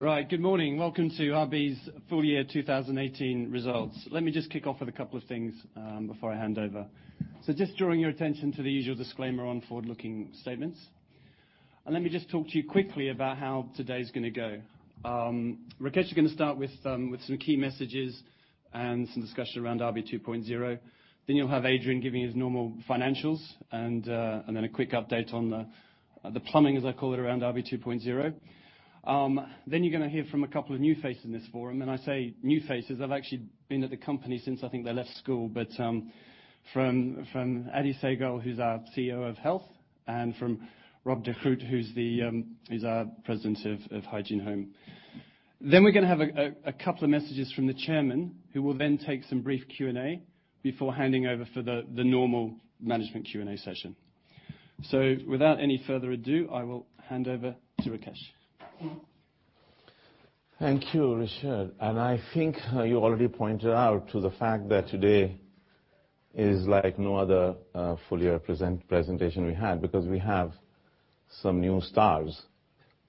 Right. Good morning. Welcome to RB's full year 2018 results. Let me just kick off with a couple of things before I hand over. Just drawing your attention to the usual disclaimer on forward-looking statements. Let me just talk to you quickly about how today's going to go. Rakesh is going to start with some key messages and some discussion around RB 2.0. Then you'll have Adrian giving his normal financials and then a quick update on the plumbing, as I call it, around RB 2.0. Then you're going to hear from a couple of new faces in this forum. I say new faces, they've actually been at the company since I think they left school. But from Adi Sehgal, who's our CEO of Health, and from Rob de Groot, who's our President of Hygiene Home. Then we're going to have a couple of messages from the Chairman, who will then take some brief Q&A before handing over for the normal management Q&A session. Without any further ado, I will hand over to Rakesh. Thank you, Richard. I think you already pointed out to the fact that today is like no other full year presentation we had because we have some new stars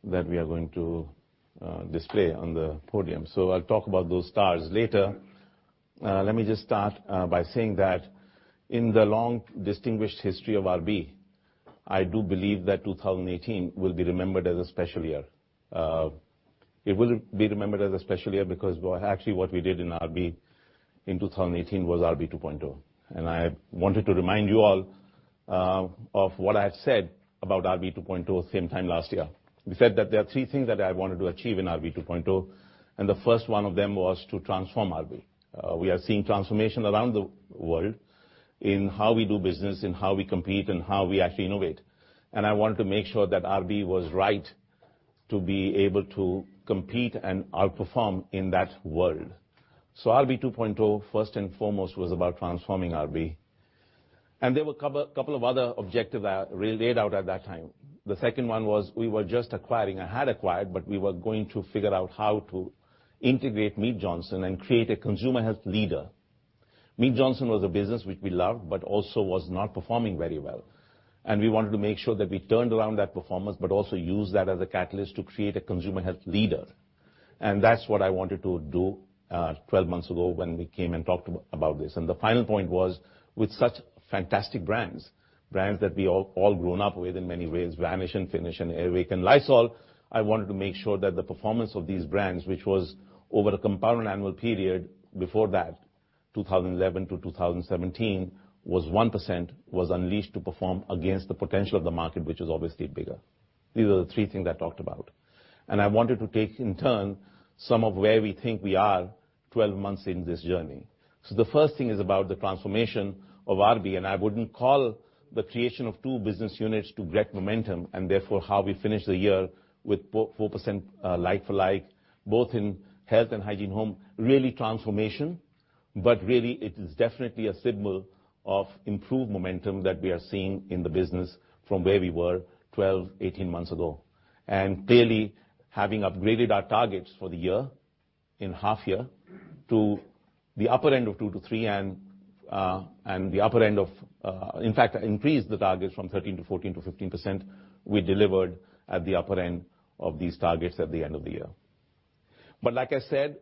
that we are going to display on the podium. I'll talk about those stars later. Let me just start by saying that in the long, distinguished history of RB, I do believe that 2018 will be remembered as a special year. It will be remembered as a special year because, well, actually what we did in RB in 2018 was RB 2.0. I wanted to remind you all of what I said about RB 2.0 same time last year. We said that there are three things that I wanted to achieve in RB 2.0, the first one of them was to transform RB. We are seeing transformation around the world in how we do business and how we compete and how we actually innovate. I wanted to make sure that RB was right to be able to compete and outperform in that world. RB 2.0, first and foremost, was about transforming RB. There were a couple of other objectives I laid out at that time. The second one was we were just acquiring, or had acquired, but we were going to figure out how to integrate Mead Johnson and create a consumer health leader. Mead Johnson was a business which we loved, but also was not performing very well. We wanted to make sure that we turned around that performance, but also used that as a catalyst to create a consumer health leader. That's what I wanted to do 12 months ago when we came and talked about this. The final point was with such fantastic brands that we all grown up with in many ways, Vanish and Finish and Air Wick and Lysol, I wanted to make sure that the performance of these brands, which was over a compound annual period before that, 2011-2017, was 1%, was unleashed to perform against the potential of the market, which is obviously bigger. These are the three things I talked about. I wanted to take in turn some of where we think we are 12 months in this journey. The first thing is about the transformation of RB, I wouldn't call the creation of two business units to great momentum and therefore how we finish the year with 4% like for like, both in Health and Hygiene Home, really transformation. Really it is definitely a signal of improved momentum that we are seeing in the business from where we were 12, 18 months ago. Clearly, having upgraded our targets for the year in half year to the upper end of 2%-3%, and the upper end of In fact, increased the targets from 13% to 14% to 15%, we delivered at the upper end of these targets at the end of the year. Like I said,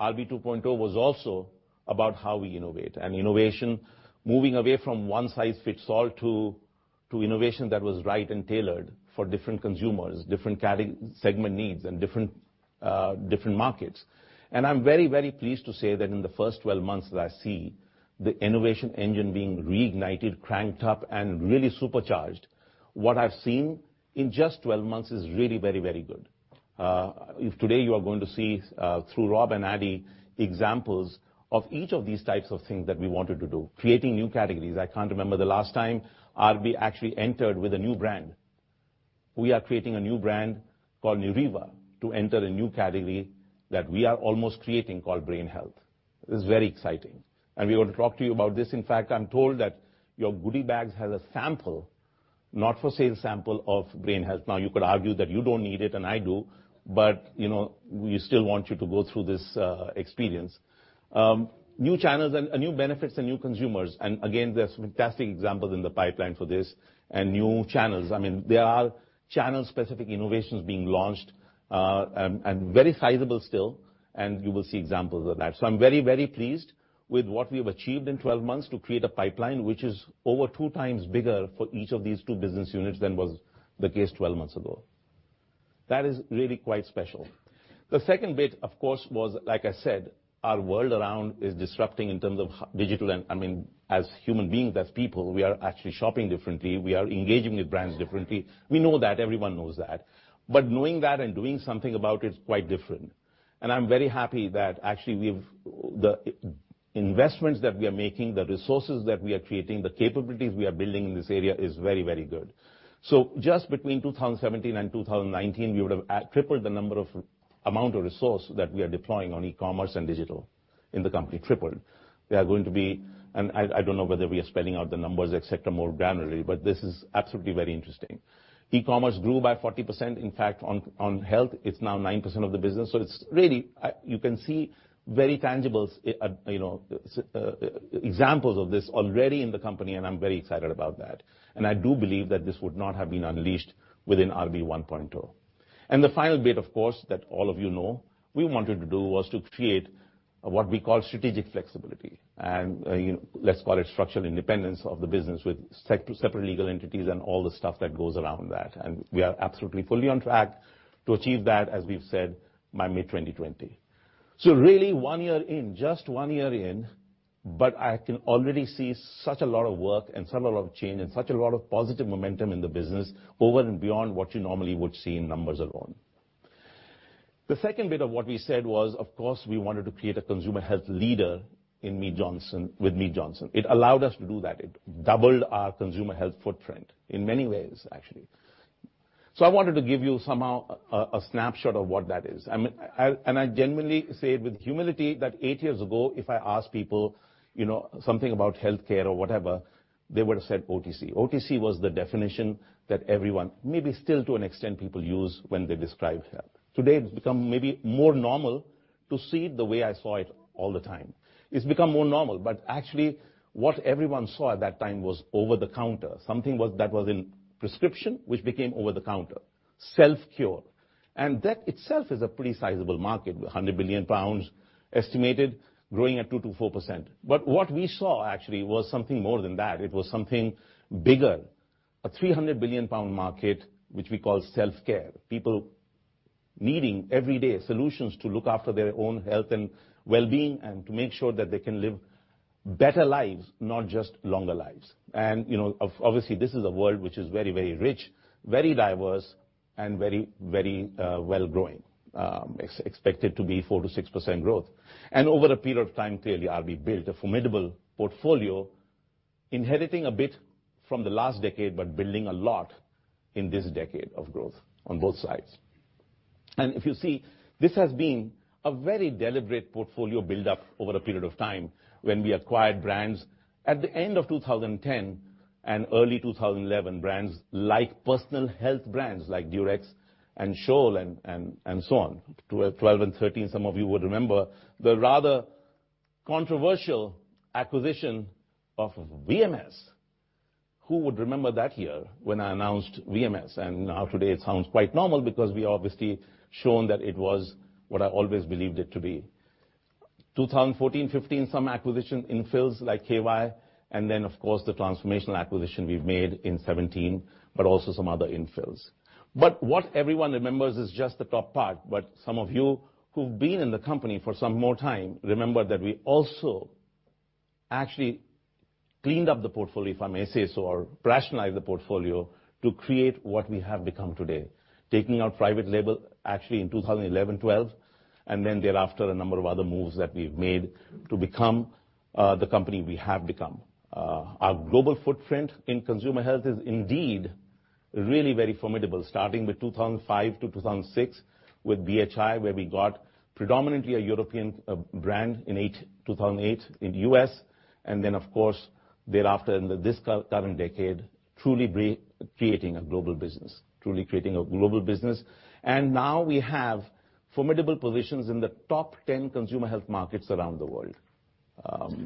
RB 2.0 was also about how we innovate and innovation, moving away from one size fits all to innovation that was right and tailored for different consumers, different segment needs and different markets. I'm very pleased to say that in the first 12 months that I see the innovation engine being reignited, cranked up, and really supercharged. What I've seen in just 12 months is really very good. If today you are going to see, through Rob and Adi, examples of each of these types of things that we wanted to do, creating new categories. I can't remember the last time RB actually entered with a new brand. We are creating a new brand called Neuriva to enter a new category that we are almost creating called brain health. This is very exciting. We want to talk to you about this. In fact, I'm told that your goodie bags has a sample, not for sale sample of brain health. You could argue that you don't need it and I do, we still want you to go through this experience. New channels and new benefits and new consumers. Again, there's fantastic examples in the pipeline for this and new channels. There are channel-specific innovations being launched, and very sizable still. You will see examples of that. I'm very pleased with what we've achieved in 12 months to create a pipeline which is over two times bigger for each of these two business units than was the case 12 months ago. That is really quite special. The second bit, of course, was, like I said, our world around is disrupting in terms of digital and as human beings, as people, we are actually shopping differently. We are engaging with brands differently. We know that. Everyone knows that. Knowing that and doing something about it is quite different. I'm very happy that actually the investments that we are making, the resources that we are creating, the capabilities we are building in this area is very good. Just between 2017 and 2019, we would have tripled the amount of resource that we are deploying on e-commerce and digital. In the company tripled. I don't know whether we are spelling out the numbers, et cetera, more granularly, but this is absolutely very interesting. E-commerce grew by 40%. In fact, on Health, it's now 9% of the business. It's really, you can see very tangible examples of this already in the company, and I'm very excited about that. I do believe that this would not have been unleashed within RB 1.0. The final bit, of course, that all of you know, we wanted to do was to create what we call strategic flexibility. Let's call it structural independence of the business with separate legal entities and all the stuff that goes around that. We are absolutely, fully on track to achieve that, as we've said, by mid-2020. Really one year in, just one year in, but I can already see such a lot of work and such a lot of change and such a lot of positive momentum in the business over and beyond what you normally would see in numbers alone. The second bit of what we said was, of course, we wanted to create a consumer health leader with Mead Johnson. It allowed us to do that. It doubled our consumer health footprint in many ways, actually. I wanted to give you somehow a snapshot of what that is. I genuinely say it with humility that eight years ago, if I asked people something about healthcare or whatever, they would've said OTC. OTC was the definition that everyone, maybe still to an extent, people use when they describe Health. Today, it's become maybe more normal to see it the way I saw it all the time. It's become more normal, but actually what everyone saw at that time was over-the-counter. Something that was in prescription, which became over-the-counter, self-cure. That itself is a pretty sizable market, 100 billion pounds estimated, growing at 2%-4%. What we saw actually was something more than that. It was something bigger, a 300 billion pound market, which we call self-care. People needing everyday solutions to look after their own health and wellbeing and to make sure that they can live better lives, not just longer lives. Obviously, this is a world which is very, very rich, very diverse, and very well growing. Expected to be 4%-6% growth. Over a period of time, clearly, RB built a formidable portfolio, inheriting a bit from the last decade, but building a lot in this decade of growth on both sides. If you see, this has been a very deliberate portfolio buildup over a period of time when we acquired brands. At the end of 2010 and early 2011, brands like personal health brands like Durex and Scholl and so on. 2012 and 2013, some of you would remember the rather controversial acquisition of VMS. Who would remember that year when I announced VMS? Today it sounds quite normal because we obviously shown that it was what I always believed it to be. 2014, 2015, some acquisition in fills like K-Y, then, of course, the transformational acquisition we've made in 2017, but also some other in fills. What everyone remembers is just the top part, but some of you who've been in the company for some more time remember that we also actually cleaned up the portfolio, if I may say so, or rationalize the portfolio to create what we have become today. Taking our private label actually in 2011, 2012, thereafter, a number of other moves that we've made to become the company we have become. Our global footprint in consumer health is indeed really very formidable. Starting with 2005 to 2006 with BHI, where we got predominantly a European brand in 2008 in the U.S. Thereafter in this current decade, truly creating a global business. Now we have formidable positions in the top 10 consumer health markets around the world.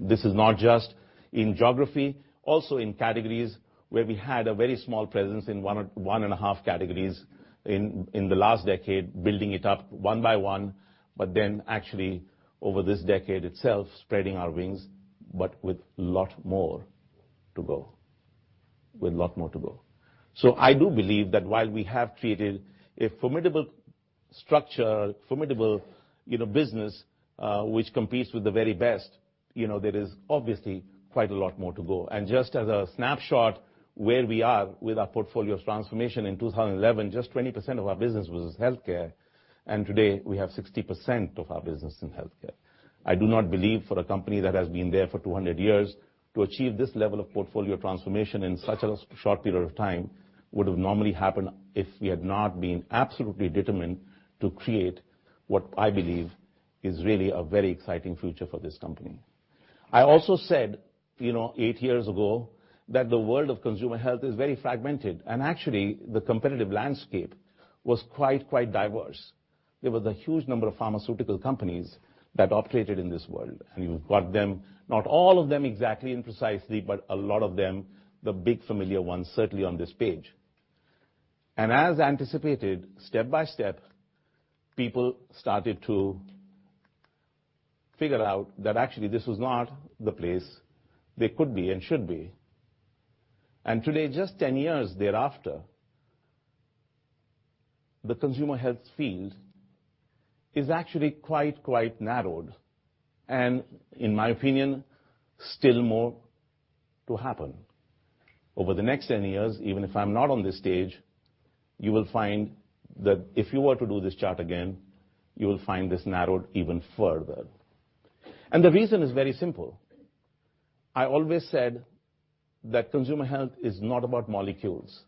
This is not just in geography, also in categories where we had a very small presence in one and a half categories in the last decade, building it up one by one, but then actually over this decade itself, spreading our wings, but with lot more to go. I do believe that while we have created a formidable structure, formidable business, which competes with the very best, there is obviously quite a lot more to go. Just as a snapshot where we are with our portfolio's transformation in 2011, just 20% of our business was healthcare, and today we have 60% of our business in healthcare. I do not believe for a company that has been there for 200 years to achieve this level of portfolio transformation in such a short period of time would've normally happened if we had not been absolutely determined to create what I believe is really a very exciting future for this company. I also said eight years ago that the world of consumer health is very fragmented, actually, the competitive landscape was quite diverse. There was a huge number of pharmaceutical companies that operated in this world, and you've got them, not all of them exactly and precisely, but a lot of them, the big familiar ones, certainly on this page. As anticipated, step by step, people started to figure out that actually this was not the place they could be and should be. Today, just 10 years thereafter, the consumer health field is actually quite narrowed, and in my opinion, still more to happen. Over the next 10 years, even if I'm not on this stage, you will find that if you were to do this chart again, you will find this narrowed even further. The reason is very simple. I always said that consumer health is not about molecules,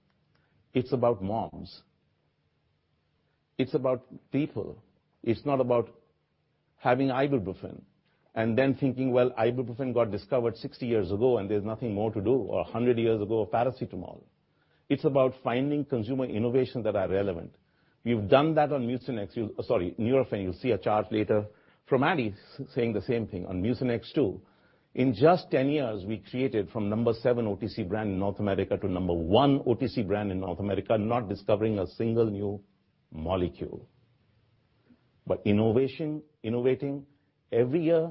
it's about moms. It's about people. It's not about having ibuprofen and then thinking, well, ibuprofen got discovered 60 years ago, and there's nothing more to do, or 100 years ago, paracetamol. It's about finding consumer innovation that are relevant. We've done that on Mucinex, sorry, Nurofen. You'll see a chart later from Adrian saying the same thing on Mucinex too. In just 10 years, we created from number seven OTC brand in North America to number one OTC brand in North America, not discovering a single new molecule. Innovation, innovating every year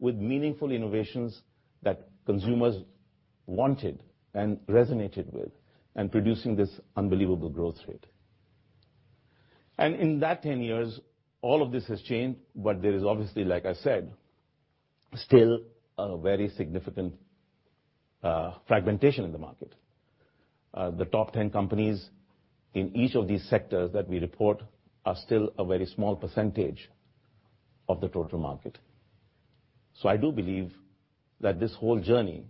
with meaningful innovations that consumers wanted and resonated with, and producing this unbelievable growth rate. In that 10 years, all of this has changed, there is obviously, like I said, still a very significant fragmentation in the market. The top 10 companies in each of these sectors that we report are still a very small percentage of the total market. I do believe that this whole journey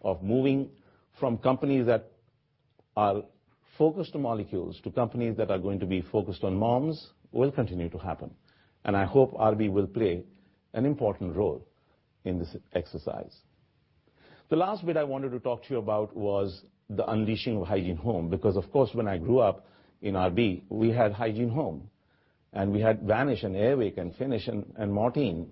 of moving from companies that are focused on molecules to companies that are going to be focused on moms will continue to happen, and I hope RB will play an important role in this exercise. The last bit I wanted to talk to you about was the unleashing of Hygiene Home, because of course, when I grew up in RB, we had Hygiene Home and we had Vanish and Air Wick and Finish and Mortein,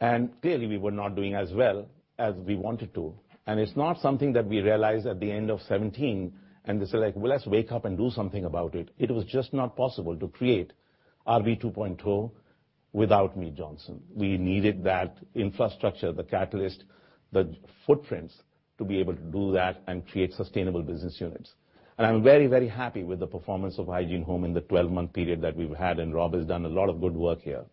and clearly, we were not doing as well as we wanted to. It's not something that we realized at the end of 2017 and just said, like, "Well, let's wake up and do something about it." It was just not possible to create RB 2.0 without Mead Johnson. We needed that infrastructure, the catalyst, the footprints, to be able to do that and create sustainable business units. I'm very, very happy with the performance of Hygiene Home in the 12-month period that we've had, and Rob has done a lot of good work here.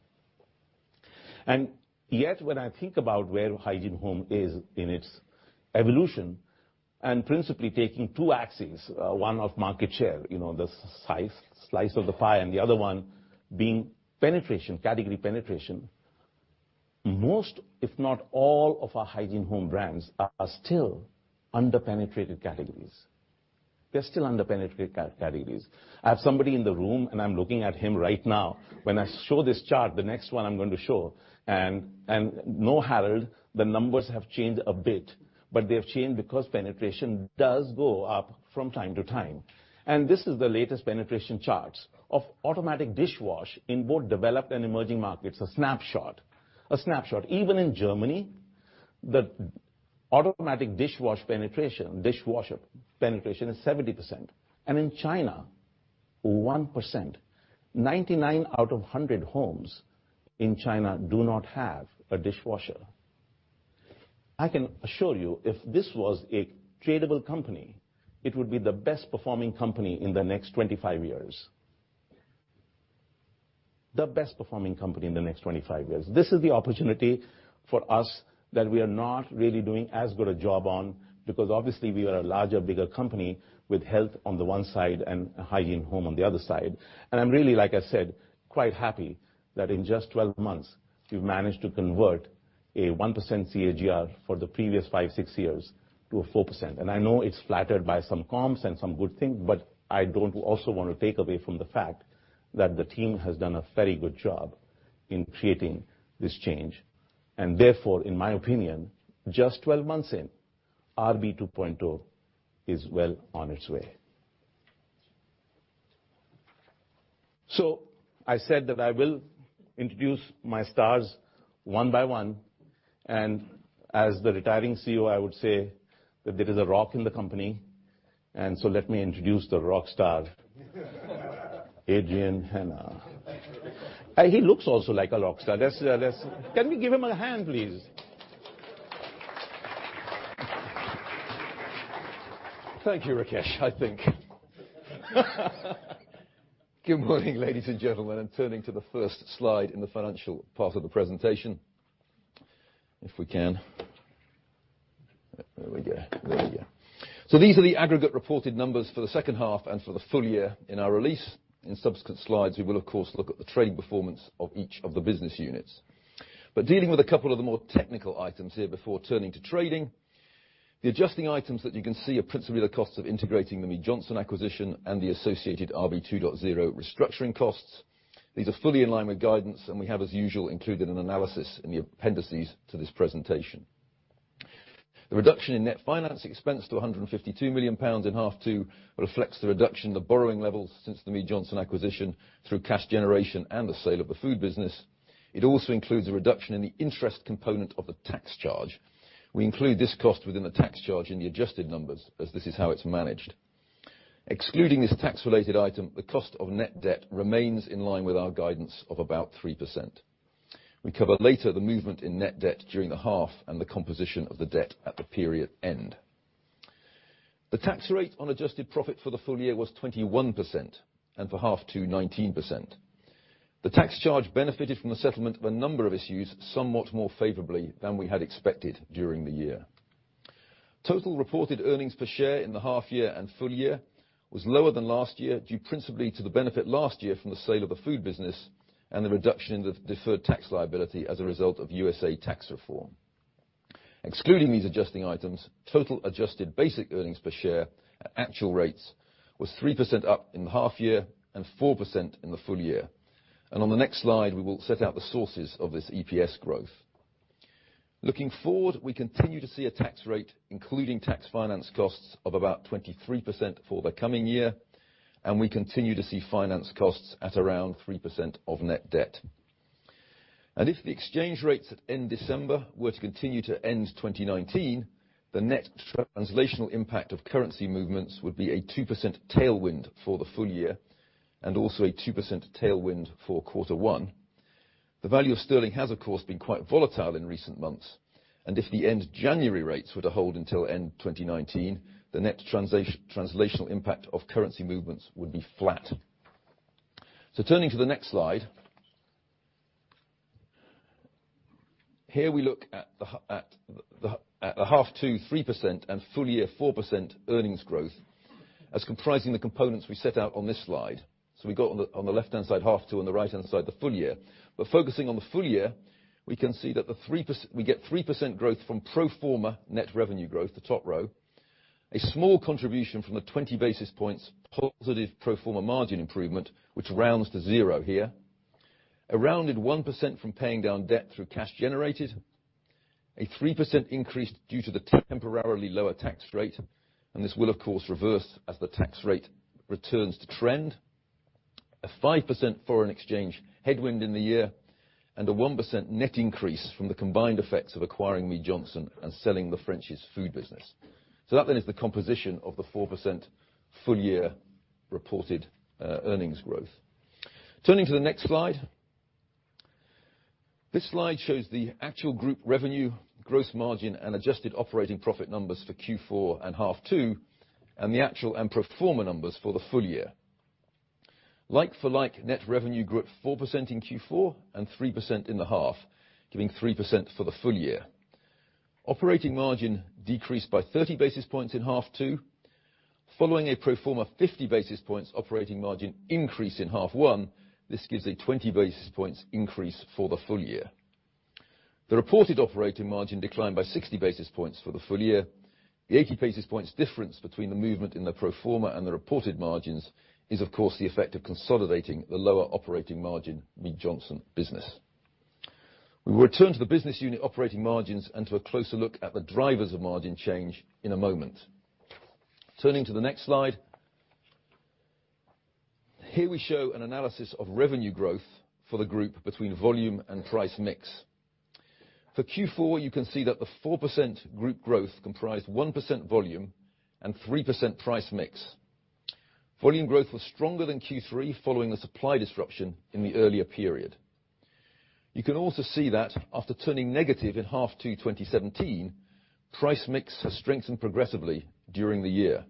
Yet, when I think about where Hygiene Home is in its evolution, principally taking two axes, one of market share, the slice of the pie, and the other one being penetration, category penetration. Most, if not all of our Hygiene Home brands are still under-penetrated categories. They're still under-penetrated categories. I have somebody in the room, I'm looking at him right now. When I show this chart, the next one I'm going to show, know, Harold, the numbers have changed a bit, they have changed because penetration does go up from time to time. This is the latest penetration charts of automatic dishwash in both developed and emerging markets, a snapshot. Even in Germany, the automatic dishwasher penetration is 70%, and in China, 1%. 99 out of 100 homes in China do not have a dishwasher. I can assure you, if this was a tradable company, it would be the best-performing company in the next 25 years. The best-performing company in the next 25 years. This is the opportunity for us that we are not really doing as good a job on, because obviously, we are a larger, bigger company with health on the one side and Hygiene Home on the other side. I'm really, like I said, quite happy that in just 12 months, we've managed to convert a 1% CAGR for the previous five, six years to a 4%. I know it's flattered by some comps and some good things, I don't also want to take away from the fact that the team has done a very good job in creating this change. Therefore, in my opinion, just 12 months in, RB 2.0 is well on its way. I said that I will introduce my stars one by one. As the retiring CEO, I would say that there is a rock in the company. Let me introduce the rock star, Adrian Hennah. Thank you. He looks also like a rock star. Can we give him a hand, please? Thank you, Rakesh, I think. Good morning, ladies and gentlemen. I'm turning to the first slide in the financial part of the presentation, if we can. There we go. These are the aggregate reported numbers for the second half and for the full year in our release. In subsequent slides, we will of course look at the trade performance of each of the business units. Dealing with a couple of the more technical items here before turning to trading. The adjusting items that you can see are principally the cost of integrating the Mead Johnson acquisition and the associated RB 2.0 restructuring costs. These are fully in line with guidance, and we have, as usual, included an analysis in the appendices to this presentation. The reduction in net finance expense to 152 million pounds in half two reflects the reduction in the borrowing levels since the Mead Johnson acquisition through cash generation and the sale of the food business. It also includes a reduction in the interest component of the tax charge. We include this cost within the tax charge in the adjusted numbers, as this is how it's managed. Excluding this tax-related item, the cost of net debt remains in line with our guidance of about 3%. We cover later the movement in net debt during the half and the composition of the debt at the period end. The tax rate on adjusted profit for the full year was 21% and for half two 19%. The tax charge benefited from the settlement of a number of issues somewhat more favorably than we had expected during the year. Total reported earnings per share in the half year and full year was lower than last year, due principally to the benefit last year from the sale of the food business and the reduction in the deferred tax liability as a result of USA tax reform. Excluding these adjusting items, total adjusted basic earnings per share at actual rates was 3% up in the half year and 4% in the full year. On the next slide, we will set out the sources of this EPS growth. Looking forward, we continue to see a tax rate, including tax finance costs, of about 23% for the coming year, and we continue to see finance costs at around 3% of net debt. If the exchange rates at end December were to continue to end 2019, the net translational impact of currency movements would be a 2% tailwind for the full year, and also a 2% tailwind for quarter one. The value of sterling has, of course, been quite volatile in recent months, and if the end January rates were to hold until end 2019, the net translational impact of currency movements would be flat. Turning to the next slide. Here we look at the half two 3% and full year 4% earnings growth as comprising the components we set out on this slide. We've got on the left-hand side half two, on the right-hand side the full year. Focusing on the full year, we can see that we get 3% growth from pro forma net revenue growth, the top row. A small contribution from the 20 basis points positive pro forma margin improvement, which rounds to zero here. A rounded 1% from paying down debt through cash generated. A 3% increase due to the temporarily lower tax rate, and this will, of course, reverse as the tax rate returns to trend. A 5% foreign exchange headwind in the year. A 1% net increase from the combined effects of acquiring Mead Johnson and selling the French's Food business. That, then, is the composition of the 4% full year reported earnings growth. Turning to the next slide. This slide shows the actual group revenue, gross margin, and adjusted operating profit numbers for Q4 and half two, and the actual and pro forma numbers for the full year. Like for like, net revenue grew at 4% in Q4 and 3% in the half, giving 3% for the full year. Operating margin decreased by 30 basis points in half two. Following a pro forma 50 basis points operating margin increase in half one, this gives a 20 basis points increase for the full year. The reported operating margin declined by 60 basis points for the full year. The 80 basis points difference between the movement in the pro forma and the reported margins is, of course, the effect of consolidating the lower operating margin Mead Johnson business. We will return to the business unit operating margins and to a closer look at the drivers of margin change in a moment. Turning to the next slide. Here we show an analysis of revenue growth for the group between volume and price mix. For Q4, you can see that the 4% group growth comprised 1% volume and 3% price mix. Volume growth was stronger than Q3 following the supply disruption in the earlier period. You can also see that after turning negative in half 2 2017, price mix has strengthened progressively during the year.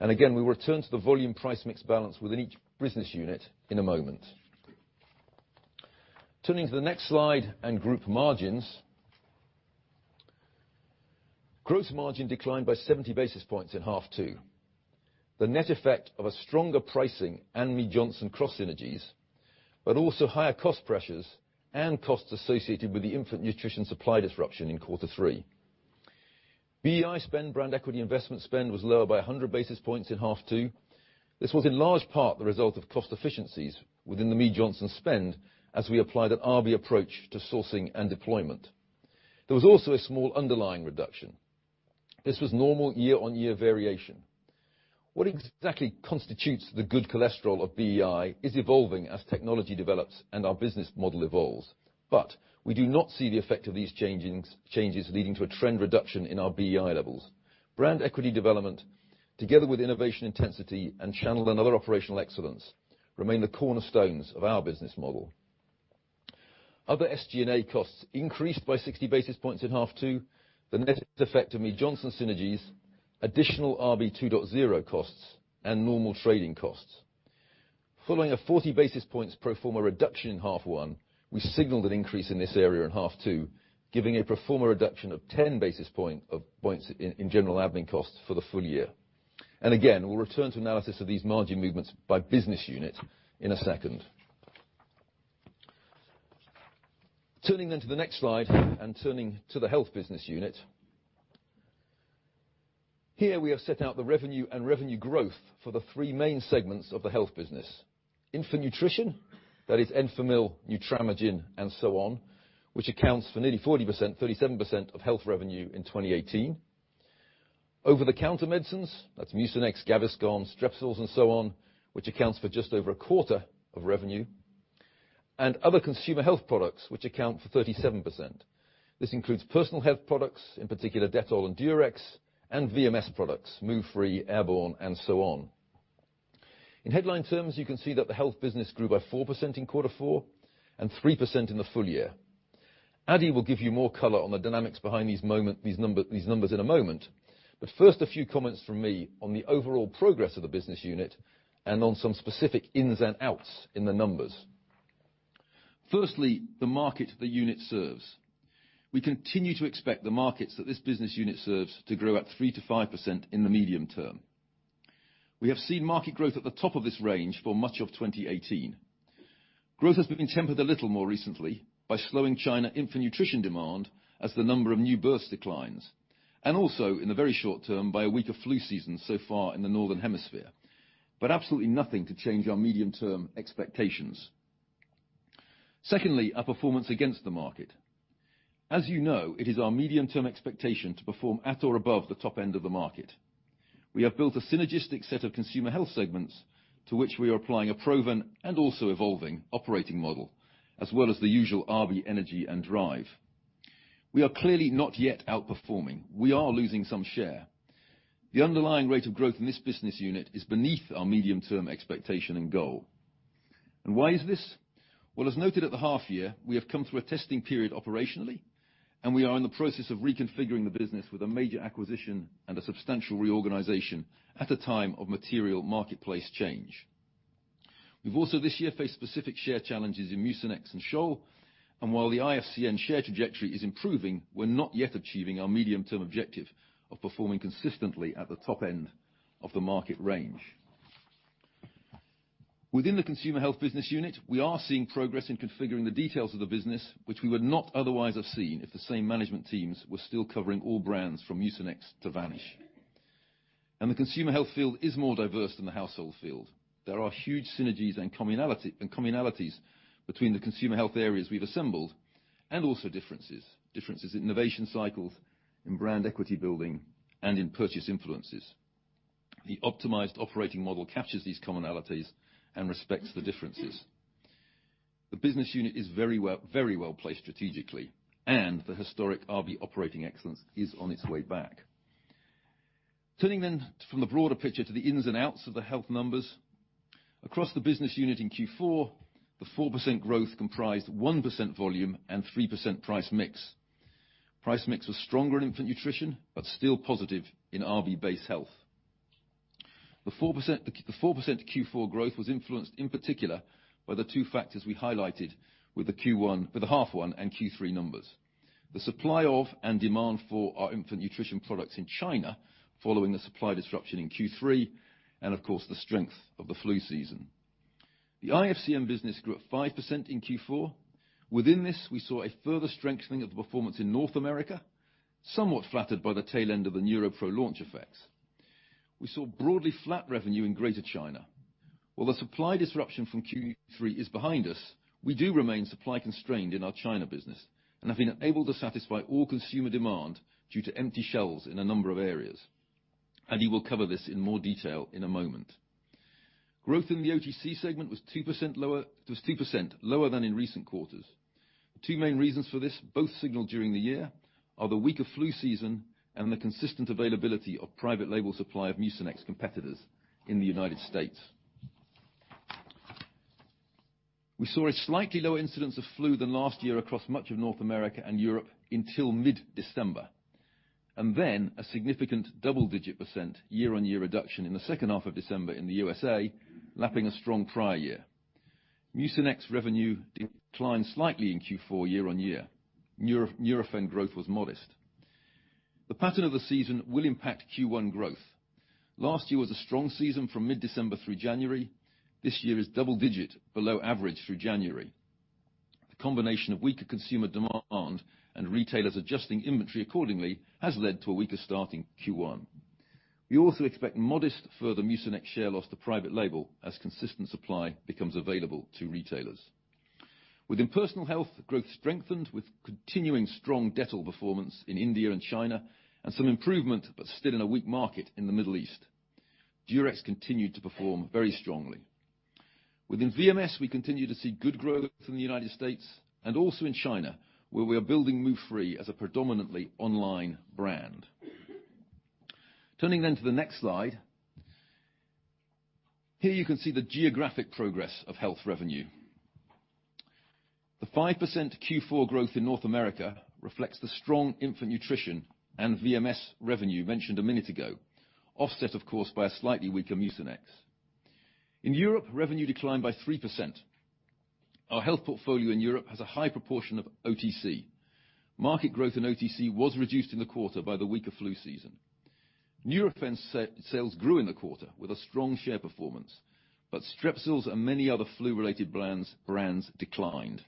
Again, we return to the volume price mix balance within each business unit in a moment. Turning to the next slide and group margins. Gross margin declined by 70 basis points in half two. The net effect of a stronger pricing and Mead Johnson cross synergies, but also higher cost pressures and costs associated with the infant nutrition supply disruption in quarter three. BEI spend, brand equity investment spend, was lower by 100 basis points in half two. This was in large part the result of cost efficiencies within the Mead Johnson spend as we applied an RB approach to sourcing and deployment. There was also a small underlying reduction. This was normal year-on-year variation. What exactly constitutes the good cholesterol of BEI is evolving as technology develops and our business model evolves. We do not see the effect of these changes leading to a trend reduction in our BEI levels. Brand equity development, together with innovation intensity and channel and other operational excellence, remain the cornerstones of our business model. Other SG&A costs increased by 60 basis points in half two. The net effect of Mead Johnson synergies, additional RB 2.0 costs, and normal trading costs. Following a 40 basis points pro forma reduction in half one, we signaled an increase in this area in half two, giving a pro forma reduction of 10 basis points in general admin costs for the full year. Again, we'll return to analysis of these margin movements by business unit in a second. Turning to the next slide and turning to the Health business unit. Here we have set out the revenue and revenue growth for the three main segments of the Health business. Infant nutrition, that is Enfamil, Nutramigen, and so on, which accounts for nearly 40%, 37% of Health revenue in 2018. Over-the-counter medicines, that's Mucinex, Gaviscon, Strepsils, and so on, which accounts for just over a quarter of revenue. Other consumer health products, which account for 37%. This includes personal health products, in particular Dettol and Durex, and VMS products, Move Free, Airborne, and so on. In headline terms, you can see that the Health business grew by 4% in quarter four and 3% in the full year. Adi will give you more color on the dynamics behind these numbers in a moment. First, a few comments from me on the overall progress of the business unit and on some specific ins and outs in the numbers. Firstly, the market the unit serves. We continue to expect the markets that this business unit serves to grow at 3%-5% in the medium term. We have seen market growth at the top of this range for much of 2018. Growth has been tempered a little more recently by slowing China infant nutrition demand as the number of new births declines, and also, in the very short-term, by a weaker flu season so far in the northern hemisphere. Absolutely nothing to change our medium-term expectations. Secondly, our performance against the market. As you know, it is our medium-term expectation to perform at or above the top end of the market. We have built a synergistic set of consumer health segments to which we are applying a proven and also evolving operating model, as well as the usual RB energy and drive. We are clearly not yet outperforming. We are losing some share. The underlying rate of growth in this business unit is beneath our medium-term expectation and goal. Why is this? Well, as noted at the half year, we have come through a testing period operationally. We are in the process of reconfiguring the business with a major acquisition and a substantial reorganization at a time of material marketplace change. We've also this year faced specific share challenges in Mucinex and Scholl. While the IFCN share trajectory is improving, we're not yet achieving our medium-term objective of performing consistently at the top end of the market range. Within the consumer health business unit, we are seeing progress in configuring the details of the business, which we would not otherwise have seen if the same management teams were still covering all brands from Mucinex to Vanish. The consumer health field is more diverse than the household field. There are huge synergies and commonalities between the consumer health areas we've assembled, and also differences. Differences in innovation cycles, in brand equity building, and in purchase influences. The optimized operating model captures these commonalities and respects the differences. The business unit is very well-placed strategically, and the historic RB operating excellence is on its way back. Turning then from the broader picture to the ins and outs of the health numbers, across the business unit in Q4, the 4% growth comprised 1% volume and 3% price mix. Price mix was stronger in infant nutrition, but still positive in RB base health. The 4% Q4 growth was influenced, in particular, by the two factors we highlighted with the half one and Q3 numbers. The supply of and demand for our infant nutrition products in China, following the supply disruption in Q3. Of course, the strength of the flu season. The IFCN business grew at 5% in Q4. Within this, we saw a further strengthening of the performance in North America, somewhat flattered by the tail end of the NeuroPro launch effects. We saw broadly flat revenue in Greater China. While the supply disruption from Q3 is behind us, we do remain supply constrained in our China business and have been unable to satisfy all consumer demand due to empty shelves in a number of areas. Andy will cover this in more detail in a moment. Growth in the OTC segment was 2% lower than in recent quarters. The two main reasons for this, both signaled during the year, are the weaker flu season and the consistent availability of private label supply of Mucinex competitors in the U.S. We saw a slightly lower incidence of flu than last year across much of North America and Europe until mid-December, then a significant double-digit % year-on-year reduction in the second half of December in the U.S., lapping a strong prior year. Mucinex revenue declined slightly in Q4 year-on-year. Nurofen growth was modest. The pattern of the season will impact Q1 growth. Last year was a strong season from mid-December through January. This year is double-digit below average through January. The combination of weaker consumer demand and retailers adjusting inventory accordingly has led to a weaker start in Q1. We also expect modest further Mucinex share loss to private label as consistent supply becomes available to retailers. Within personal health, growth strengthened with continuing strong Dettol performance in India and China, and some improvement, but still in a weak market in the Middle East. Durex continued to perform very strongly. Within VMS, we continue to see good growth in the U.S. and also in China, where we are building Move Free as a predominantly online brand. Turning to the next slide. Here you can see the geographic progress of health revenue. The 5% Q4 growth in North America reflects the strong infant nutrition and VMS revenue mentioned a minute ago, offset of course by a slightly weaker Mucinex. In Europe, revenue declined by 3%. Our health portfolio in Europe has a high proportion of OTC. Market growth in OTC was reduced in the quarter by the weaker flu season. Nurofen sales grew in the quarter with a strong share performance, but Strepsils and many other flu-related brands declined.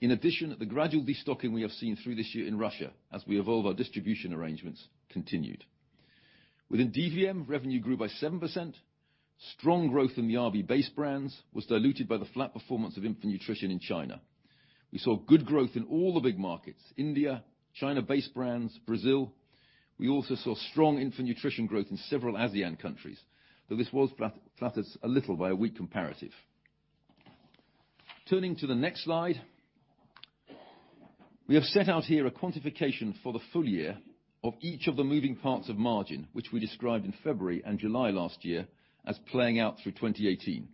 In addition, the gradual destocking we have seen through this year in Russia, as we evolve our distribution arrangements, continued. Within DvM, revenue grew by 7%. Strong growth in the RB base brands was diluted by the flat performance of infant nutrition in China. We saw good growth in all the big markets, India, China base brands, Brazil. We also saw strong infant nutrition growth in several ASEAN countries, though this was flattered a little by a weak comparative. Turning to the next slide. We have set out here a quantification for the full year of each of the moving parts of margin, which we described in February and July last year as playing out through 2018.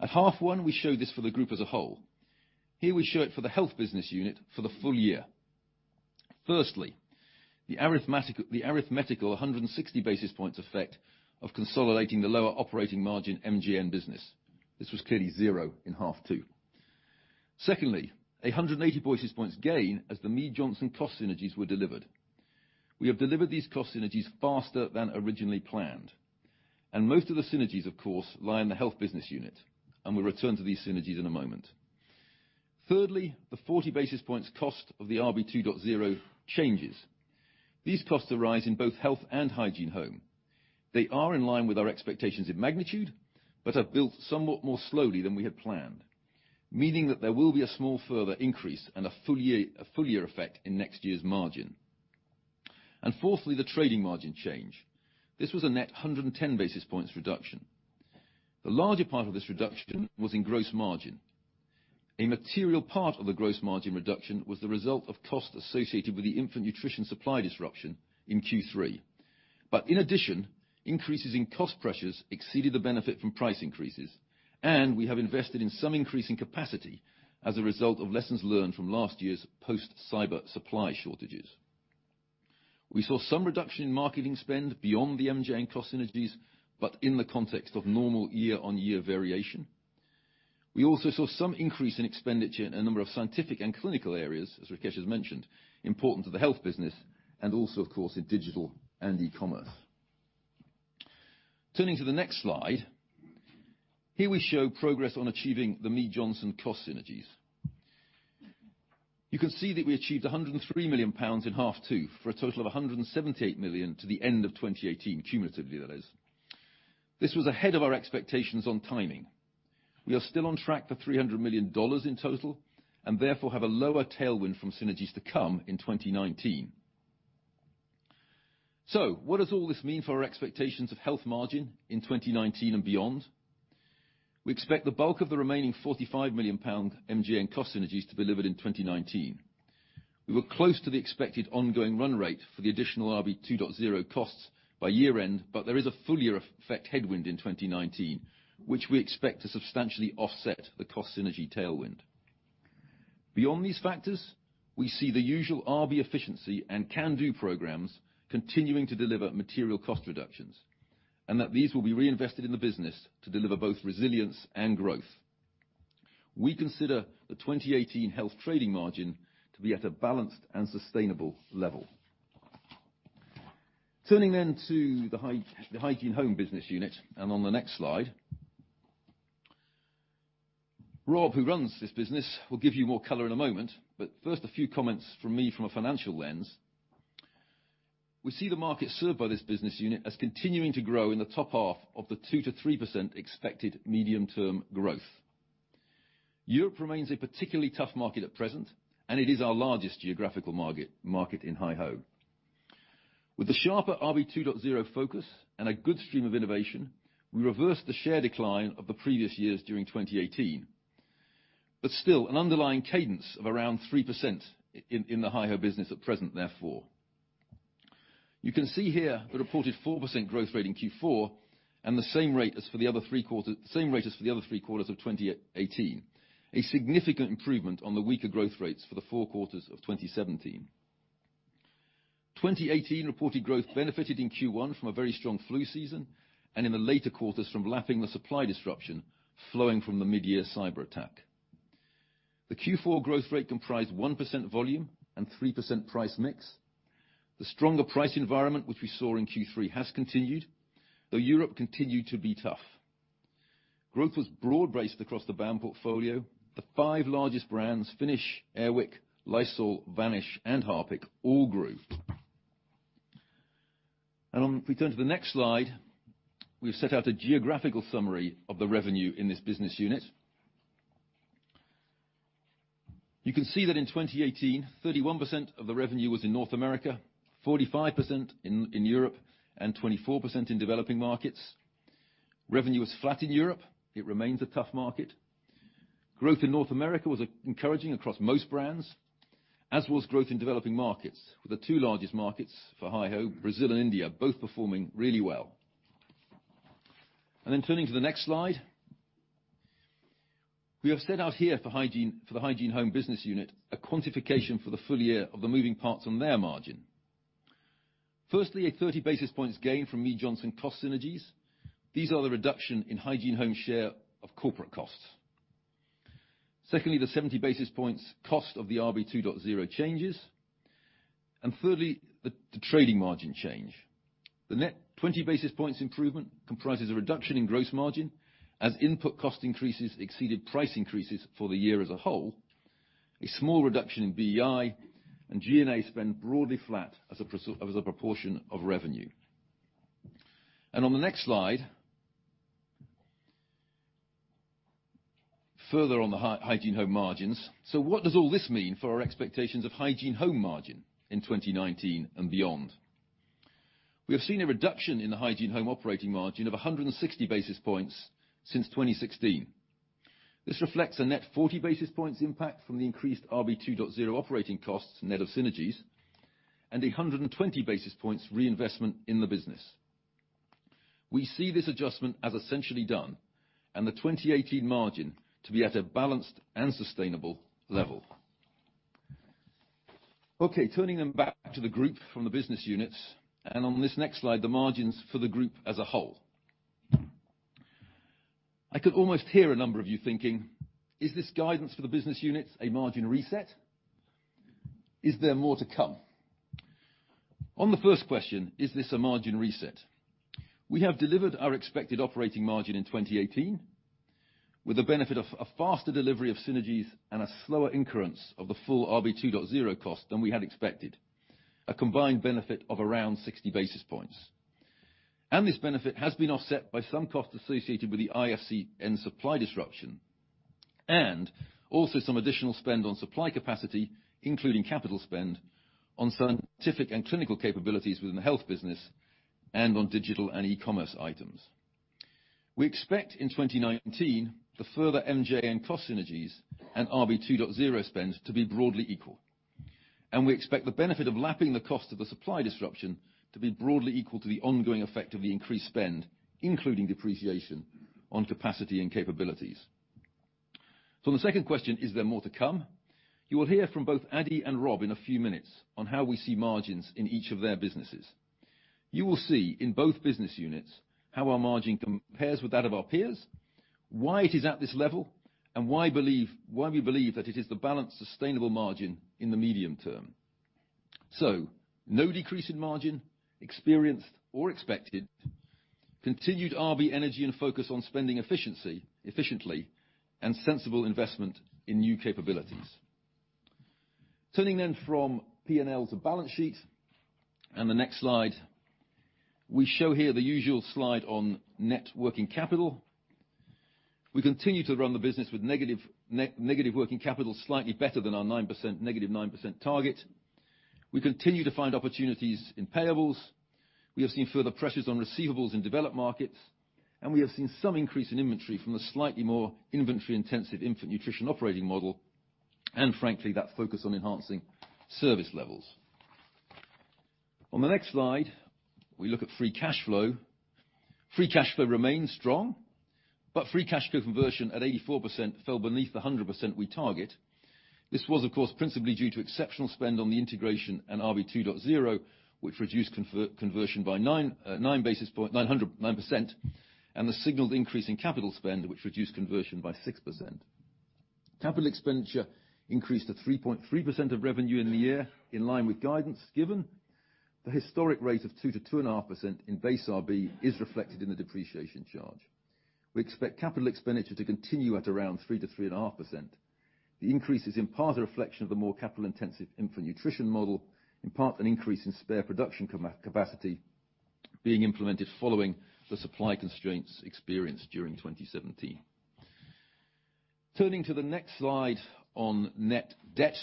At half 1, we showed this for the group as a whole. Here we show it for the health business unit for the full year. Firstly, the arithmetical 160 basis points effect of consolidating the lower operating margin Mead Johnson business. This was clearly zero in half 2. Secondly, a 180 basis points gain as the Mead Johnson cost synergies were delivered. We have delivered these cost synergies faster than originally planned, and most of the synergies, of course, lie in the health business unit, and we'll return to these synergies in a moment. Thirdly, the 40 basis points cost of the RB 2.0 changes. These costs arise in both health and Hygiene Home. They are in line with our expectations in magnitude, but have built somewhat more slowly than we had planned, meaning that there will be a small further increase and a full year effect in next year's margin. Fourthly, the trading margin change. This was a net 110 basis points reduction. The larger part of this reduction was in gross margin. A material part of the gross margin reduction was the result of costs associated with the infant nutrition supply disruption in Q3. In addition, increases in cost pressures exceeded the benefit from price increases, and we have invested in some increasing capacity as a result of lessons learned from last year's post-cyber supply shortages. We saw some reduction in marketing spend beyond the MJN cost synergies, but in the context of normal year-on-year variation. We also saw some increase in expenditure in a number of scientific and clinical areas, as Rakesh has mentioned, important to the health business and also, of course, in digital and e-commerce. Turning to the next slide, here we show progress on achieving the Mead Johnson cost synergies. You can see that we achieved £103 million in half two for a total of 178 million to the end of 2018, cumulatively, that is. This was ahead of our expectations on timing. We are still on track for $300 million in total, and therefore have a lower tailwind from synergies to come in 2019. What does all this mean for our expectations of health margin in 2019 and beyond? We expect the bulk of the remaining £45 million MJN cost synergies to be delivered in 2019. We were close to the expected ongoing run rate for the additional RB 2.0 costs by year end, there is a full year effect headwind in 2019, which we expect to substantially offset the cost synergy tailwind. Beyond these factors, we see the usual RB efficiency and can-do programs continuing to deliver material cost reductions, and that these will be reinvested in the business to deliver both resilience and growth. We consider the 2018 health trading margin to be at a balanced and sustainable level. Turning to the Hygiene Home business unit, on the next slide, Rob, who runs this business, will give you more color in a moment. First, a few comments from me from a financial lens. We see the market served by this business unit as continuing to grow in the top half of the 2%-3% expected medium-term growth. Europe remains a particularly tough market at present, and it is our largest geographical market in Hygiene Home. With the sharper RB 2.0 focus and a good stream of innovation, we reversed the share decline of the previous years during 2018. Still, an underlying cadence of around 3% in the HyHo business at present, therefore. You can see here a reported 4% growth rate in Q4, the same rate as for the other three quarters of 2018. A significant improvement on the weaker growth rates for the four quarters of 2017. 2018 reported growth benefited in Q1 from a very strong flu season, and in the later quarters from lapping the supply disruption flowing from the mid-year cyberattack. The Q4 growth rate comprised 1% volume and 3% price mix. The stronger price environment, which we saw in Q3, has continued, though Europe continued to be tough. Growth was broad-based across the brand portfolio. The five largest brands, Finish, Air Wick, Lysol, Vanish, and Harpic, all grew. If we turn to the next slide, we've set out a geographical summary of the revenue in this business unit. You can see that in 2018, 31% of the revenue was in North America, 45% in Europe, and 24% in developing markets. Revenue was flat in Europe. It remains a tough market. Growth in North America was encouraging across most brands, as was growth in developing markets, with the two largest markets for HyHo, Brazil and India, both performing really well. Turning to the next slide, we have set out here for the Hygiene Home business unit, a quantification for the full year of the moving parts on their margin. Firstly, a 30 basis points gain from Mead Johnson cost synergies. These are the reduction in Hygiene Home share of corporate costs. Secondly, the 70 basis points cost of the RB 2.0 changes. Thirdly, the trading margin change. The net 20 basis points improvement comprises a reduction in gross margin as input cost increases exceeded price increases for the year as a whole, a small reduction in BEI, and G&A spend broadly flat as a proportion of revenue. On the next slide, further on the Hygiene Home margins. What does all this mean for our expectations of Hygiene Home margin in 2019 and beyond? We have seen a reduction in the Hygiene Home operating margin of 160 basis points since 2016. This reflects a net 40 basis points impact from the increased RB 2.0 operating costs net of synergies and 120 basis points reinvestment in the business. We see this adjustment as essentially done and the 2018 margin to be at a balanced and sustainable level. Turning back to the group from the business units, on this next slide, the margins for the group as a whole. I could almost hear a number of you thinking, "Is this guidance for the business units a margin reset? Is there more to come?" On the first question, is this a margin reset? We have delivered our expected operating margin in 2018, with the benefit of a faster delivery of synergies and a slower incurrence of the full RB 2.0 cost than we had expected, a combined benefit of around 60 basis points. This benefit has been offset by some costs associated with the IFCN and supply disruption, also some additional spend on supply capacity, including capital spend on scientific and clinical capabilities within the Health business, and on digital and e-commerce items. We expect in 2019 the further MJN cost synergies and RB 2.0 spend to be broadly equal, and we expect the benefit of lapping the cost of the supply disruption to be broadly equal to the ongoing effect of the increased spend, including depreciation on capacity and capabilities. On the second question, is there more to come? You will hear from both Adi and Rob in a few minutes on how we see margins in each of their businesses. You will see in both business units how our margin compares with that of our peers, why it is at this level, and why we believe that it is the balanced, sustainable margin in the medium term. No decrease in margin, experienced or expected, continued RB energy and focus on spending efficiently, and sensible investment in new capabilities. Turning then from P&L to balance sheet, and the next slide. We show here the usual slide on net working capital. We continue to run the business with negative working capital slightly better than our negative 9% target. We continue to find opportunities in payables. We have seen further pressures on receivables in developed markets, and we have seen some increase in inventory from the slightly more inventory-intensive infant nutrition operating model, and frankly, that focus on enhancing service levels. On the next slide, we look at free cash flow. Free cash flow remains strong, free cash flow conversion at 84% fell beneath the 100% we target. This was, of course, principally due to exceptional spend on the integration and RB 2.0, which reduced conversion by 9%, and the signaled increase in capital spend, which reduced conversion by 6%. Capital expenditure increased to 3.3% of revenue in the year, in line with guidance given. The historic rate of 2%-2.5% in base RB is reflected in the depreciation charge. We expect capital expenditure to continue at around 3%-3.5%. The increase is in part a reflection of the more capital-intensive infant nutrition model, in part an increase in spare production capacity being implemented following the supply constraints experienced during 2017. Turning to the next slide on net debt.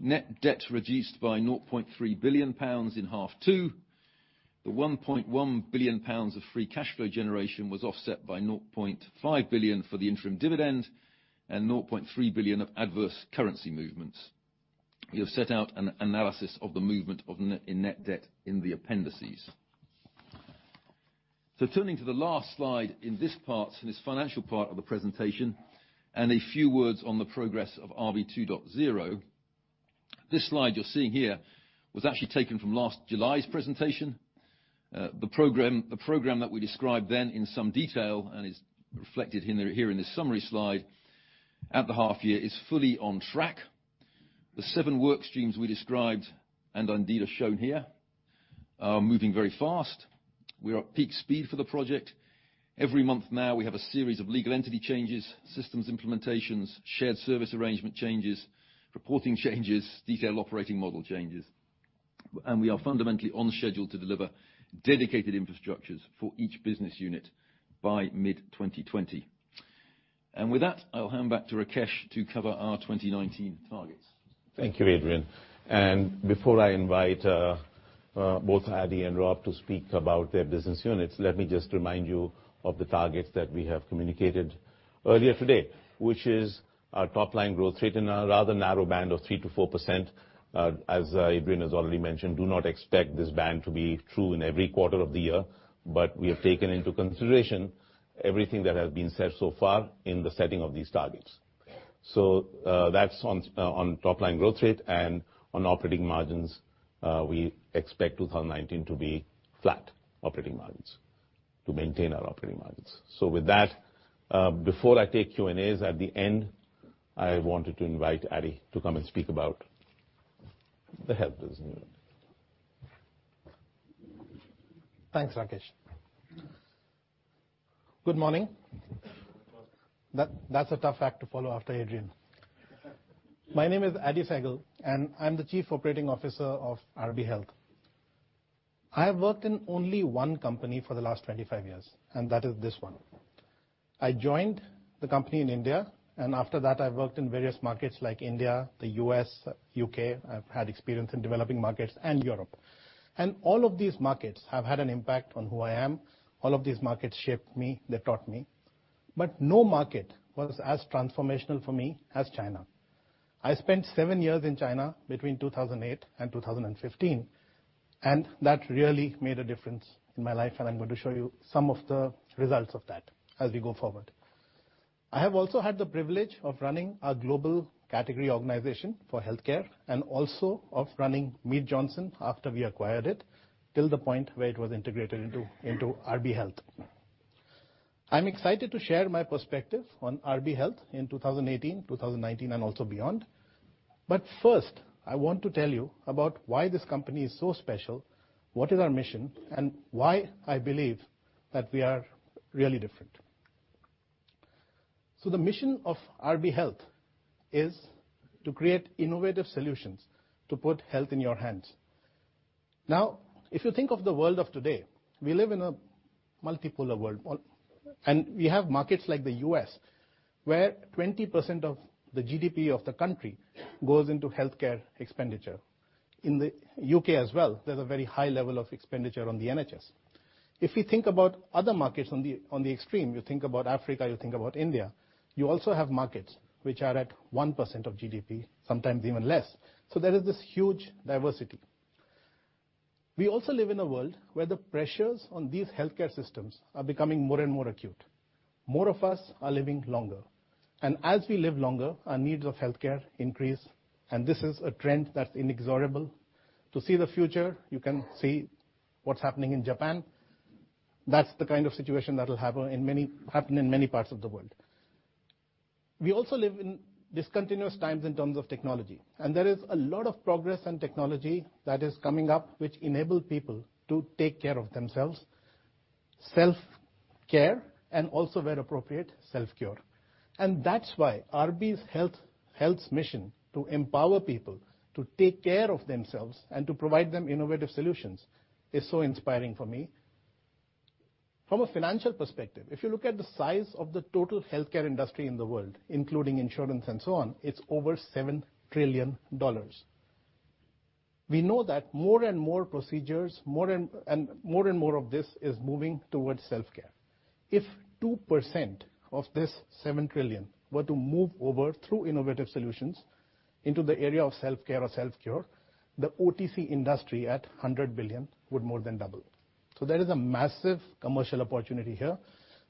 Net debt reduced by 0.3 billion pounds in half two. The 1.1 billion pounds of free cash flow generation was offset by 0.5 billion for the interim dividend and 0.3 billion of adverse currency movements. We have set out an analysis of the movement in net debt in the appendices. Turning to the last slide in this financial part of the presentation, and a few words on the progress of RB 2.0. This slide you're seeing here was actually taken from last July's presentation. The program that we described then in some detail, and is reflected here in this summary slide, at the half year is fully on track. The seven work streams we described, and indeed are shown here, are moving very fast. We're at peak speed for the project. Every month now, we have a series of legal entity changes, systems implementations, shared service arrangement changes, reporting changes, detailed operating model changes, and we are fundamentally on schedule to deliver dedicated infrastructures for each business unit by mid-2020. With that, I'll hand back to Rakesh to cover our 2019 targets. Thank you, Adrian. Before I invite both Adi and Rob to speak about their business units, let me just remind you of the targets that we have communicated earlier today, which is our top line growth rate in a rather narrow band of 3%-4%. As Adrian has already mentioned, do not expect this band to be true in every quarter of the year. We have taken into consideration everything that has been said so far in the setting of these targets. That's on top line growth rate, and on operating margins, we expect 2019 to be flat operating margins, to maintain our operating margins. With that, before I take Q&As at the end, I wanted to invite Adi to come and speak about the Health business unit. Thanks, Rakesh. Good morning. That's a tough act to follow after Adrian. My name is Adi Sehgal, and I'm the Chief Operating Officer of RB Health. I have worked in only one company for the last 25 years, and that is this one. I joined the company in India, and after that, I've worked in various markets like India, the U.S., U.K. I've had experience in developing markets, and Europe. All of these markets have had an impact on who I am. All of these markets shaped me. They taught me. No market was as transformational for me as China. I spent seven years in China between 2008 and 2015. That really made a difference in my life, and I'm going to show you some of the results of that as we go forward. I have also had the privilege of running a global category organization for healthcare and also of running Mead Johnson after we acquired it till the point where it was integrated into RB Health. I'm excited to share my perspective on RB Health in 2018, 2019, and also beyond. First, I want to tell you about why this company is so special, what is our mission, and why I believe that we are really different. The mission of RB Health is to create innovative solutions to put health in your hands. If you think of the world of today, we live in a multipolar world. We have markets like the U.S., where 20% of the GDP of the country goes into healthcare expenditure. In the U.K. as well, there's a very high level of expenditure on the NHS. If we think about other markets on the extreme, you think about Africa, you think about India, you also have markets which are at 1% of GDP, sometimes even less. There is this huge diversity. We also live in a world where the pressures on these healthcare systems are becoming more and more acute. More of us are living longer. As we live longer, our needs of healthcare increase, and this is a trend that's inexorable. To see the future, you can see what's happening in Japan. That's the kind of situation that will happen in many parts of the world. We also live in discontinuous times in terms of technology, there is a lot of progress in technology that is coming up, which enable people to take care of themselves, self-care, and also, where appropriate, self-cure. That's why RB Health's mission to empower people to take care of themselves and to provide them innovative solutions is so inspiring for me. From a financial perspective, if you look at the size of the total healthcare industry in the world, including insurance and so on, it's over GBP 7 trillion. We know that more and more procedures and more and more of this is moving towards self-care. If 2% of this 7 trillion were to move over through innovative solutions into the area of self-care or self-cure, the OTC industry at 100 billion would more than double. There is a massive commercial opportunity here.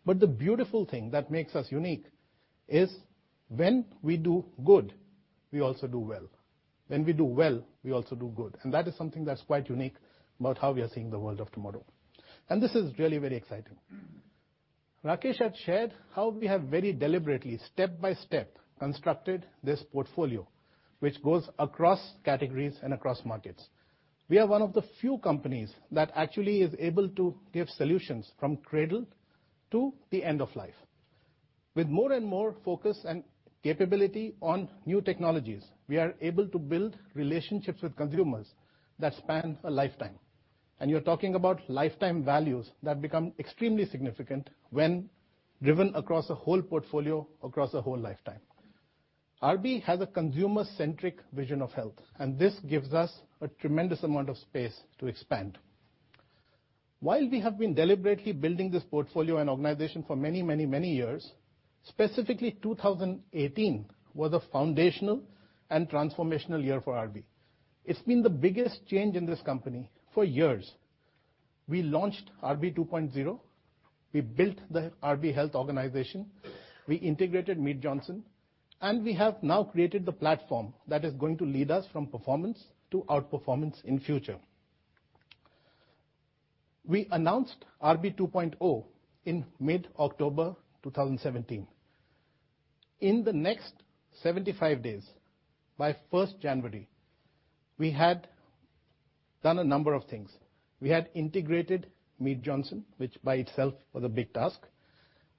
The beautiful thing that makes us unique is when we do good, we also do well. When we do well, we also do good. That is something that's quite unique about how we are seeing the world of tomorrow. This is really very exciting. Rakesh had shared how we have very deliberately, step by step, constructed this portfolio, which goes across categories and across markets. We are one of the few companies that actually is able to give solutions from cradle to the end of life. With more and more focus and capability on new technologies, we are able to build relationships with consumers that span a lifetime. You're talking about lifetime values that become extremely significant when driven across a whole portfolio, across a whole lifetime. RB has a consumer-centric vision of health, this gives us a tremendous amount of space to expand. While we have been deliberately building this portfolio and organization for many years, specifically 2018 was a foundational and transformational year for RB. It's been the biggest change in this company for years. We launched RB 2.0, we built the RB Health organization, we integrated Mead Johnson, we have now created the platform that is going to lead us from performance to outperformance in future. We announced RB 2.0 in mid-October 2017. In the next 75 days, by 1st January, we had done a number of things. We had integrated Mead Johnson, which by itself was a big task.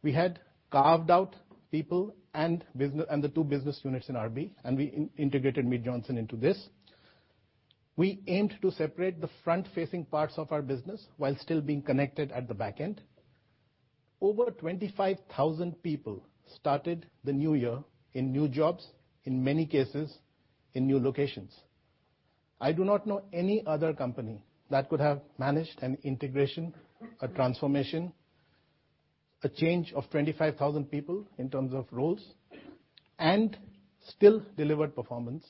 We had carved out people and the two business units in RB, we integrated Mead Johnson into this. We aimed to separate the front-facing parts of our business while still being connected at the back end. Over 25,000 people started the new year in new jobs, in many cases, in new locations. I do not know any other company that could have managed an integration, a transformation, a change of 25,000 people in terms of roles, and still delivered performance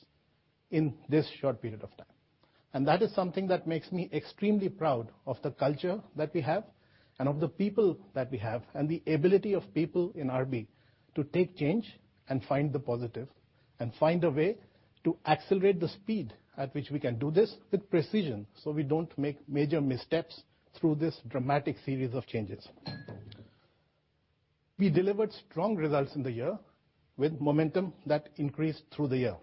in this short period of time. That is something that makes me extremely proud of the culture that we have and of the people that we have and the ability of people in RB to take change and find the positive and find a way to accelerate the speed at which we can do this with precision, so we don't make major missteps through this dramatic series of changes. We delivered strong results in the year with momentum that increased through the year.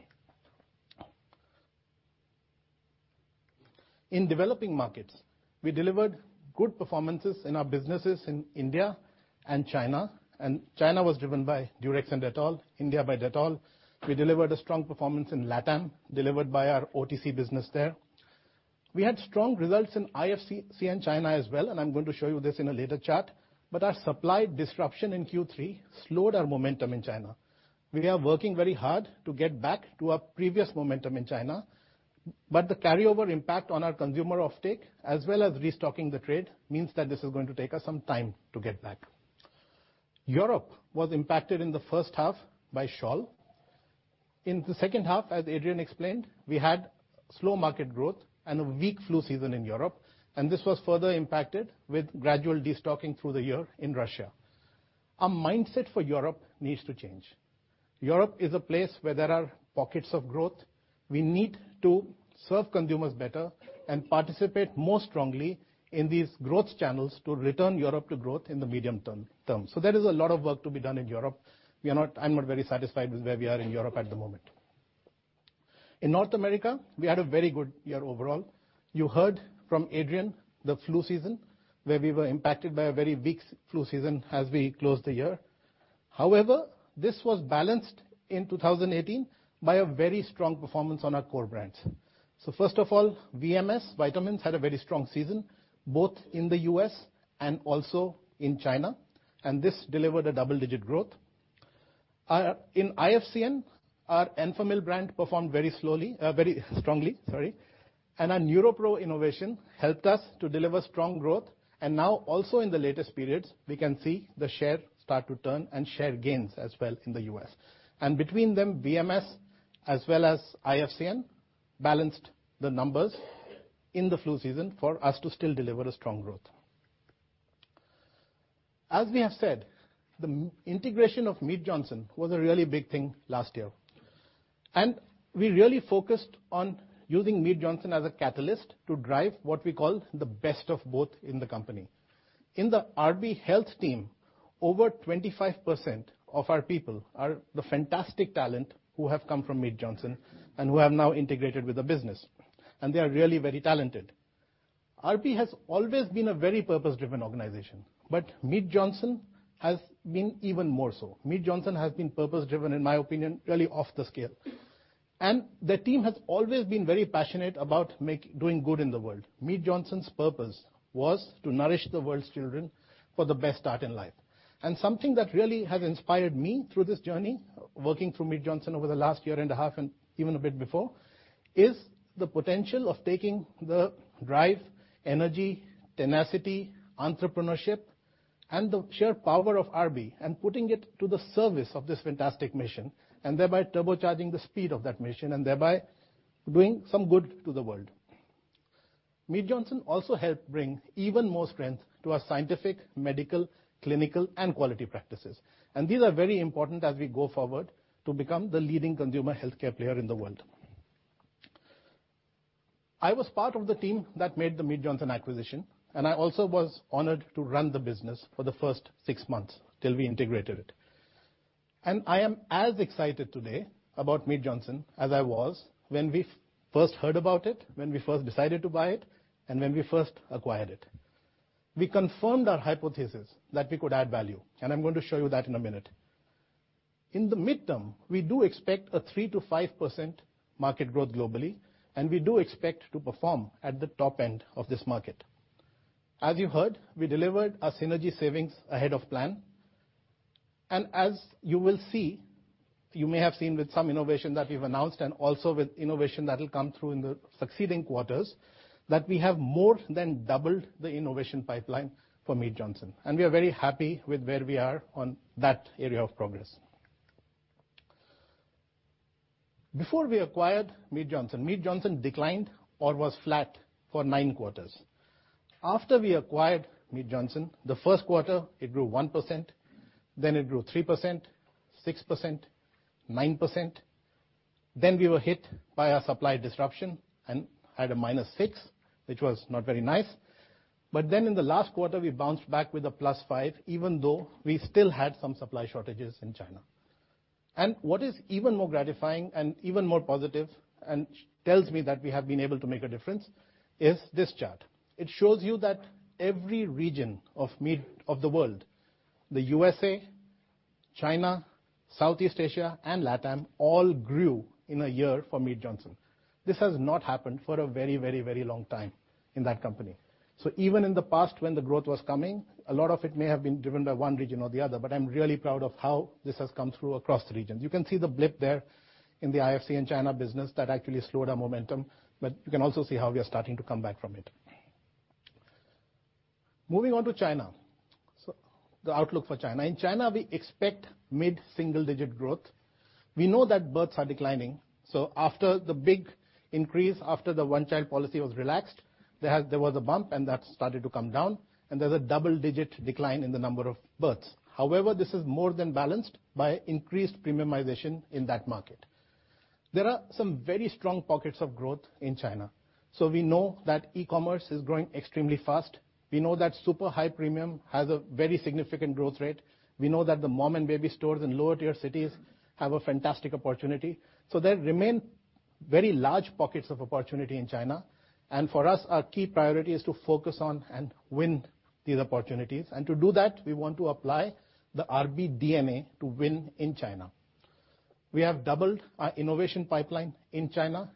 In developing markets, we delivered good performances in our businesses in India and China. China was driven by Durex and Dettol, India by Dettol. We delivered a strong performance in LATAM, delivered by our OTC business there. We had strong results in IFCN in China as well. I'm going to show you this in a later chart, but our supply disruption in Q3 slowed our momentum in China. We are working very hard to get back to our previous momentum in China, but the carryover impact on our consumer offtake as well as restocking the trade means that this is going to take us some time to get back. Europe was impacted in the first half by Scholl. In the second half, as Adrian explained, we had slow market growth and a weak flu season in Europe. This was further impacted with gradual de-stocking through the year in Russia. Our mindset for Europe needs to change. Europe is a place where there are pockets of growth. We need to serve consumers better and participate more strongly in these growth channels to return Europe to growth in the medium term. There is a lot of work to be done in Europe. I'm not very satisfied with where we are in Europe at the moment. In North America, we had a very good year overall. You heard from Adrian, the flu season, where we were impacted by a very weak flu season as we closed the year. However, this was balanced in 2018 by a very strong performance on our core brands. First of all, VMS, vitamins, had a very strong season, both in the U.S. and also in China. This delivered a double-digit growth. In IFCN, our Enfamil brand performed very strongly. Our NeuroPro innovation helped us to deliver strong growth, and now also in the latest periods, we can see the share start to turn and share gains as well in the U.S. Between them, VMS as well as IFCN balanced the numbers in the flu season for us to still deliver a strong growth. As we have said, the integration of Mead Johnson was a really big thing last year. We really focused on using Mead Johnson as a catalyst to drive what we call the best of both in the company. In the RB Health team, over 25% of our people are the fantastic talent who have come from Mead Johnson who have now integrated with the business. They are really very talented. RB has always been a very purpose-driven organization, but Mead Johnson has been even more so. Mead Johnson has been purpose-driven, in my opinion, really off the scale. The team has always been very passionate about doing good in the world. Mead Johnson's purpose was to nourish the world's children for the best start in life. Something that really has inspired me through this journey, working through Mead Johnson over the last year and a half and even a bit before, is the potential of taking the drive, energy, tenacity, entrepreneurship, and the sheer power of RB and putting it to the service of this fantastic mission, thereby turbocharging the speed of that mission, thereby doing some good to the world. Mead Johnson also helped bring even more strength to our scientific, medical, clinical, and quality practices. These are very important as we go forward to become the leading consumer healthcare player in the world. I was part of the team that made the Mead Johnson acquisition, and I also was honored to run the business for the first six months till we integrated it. I am as excited today about Mead Johnson as I was when we first heard about it, when we first decided to buy it, and when we first acquired it. We confirmed our hypothesis that we could add value, and I am going to show you that in a minute. In the midterm, we do expect a 3%-5% market growth globally, and we do expect to perform at the top end of this market. As you have heard, we delivered our synergy savings ahead of plan. As you will see, you may have seen with some innovation that we have announced and also with innovation that will come through in the succeeding quarters, that we have more than doubled the innovation pipeline for Mead Johnson. We are very happy with where we are on that area of progress. Before we acquired Mead Johnson, Mead Johnson declined or was flat for nine quarters. After we acquired Mead Johnson, the first quarter, it grew 1%, then it grew 3%, 6%, 9%. We were hit by a supply disruption and had a minus 6, which was not very nice. In the last quarter, we bounced back with a plus 5, even though we still had some supply shortages in China. What is even more gratifying and even more positive and tells me that we have been able to make a difference is this chart. It shows you that every region of the world, the U.S.A., China, Southeast Asia, and LATAM, all grew in a year for Mead Johnson. This has not happened for a very long time in that company. Even in the past when the growth was coming, a lot of it may have been driven by one region or the other, but I am really proud of how this has come through across the regions. You can see the blip there in the IFCN China business that actually slowed our momentum, but you can also see how we are starting to come back from it. Moving on to China. The outlook for China. In China, we expect mid-single-digit growth. We know that births are declining. After the big increase, after the one-child policy was relaxed, there was a bump, and that started to come down, and there is a double-digit decline in the number of births. However, this is more than balanced by increased premiumization in that market. There are some very strong pockets of growth in China. We know that e-commerce is growing extremely fast. We know that super high premium has a very significant growth rate. We know that the mom and baby stores in lower-tier cities have a fantastic opportunity. There remain very large pockets of opportunity in China, and for us, our key priority is to focus on and win these opportunities. To do that, we want to apply the RB DNA to win in China. We have doubled our innovation pipeline in China.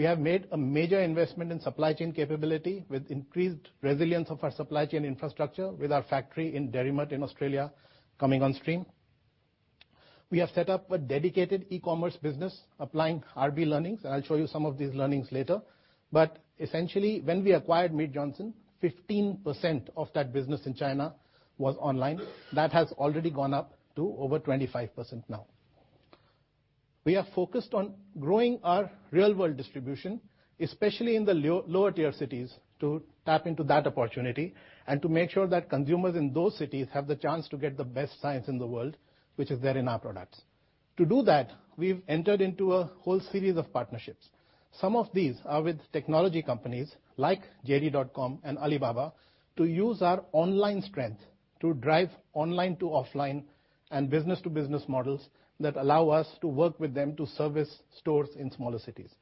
We have made a major investment in supply chain capability with increased resilience of our supply chain infrastructure with our factory in Derrimut in Australia coming on stream. We have set up a dedicated e-commerce business applying RB learnings, and I will show you some of these learnings later. Essentially, when we acquired Mead Johnson, 15% of that business in China was online. That has already gone up to over 25% now. We are focused on growing our real-world distribution, especially in the lower-tier cities, to tap into that opportunity and to make sure that consumers in those cities have the chance to get the best science in the world, which is there in our products. To do that, we have entered into a whole series of partnerships. Some of these are with technology companies like JD.com and Alibaba to use our online strength to drive online-to-offline and business-to-business models that allow us to work with them to service stores in smaller cities.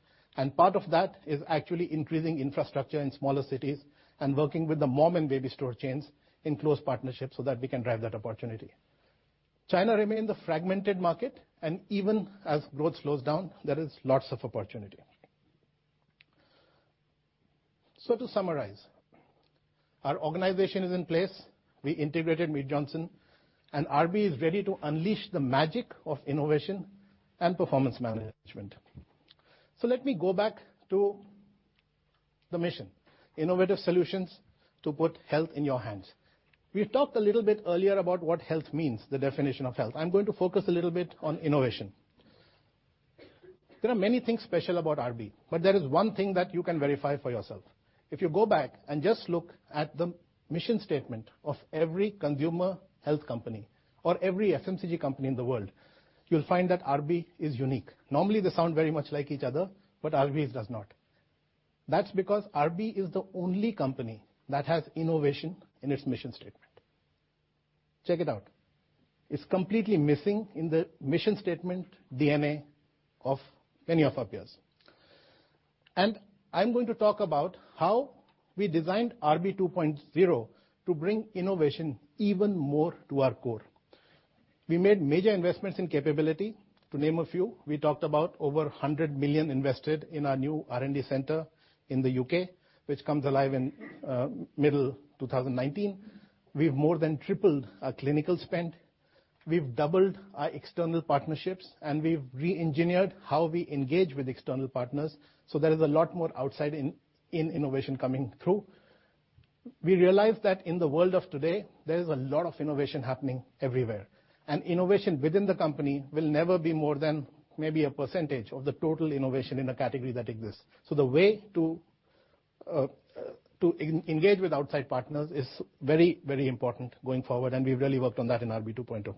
Part of that is actually increasing infrastructure in smaller cities and working with the mom and baby store chains in close partnerships so that we can drive that opportunity. China remains a fragmented market, and even as growth slows down, there is lots of opportunity. To summarize, our organization is in place. We integrated Mead Johnson, RB is ready to unleash the magic of innovation and performance management. Let me go back to the mission, innovative solutions to put health in your hands. We talked a little bit earlier about what health means, the definition of health. I am going to focus a little bit on innovation. There are many things special about RB, but there is one thing that you can verify for yourself. If you go back and just look at the mission statement of every consumer health company or every FMCG company in the world, you will find that RB is unique. Normally, they sound very much like each other, but RB's does not. That is because RB is the only company that has innovation in its mission statement. Check it out. It's completely missing in the mission statement DNA of many of our peers. I'm going to talk about how we designed RB 2.0 to bring innovation even more to our core. We made major investments in capability. To name a few, we talked about over 100 million invested in our new R&D center in the U.K., which comes alive in middle 2019. We've more than tripled our clinical spend. We've doubled our external partnerships, and we've re-engineered how we engage with external partners, so there is a lot more outside-in innovation coming through. We realized that in the world of today, there is a lot of innovation happening everywhere, and innovation within the company will never be more than maybe a percentage of the total innovation in a category that exists. The way to engage with outside partners is very important going forward, and we've really worked on that in RB 2.0.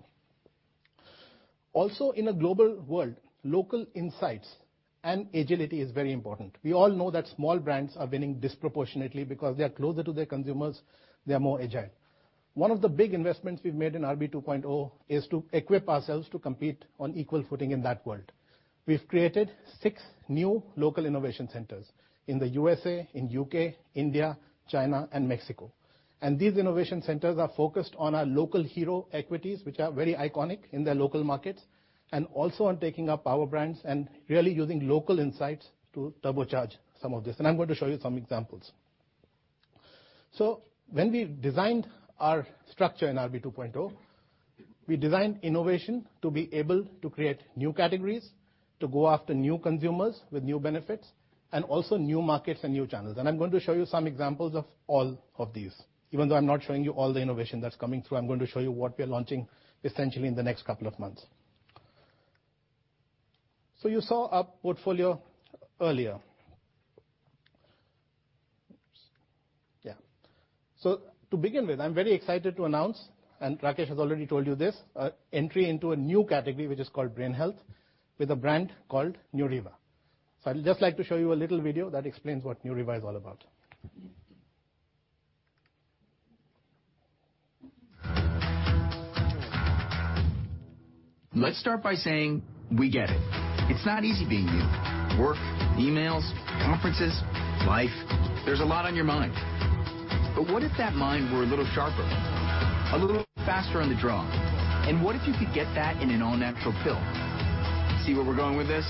In a global world, local insights and agility is very important. We all know that small brands are winning disproportionately because they are closer to their consumers, they are more agile. One of the big investments we've made in RB 2.0 is to equip ourselves to compete on equal footing in that world. We've created six new local innovation centers in the U.S.A., in U.K., India, China, and Mexico. These innovation centers are focused on our local hero equities, which are very iconic in their local markets, and also on taking our power brands and really using local insights to turbocharge some of this. I'm going to show you some examples. When we designed our structure in RB 2.0, we designed innovation to be able to create new categories, to go after new consumers with new benefits, and also new markets and new channels. I'm going to show you some examples of all of these. Even though I'm not showing you all the innovation that's coming through, I'm going to show you what we are launching essentially in the next couple of months. You saw our portfolio earlier. Oops. Yeah. To begin with, I'm very excited to announce, and Rakesh has already told you this, entry into a new category which is called brain health with a brand called Neuriva. I'd just like to show you a little video that explains what Neuriva is all about. Let's start by saying we get it. It's not easy being you. Work, emails, conferences, life. There's a lot on your mind. What if that mind were a little sharper? A little faster on the draw? What if you could get that in an all-natural pill? See where we're going with this?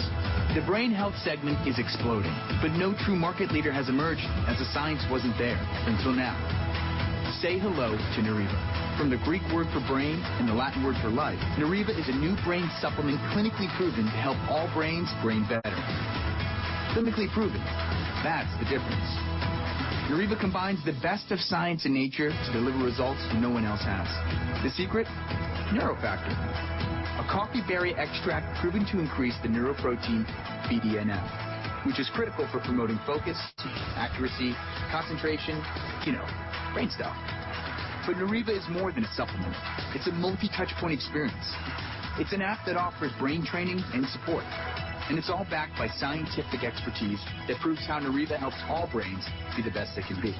The brain health segment is exploding, but no true market leader has emerged as the science wasn't there until now. Say hello to Neuriva. From the Greek word for brain and the Latin word for life, Neuriva is a new brain supplement clinically proven to help all brains brain better. Clinically proven, that's the difference. Neuriva combines the best of science and nature to deliver results no one else has. The secret? NeuroFactor, a coffee berry extract proven to increase the neuroprotein BDNF, which is critical for promoting focus, accuracy, concentration, you know, brain stuff. Neuriva is more than a supplement. It's a multi-touch point experience. It's an app that offers brain training and support, and it's all backed by scientific expertise that proves how Neuriva helps all brains be the best they can be.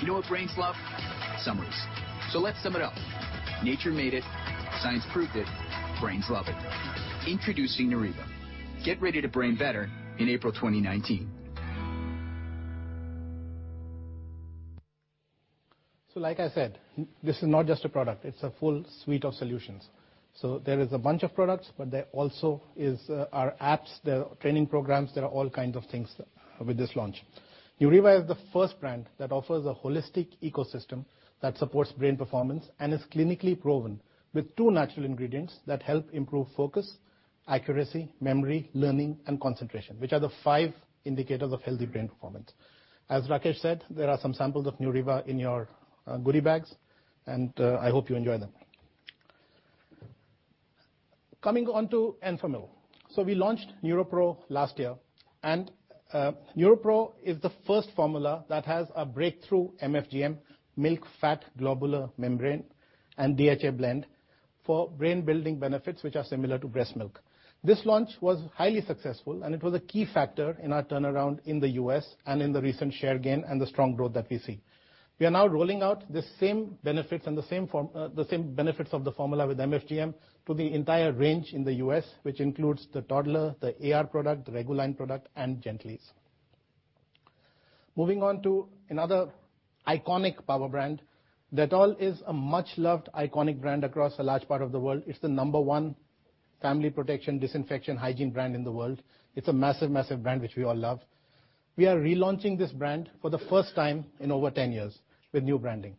You know what brains love? Summaries. Let's sum it up. Nature made it, science proved it, brains love it. Introducing Neuriva. Get ready to brain better in April 2019. Like I said, this is not just a product, it's a full suite of solutions. There is a bunch of products, but there also are apps, there are training programs. There are all kinds of things with this launch. Neuriva is the first brand that offers a holistic ecosystem that supports brain performance and is clinically proven with two natural ingredients that help improve focus, accuracy, memory, learning, and concentration, which are the five indicators of healthy brain performance. As Rakesh said, there are some samples of Neuriva in your goodie bags, and I hope you enjoy them. Coming on to Enfamil. We launched NeuroPro last year, and NeuroPro is the first formula that has a breakthrough MFGM, milk fat globule membrane, and DHA blend for brain-building benefits which are similar to breast milk. This launch was highly successful, and it was a key factor in our turnaround in the U.S. and in the recent share gain and the strong growth that we see. We are now rolling out the same benefits of the formula with MFGM to the entire range in the U.S., which includes the toddler, the AR product, the regular line product, and Gentlease. Moving on to another iconic Power Brand. Dettol is a much-loved iconic brand across a large part of the world. It's the number one family protection, disinfection, hygiene brand in the world. It's a massive brand, which we all love. We are relaunching this brand for the first time in over 10 years with new branding.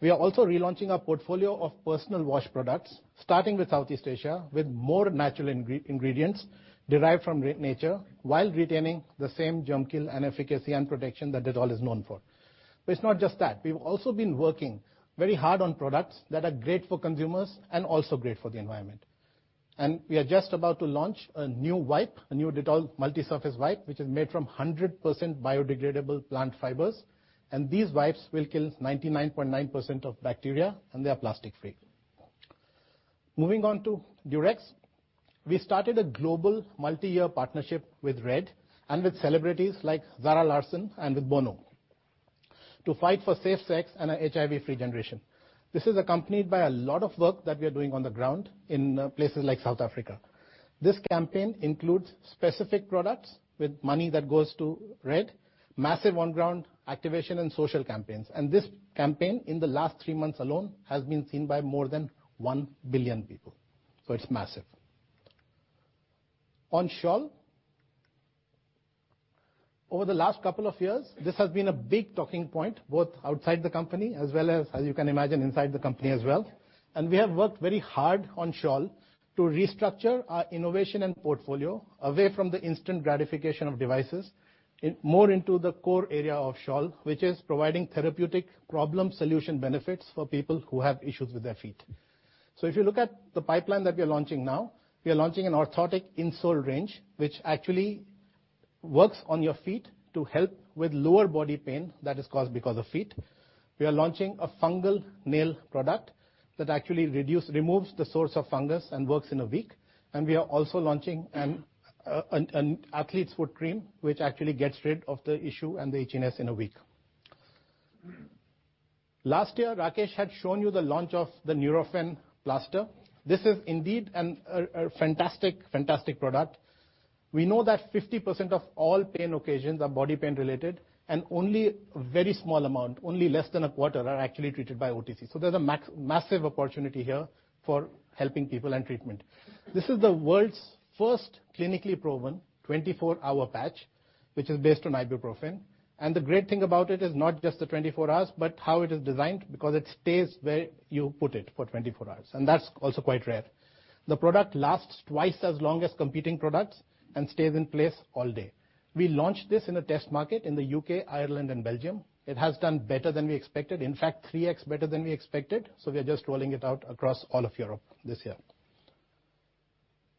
We are also relaunching our portfolio of personal wash products, starting with Southeast Asia, with more natural ingredients derived from nature, while retaining the same germ kill and efficacy and protection that Dettol is known for. It's not just that. We've also been working very hard on products that are great for consumers and also great for the environment. We are just about to launch a new wipe, a new Dettol multi-surface wipe, which is made from 100% biodegradable plant fibers, and these wipes will kill 99.9% of bacteria, and they are plastic-free. Moving on to Durex. We started a global multi-year partnership with and with celebrities like Zara Larsson and with Bono to fight for safe sex and an HIV-free generation. This is accompanied by a lot of work that we're doing on the ground in places like South Africa. This campaign includes specific products with money that goes to, massive on-ground activation and social campaigns. This campaign, in the last three months alone, has been seen by more than one billion people. It's massive. On Scholl. Over the last couple of years, this has been a big talking point, both outside the company as well as you can imagine, inside the company as well. We have worked very hard on Scholl to restructure our innovation and portfolio away from the instant gratification of devices, more into the core area of Scholl, which is providing therapeutic problem solution benefits for people who have issues with their feet. If you look at the pipeline that we are launching now, we are launching an orthotic insole range, which actually works on your feet to help with lower body pain that is caused because of feet. We are launching a fungal nail product that actually removes the source of fungus and works in a week. We are also launching an athlete's foot cream, which actually gets rid of the issue and the itchiness in a week. Last year, Rakesh had shown you the launch of the Nurofen plaster. This is indeed a fantastic product. We know that 50% of all pain occasions are body pain-related, and only a very small amount, only less than a quarter, are actually treated by OTC. There is a massive opportunity here for helping people and treatment. This is the world's first clinically proven 24-hour patch, which is based on ibuprofen. The great thing about it is not just the 24 hours, but how it is designed because it stays where you put it for 24 hours, and that is also quite rare. The product lasts twice as long as competing products and stays in place all day. We launched this in a test market in the U.K., Ireland, and Belgium. It has done better than we expected. In fact, 3x better than we expected, we are just rolling it out across all of Europe this year.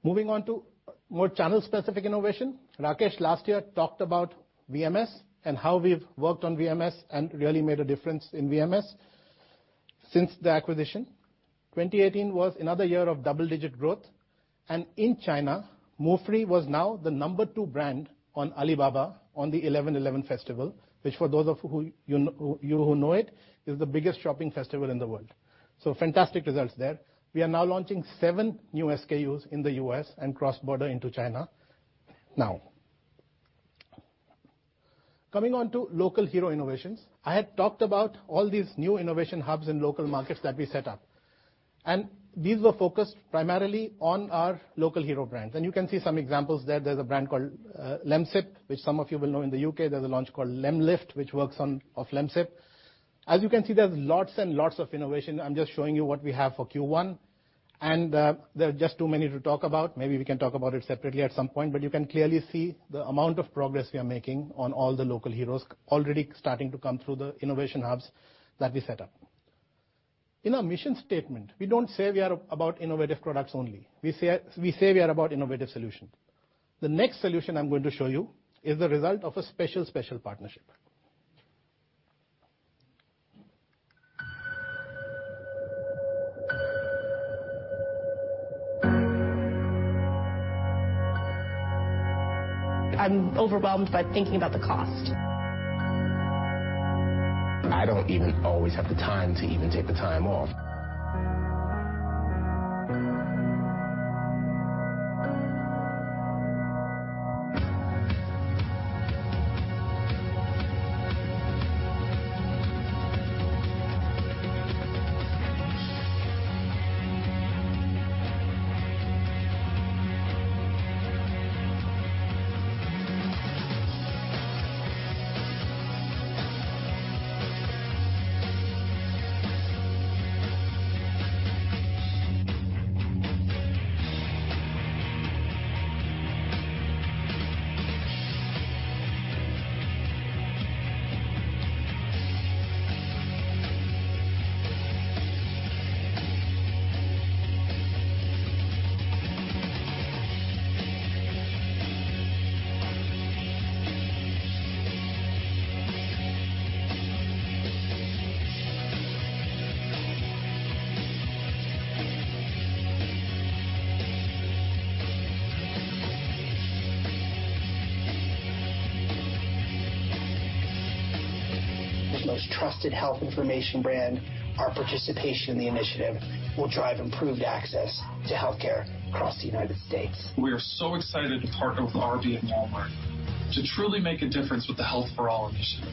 Moving on to more channel-specific innovation. Rakesh last year talked about VMS and how we have worked on VMS and really made a difference in VMS since the acquisition. 2018 was another year of double-digit growth. In China, Move Free was now the number 2 brand on Alibaba on the 11/11 festival, which for those of you who know it, is the biggest shopping festival in the world. Fantastic results there. We are now launching 7 new SKUs in the U.S. and cross-border into China now. Coming on to Local Hero innovations. I had talked about all these new innovation hubs in local markets that we set up, and these were focused primarily on our Local Hero brands. You can see some examples there. There is a brand called Lemsip, which some of you will know in the U.K. There is a launch called Lemlift, which works off Lemsip. As you can see, there is lots and lots of innovation. I am just showing you what we have for Q1, and there are just too many to talk about. Maybe we can talk about it separately at some point, but you can clearly see the amount of progress we are making on all the Local Heroes already starting to come through the innovation hubs that we set up. In our mission statement, we do not say we are about innovative products only. We say we are about innovative solutions. The next solution I am going to show you is the result of a special partnership. I'm overwhelmed by thinking about the cost. I don't even always have the time to even take the time off. As the most trusted health information brand, our participation in the initiative will drive improved access to healthcare across the United States. We are so excited to partner with RB and Walmart to truly make a difference with the Health for All initiative.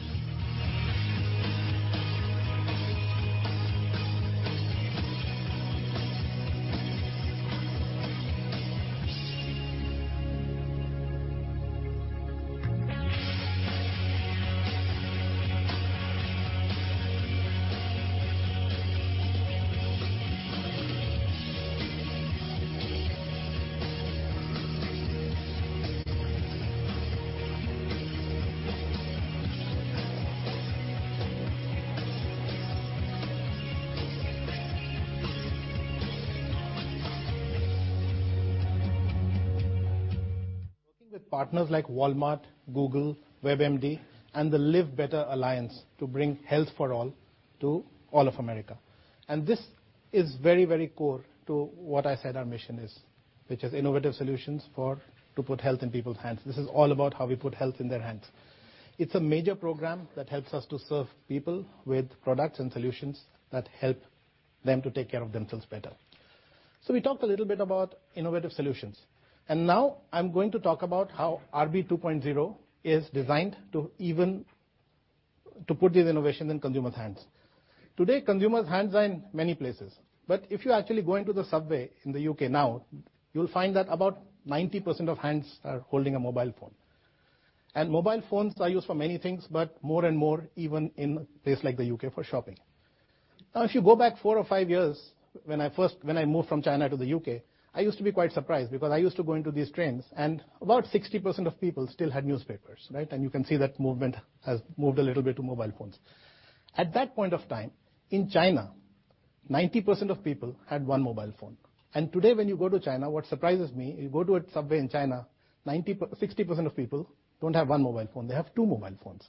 Working with partners like Walmart, Google, WebMD, and the Live Better Alliance to bring Health for All to all of America. This is very core to what I said our mission is, which is innovative solutions to put health in people's hands. This is all about how we put health in their hands. It is a major program that helps us to serve people with products and solutions that help them to take care of themselves better. We talked a little bit about innovative solutions, and now I am going to talk about how RB 2.0 is designed to put these innovations in consumers' hands. Today, consumers' hands are in many places. If you actually go into the subway in the U.K. now, you will find that about 90% of hands are holding a mobile phone. Mobile phones are used for many things, but more and more even in a place like the U.K. for shopping. Now, if you go back four or five years, when I moved from China to the U.K., I used to be quite surprised because I used to go into these trains and about 60% of people still had newspapers. You can see that movement has moved a little bit to mobile phones. At that point of time, in China, 90% of people had one mobile phone. Today when you go to China, what surprises me, you go to a subway in China, 60% of people do not have one mobile phone, they have two mobile phones.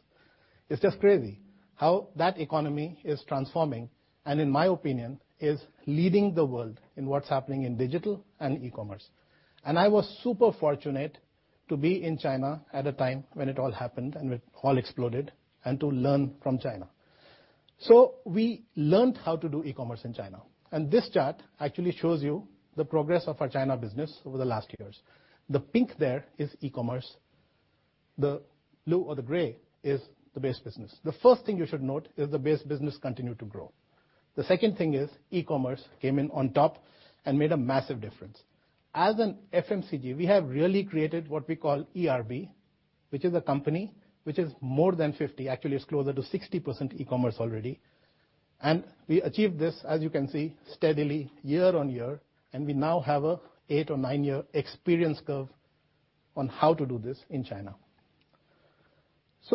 It is just crazy how that economy is transforming and in my opinion, is leading the world in what is happening in digital and e-commerce. I was super fortunate to be in China at a time when it all happened and it all exploded, and to learn from China. We learned how to do e-commerce in China, and this chart actually shows you the progress of our China business over the last years. The pink there is e-commerce. The blue or the gray is the base business. The first thing you should note is the base business continued to grow. The second thing is e-commerce came in on top and made a massive difference. As an FMCG, we have really created what we call eRB, which is a company which is more than 50, actually it is closer to 60% e-commerce already. We achieved this, as you can see, steadily year on year, and we now have an eight or nine-year experience curve on how to do this in China.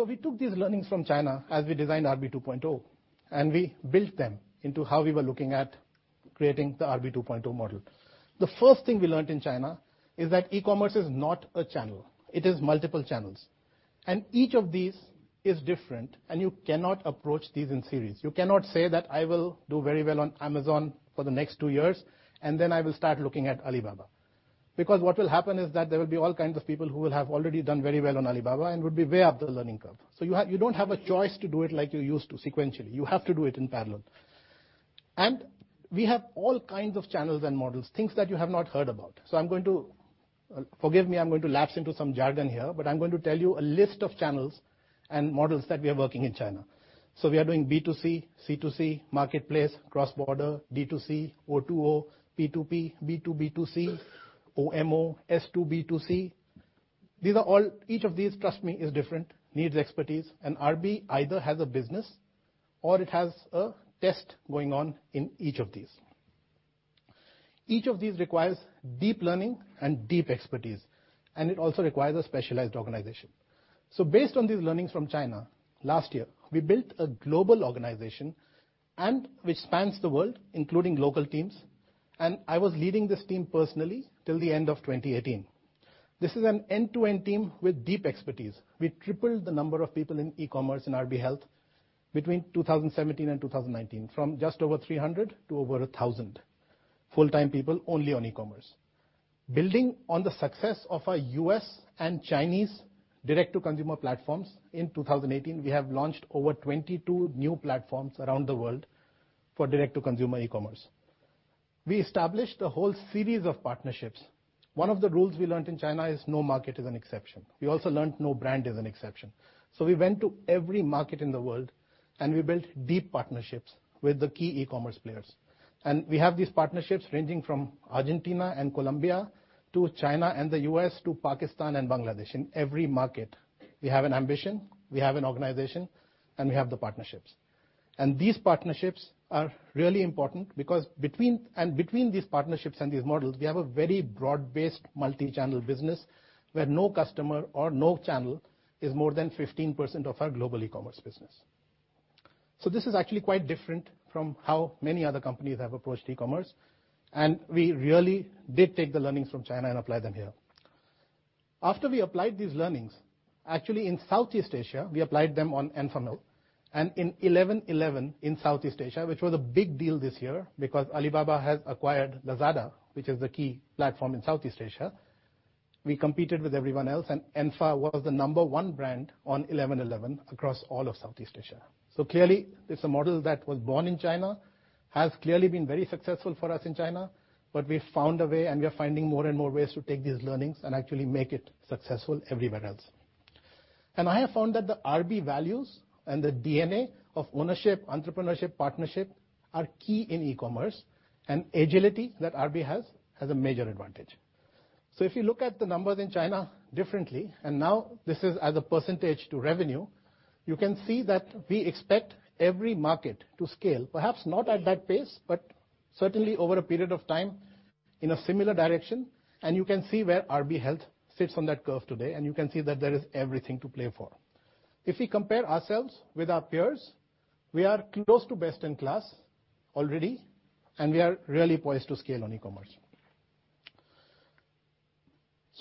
We took these learnings from China as we designed RB 2.0, and we built them into how we were looking at creating the RB 2.0 model. The first thing we learned in China is that e-commerce is not a channel. It is multiple channels, and each of these is different and you cannot approach these in series. You cannot say that I will do very well on Amazon for the next two years, and then I will start looking at Alibaba. Because what will happen is that there will be all kinds of people who will have already done very well on Alibaba and would be way up the learning curve. You do not have a choice to do it like you used to sequentially. You have to do it in parallel. We have all kinds of channels and models, things that you have not heard about. Forgive me, I'm going to lapse into some jargon here, but I'm going to tell you a list of channels and models that we are working in China. We are doing B2C, C2C, marketplace, cross-border, D2C, O2O, P2P, B2B2C, OMO, S2B2C. Each of these, trust me, is different, needs expertise, and RB either has a business or it has a test going on in each of these. Each of these requires deep learning and deep expertise, and it also requires a specialized organization. Based on these learnings from China, last year, we built a global organization which spans the world, including local teams, and I was leading this team personally till the end of 2018. This is an end-to-end team with deep expertise. We tripled the number of people in e-commerce and RB Health between 2017 and 2019, from just over 300 to over 1,000 full-time people only on e-commerce. Building on the success of our U.S. and Chinese direct-to-consumer platforms in 2018, we have launched over 22 new platforms around the world for direct-to-consumer e-commerce. We established a whole series of partnerships. One of the rules we learned in China is no market is an exception. We also learned no brand is an exception. We went to every market in the world, and we built deep partnerships with the key e-commerce players. We have these partnerships ranging from Argentina and Colombia to China and the U.S. to Pakistan and Bangladesh. In every market, we have an ambition, we have an organization, and we have the partnerships. These partnerships are really important because between these partnerships and these models, we have a very broad-based multi-channel business where no customer or no channel is more than 15% of our global e-commerce business. So this is actually quite different from how many other companies have approached e-commerce, and we really did take the learnings from China and apply them here. After we applied these learnings, actually, in Southeast Asia, we applied them on Enfamil. In 11/11 in Southeast Asia, which was a big deal this year because Alibaba has acquired Lazada, which is the key platform in Southeast Asia, we competed with everyone else, and Enfa was the number one brand on 11/11 across all of Southeast Asia. Clearly, it's a model that was born in China, has clearly been very successful for us in China, but we've found a way, and we are finding more and more ways to take these learnings and actually make it successful everywhere else. I have found that the RB values and the DNA of ownership, entrepreneurship, partnership are key in e-commerce, and agility that RB has, is a major advantage. If you look at the numbers in China differently, and now this is as a percentage to revenue, you can see that we expect every market to scale, perhaps not at that pace, but certainly over a period of time in a similar direction, and you can see where RB Health sits on that curve today, and you can see that there is everything to play for. If we compare ourselves with our peers, we are close to best in class already, we are really poised to scale on e-commerce.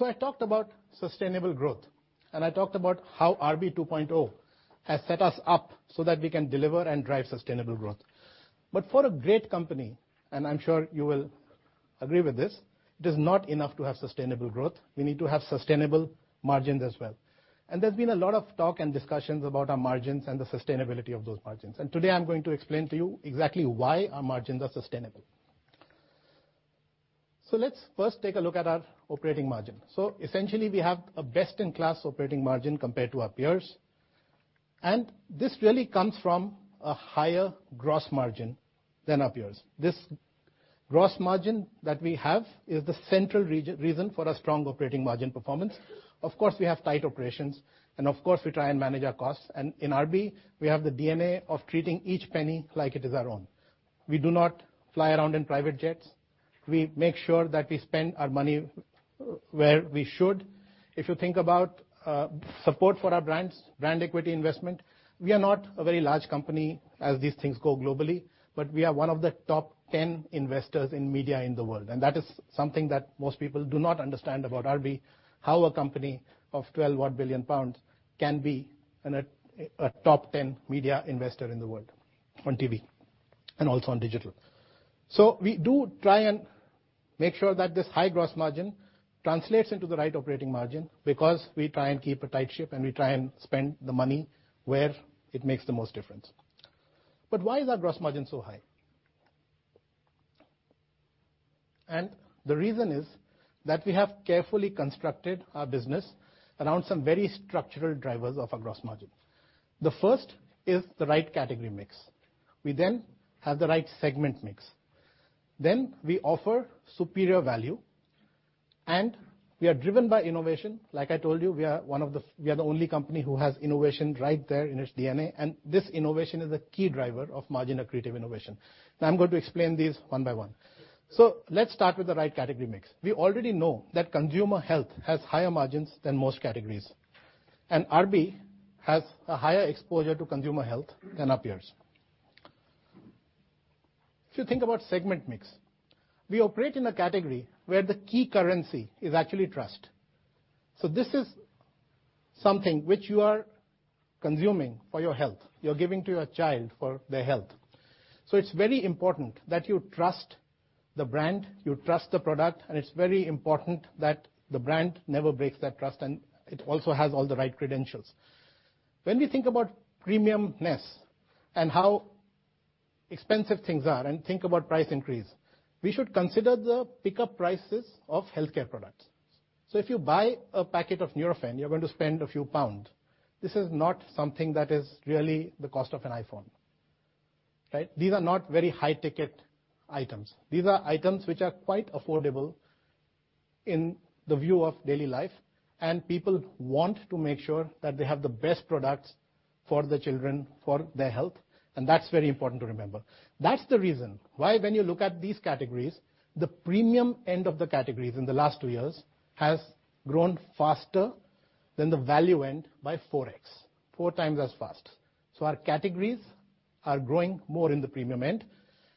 I talked about sustainable growth, I talked about how RB 2.0 has set us up so that we can deliver and drive sustainable growth. For a great company, I am sure you will agree with this, it is not enough to have sustainable growth, we need to have sustainable margins as well. There's been a lot of talk and discussions about our margins and the sustainability of those margins. Today, I'm going to explain to you exactly why our margins are sustainable. Let's first take a look at our operating margin. Essentially, we have a best-in-class operating margin compared to our peers. This really comes from a higher gross margin than our peers. This gross margin that we have is the central reason for our strong operating margin performance. Of course, we have tight operations, of course, we try and manage our costs. In RB, we have the DNA of treating each penny like it is our own. We do not fly around in private jets. We make sure that we spend our money where we should. If you think about support for our brands, brand equity investment, we are not a very large company as these things go globally, we are one of the top 10 investors in media in the world. That is something that most people do not understand about RB, how a company of 12 odd billion can be a top 10 media investor in the world on TV and also on digital. We do try and make sure that this high gross margin translates into the right operating margin, because we try and keep a tight ship, we try and spend the money where it makes the most difference. Why is our gross margin so high? The reason is that we have carefully constructed our business around some very structural drivers of our gross margin. The first is the right category mix. We have the right segment mix. We offer superior value, we are driven by innovation. Like I told you, we are the only company who has innovation right there in its DNA, this innovation is a key driver of margin-accretive innovation. Now I'm going to explain these one by one. Let's start with the right category mix. We already know that consumer health has higher margins than most categories, RB has a higher exposure to consumer health than our peers. If you think about segment mix, we operate in a category where the key currency is actually trust. This is something which you are consuming for your health, you are giving to your child for their health. It's very important that you trust the brand, you trust the product, it's very important that the brand never breaks that trust, it also has all the right credentials. When we think about premiumness and how expensive things are and think about price increase, we should consider the pickup prices of healthcare products. If you buy a packet of Nurofen, you are going to spend a few GBP. This is not something that is really the cost of an iPhone, right? These are not very high ticket items. These are items which are quite affordable in the view of daily life. People want to make sure that they have the best products for their children, for their health. That's very important to remember. That's the reason why when you look at these categories, the premium end of the categories in the last two years has grown faster than the value end by 4x, four times as fast. Our categories are growing more in the premium end,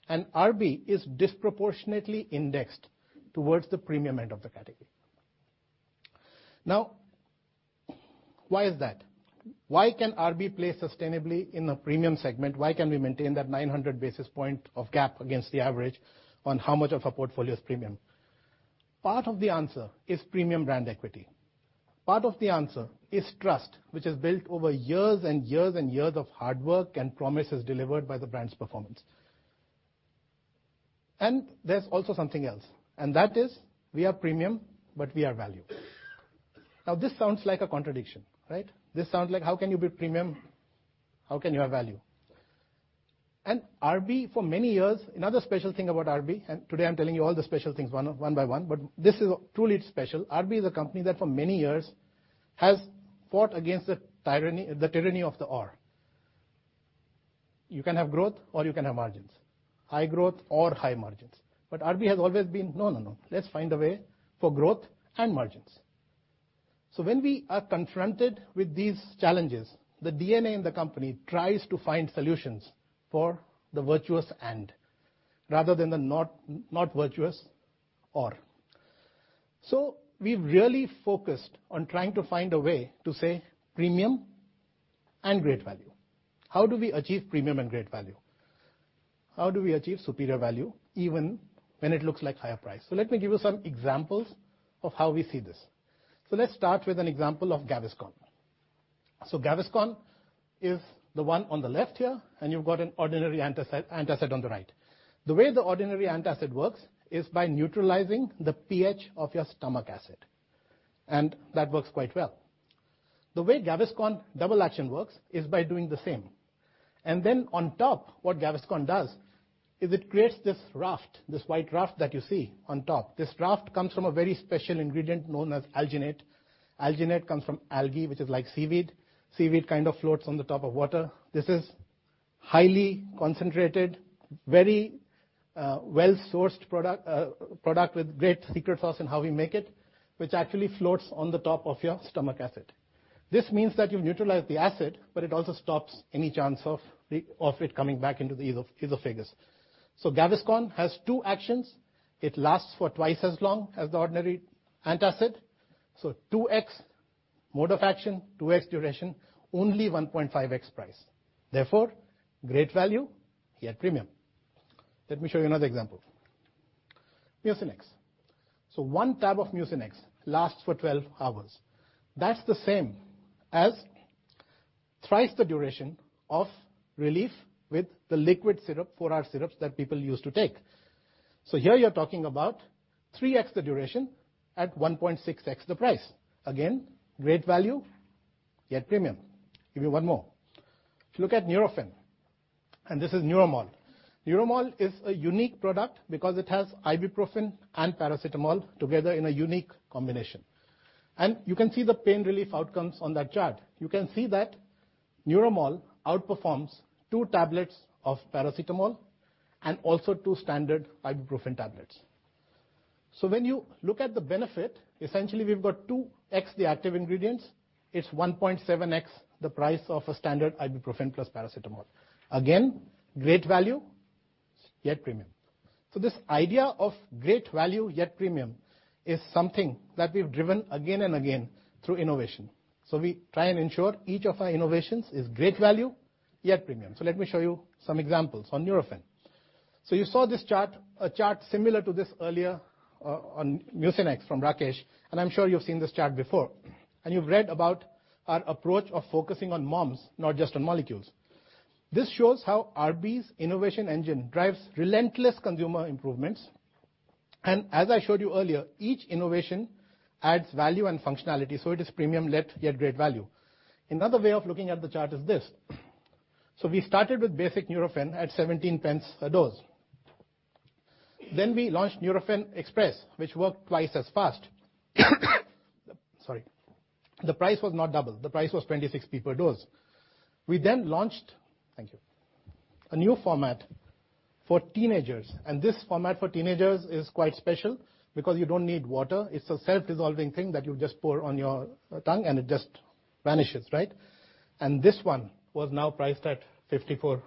and RB is disproportionately indexed towards the premium end of the category. Why is that? Why can RB play sustainably in a premium segment? Why can we maintain that 900 basis point of gap against the average on how much of our portfolio is premium? Part of the answer is premium brand equity. Part of the answer is trust, which is built over years and years and years of hard work and promises delivered by the brand's performance. There's also something else. That is, we are premium. We are value. This sounds like a contradiction, right? This sounds like, how can you be premium? How can you have value? RB, for many years, another special thing about RB. Today I'm telling you all the special things one by one, but this is truly special. RB is a company that for many years has fought against the tyranny of the or. You can have growth or you can have margins. High growth or high margins. RB has always been, "No, no. Let's find a way for growth and margins." When we are confronted with these challenges, the DNA in the company tries to find solutions for the virtuous and rather than the not virtuous or. We've really focused on trying to find a way to say premium and great value. How do we achieve premium and great value? How do we achieve superior value even when it looks like higher price? Let me give you some examples of how we see this. Let's start with an example of Gaviscon. Gaviscon is the one on the left here. You've got an ordinary antacid on the right. The way the ordinary antacid works is by neutralizing the pH of your stomach acid. That works quite well. The way Gaviscon Double Action works is by doing the same. Then on top, what Gaviscon does is it creates this raft, this white raft that you see on top. This raft comes from a very special ingredient known as alginate. Alginate comes from algae, which is like seaweed. Seaweed kind of floats on the top of water. This is highly concentrated, very well-sourced product with great secret sauce in how we make it, which actually floats on the top of your stomach acid. This means that you neutralize the acid, but it also stops any chance of it coming back into the esophagus. Gaviscon has two actions. It lasts for twice as long as the ordinary antacid. 2x mode of action, 2x duration, only 1.5x price. Therefore, great value, yet premium. Let me show you another example. Mucinex. One tab of Mucinex lasts for 12 hours. That's the same as thrice the duration of relief with the liquid syrup, four-hour syrups that people used to take. Here you're talking about 3x the duration at 1.6x the price. Again, great value, yet premium. Give you one more. If you look at Nurofen and this is NuroMol. NuroMol is a unique product because it has ibuprofen and paracetamol together in a unique combination. You can see the pain relief outcomes on that chart. You can see that NuroMol outperforms two tablets of paracetamol and also two standard ibuprofen tablets. When you look at the benefit, essentially we've got 2x the active ingredients. It's 1.7x the price of a standard ibuprofen plus paracetamol. Again, great value, yet premium. This idea of great value yet premium is something that we've driven again and again through innovation. We try and ensure each of our innovations is great value, yet premium. Let me show you some examples on Nurofen. You saw this chart, a chart similar to this earlier on Mucinex from Rakesh. I'm sure you've seen this chart before, and you've read about our approach of focusing on moms, not just on molecules. This shows how RB's innovation engine drives relentless consumer improvements. As I showed you earlier, each innovation adds value and functionality, it is premium-led, yet great value. Another way of looking at the chart is this. We started with basic Nurofen at 0.17 a dose. We launched Nurofen Express, which worked twice as fast. Sorry. The price was not double. The price was 0.26 per dose. We then launched a new format for teenagers, and this format for teenagers is quite special because you don't need water. It's a self-dissolving thing that you just pour on your tongue and it just vanishes, right? This one was now priced at 0.54.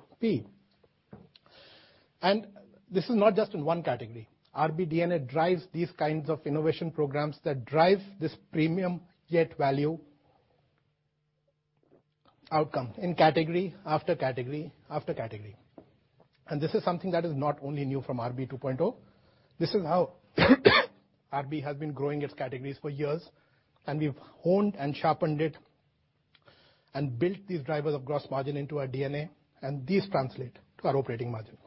This is not just in one category. RB DNA drives these kinds of innovation programs that drive this premium yet value outcome in category, after category, after category. This is something that is not only new from RB 2.0. This is how RB has been growing its categories for years, and we've honed and sharpened it and built these drivers of gross margin into our DNA, and these translate to our operating margin.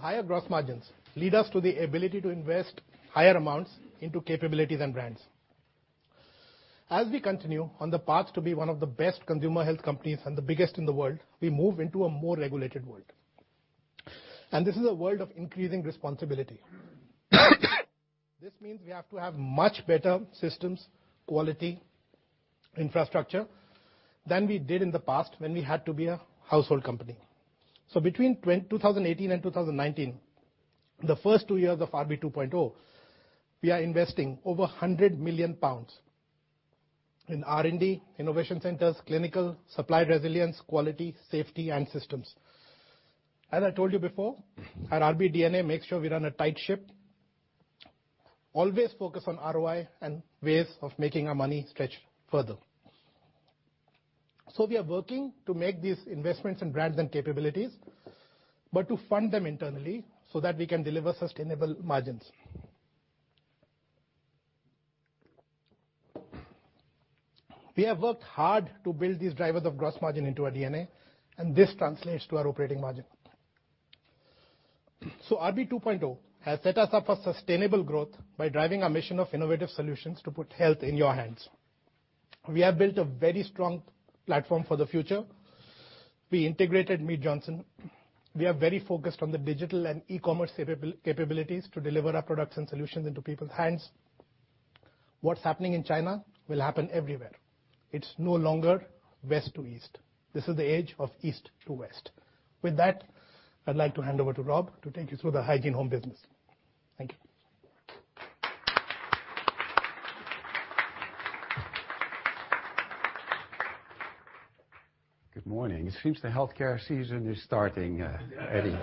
Higher gross margins lead us to the ability to invest higher amounts into capabilities and brands. As we continue on the path to be one of the best consumer health companies and the biggest in the world, we move into a more regulated world. This is a world of increasing responsibility. This means we have to have much better systems, quality, infrastructure than we did in the past when we had to be a household company. Between 2018 and 2019, the first two years of RB 2.0, we are investing over 100 million pounds in R&D, innovation centers, clinical supply resilience, quality, safety, and systems. As I told you before, our RB DNA makes sure we run a tight ship, always focus on ROI and ways of making our money stretch further. We are working to make these investments in brands and capabilities, but to fund them internally so that we can deliver sustainable margins. We have worked hard to build these drivers of gross margin into our DNA, and this translates to our operating margin. RB 2.0 has set us up for sustainable growth by driving our mission of innovative solutions to put health in your hands. We have built a very strong platform for the future. We integrated Mead Johnson. We are very focused on the digital and e-commerce capabilities to deliver our products and solutions into people's hands. What's happening in China will happen everywhere. It's no longer west to east. This is the age of east to west. With that, I'd like to hand over to Rob to take you through the Hygiene Home business. Thank you. Good morning. It seems the healthcare season is starting, Adrian.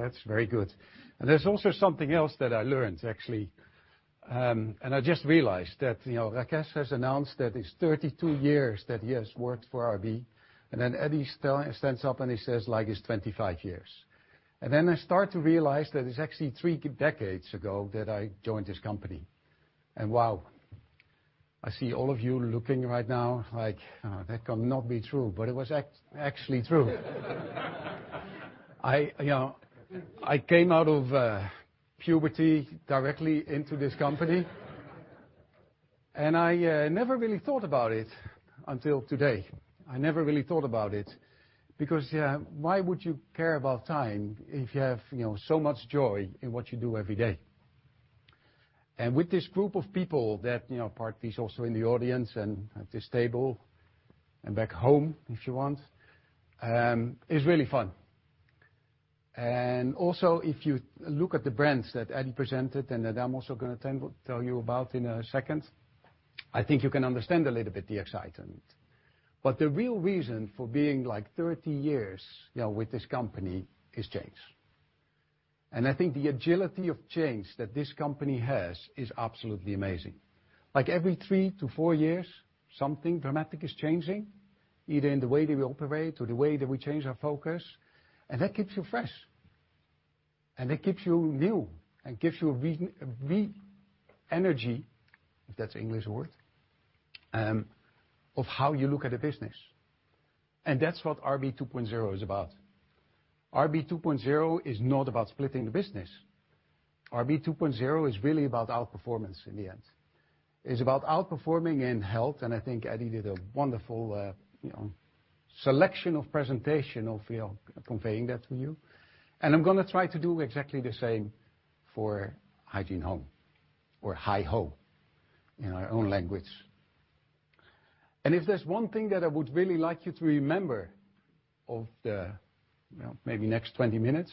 That's very good. There's also something else that I learned, actually. I just realized that Rakesh has announced that it's 32 years that he has worked for RB, then Adrian stands up and he says like his 25 years. Then I start to realize that it's actually three decades ago that I joined this company. Wow, I see all of you looking right now like that cannot be true, but it was actually true. I came out of puberty directly into this company, and I never really thought about it until today. I never really thought about it because why would you care about time if you have so much joy in what you do every day? With this group of people that, part is also in the audience and at this table and back home, if you want, is really fun. Also if you look at the brands that Adrian presented and that I'm also going to tell you about in a second, I think you can understand a little bit the excitement. The real reason for being 30 years with this company is change. I think the agility of change that this company has is absolutely amazing. Every three to four years, something dramatic is changing, either in the way that we operate or the way that we change our focus, and that keeps you fresh. It keeps you new and gives you re-energy, if that's an English word, of how you look at a business. That's what RB 2.0 is about. RB 2.0 is not about splitting the business. RB 2.0 is really about outperformance in the end. It's about outperforming in health and I think Adrian did a wonderful selection of presentation of conveying that to you. I'm going to try to do exactly the same for Hygiene Home or HyHo in our own language. If there's one thing that I would really like you to remember of the maybe next 20 minutes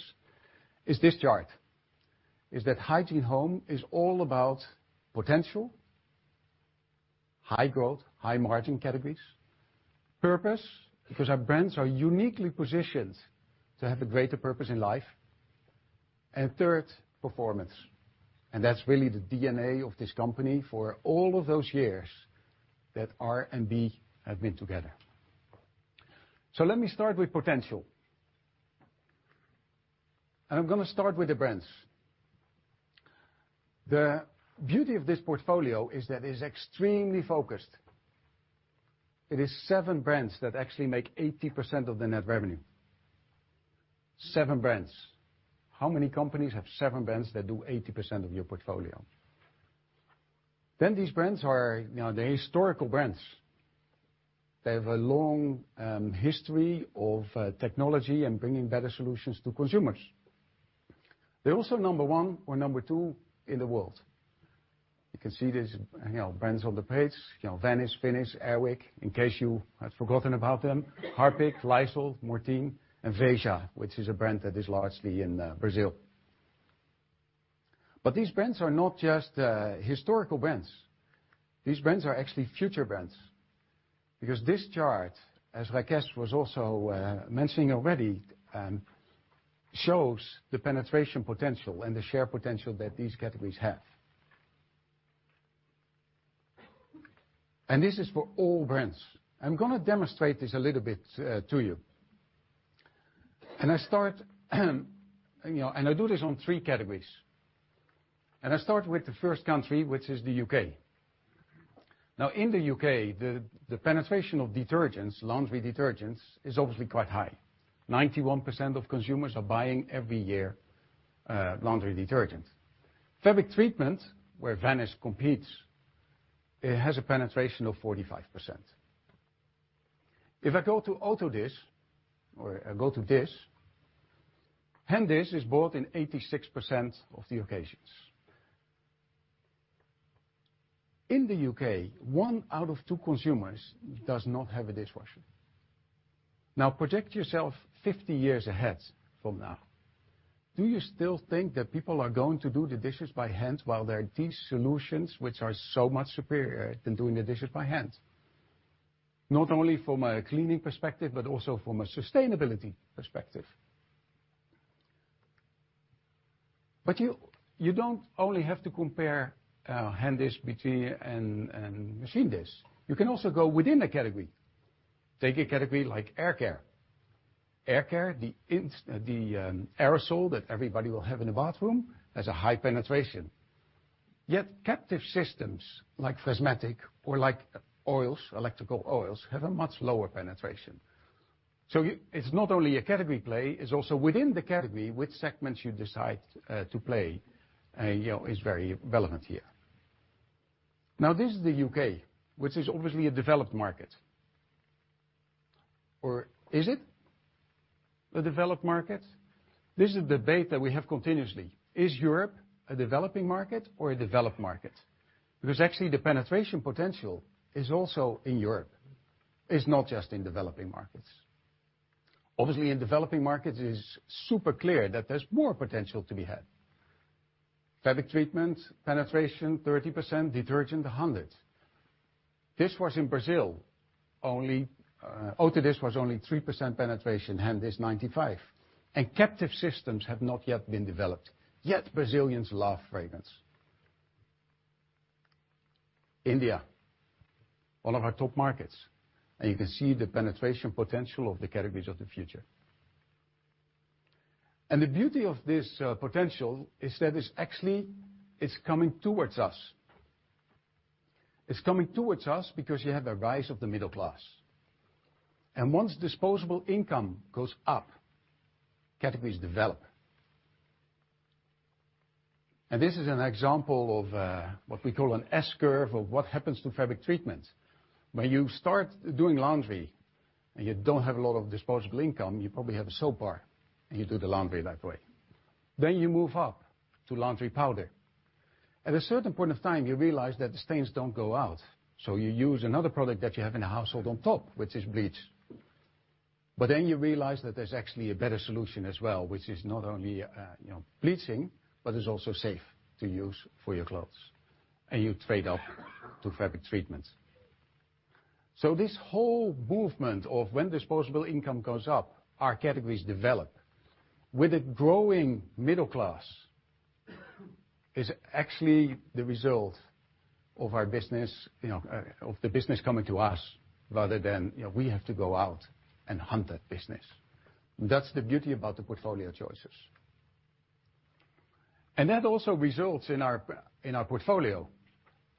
is this chart. Is that Hygiene Home is all about potential, high growth, high margin categories. Purpose, because our brands are uniquely positioned to have a greater purpose in life. Third, performance. That's really the DNA of this company for all of those years that R and B have been together. Let me start with potential. I'm going to start with the brands. The beauty of this portfolio is that it is extremely focused. It is seven brands that actually make 80% of the net revenue. Seven brands. How many companies have seven brands that do 80% of your portfolio? These brands are the historical brands. They have a long history of technology and bringing better solutions to consumers. They're also number one or number two in the world. You can see these brands on the page, Vanish, Finish, Air Wick, in case you had forgotten about them. Harpic, Lysol, Mortein, and Veja, which is a brand that is largely in Brazil. These brands are not just historical brands. These brands are actually future brands because this chart, as Rakesh was also mentioning already, shows the penetration potential and the share potential that these categories have. This is for all brands. I'm going to demonstrate this a little bit to you. I do this on 3 categories. I start with the first country, which is the U.K. Now in the U.K., the penetration of detergents, laundry detergents is obviously quite high. 91% of consumers are buying every year, laundry detergent. Fabric treatment, where Vanish competes, it has a penetration of 45%. If I go to auto dish or I go to hand dish, hand dish is bought in 86% of the occasions. In the U.K., one out of two consumers does not have a dishwasher. Now project yourself 50 years ahead from now. Do you still think that people are going to do the dishes by hand while there are these solutions which are so much superior than doing the dishes by hand? Not only from a cleaning perspective, but also from a sustainability perspective. You don't only have to compare hand dish between and machine dish. You can also go within a category. Take a category like hair care. Hair care, the aerosol that everybody will have in the bathroom, has a high penetration. Yet captive systems like Freshmatic or like oils, electrical oils, have a much lower penetration. It's not only a category play, it's also within the category which segments you decide to play is very relevant here. Now, this is the U.K., which is obviously a developed market. Or is it a developed market? This is a debate that we have continuously. Is Europe a developing market or a developed market? Because actually the penetration potential is also in Europe. It's not just in developing markets. Obviously, in developing markets, it's super clear that there's more potential to be had. Fabric treatment, penetration 30%, detergent 100%. Auto dish was only 3% penetration, hand dish is 95%, and captive systems have not yet been developed. Brazilians love fragrance. India, one of our top markets, you can see the penetration potential of the categories of the future. The beauty of this potential is that it's coming towards us. It's coming towards us because you have a rise of the middle class. Once disposable income goes up, categories develop. This is an example of what we call an S-curve, of what happens to fabric treatment. When you start doing laundry and you don't have a lot of disposable income, you probably have a soap bar, and you do the laundry that way. You move up to laundry powder. You realize that the stains don't go out, you use another product that you have in the household on top, which is bleach. You realize that there's actually a better solution as well, which is not only bleaching, but is also safe to use for your clothes, and you trade up to fabric treatments. This whole movement of when disposable income goes up, our categories develop. With a growing middle class is actually the result of the business coming to us rather than we have to go out and hunt that business. That's the beauty about the portfolio choices. That also results in our portfolio,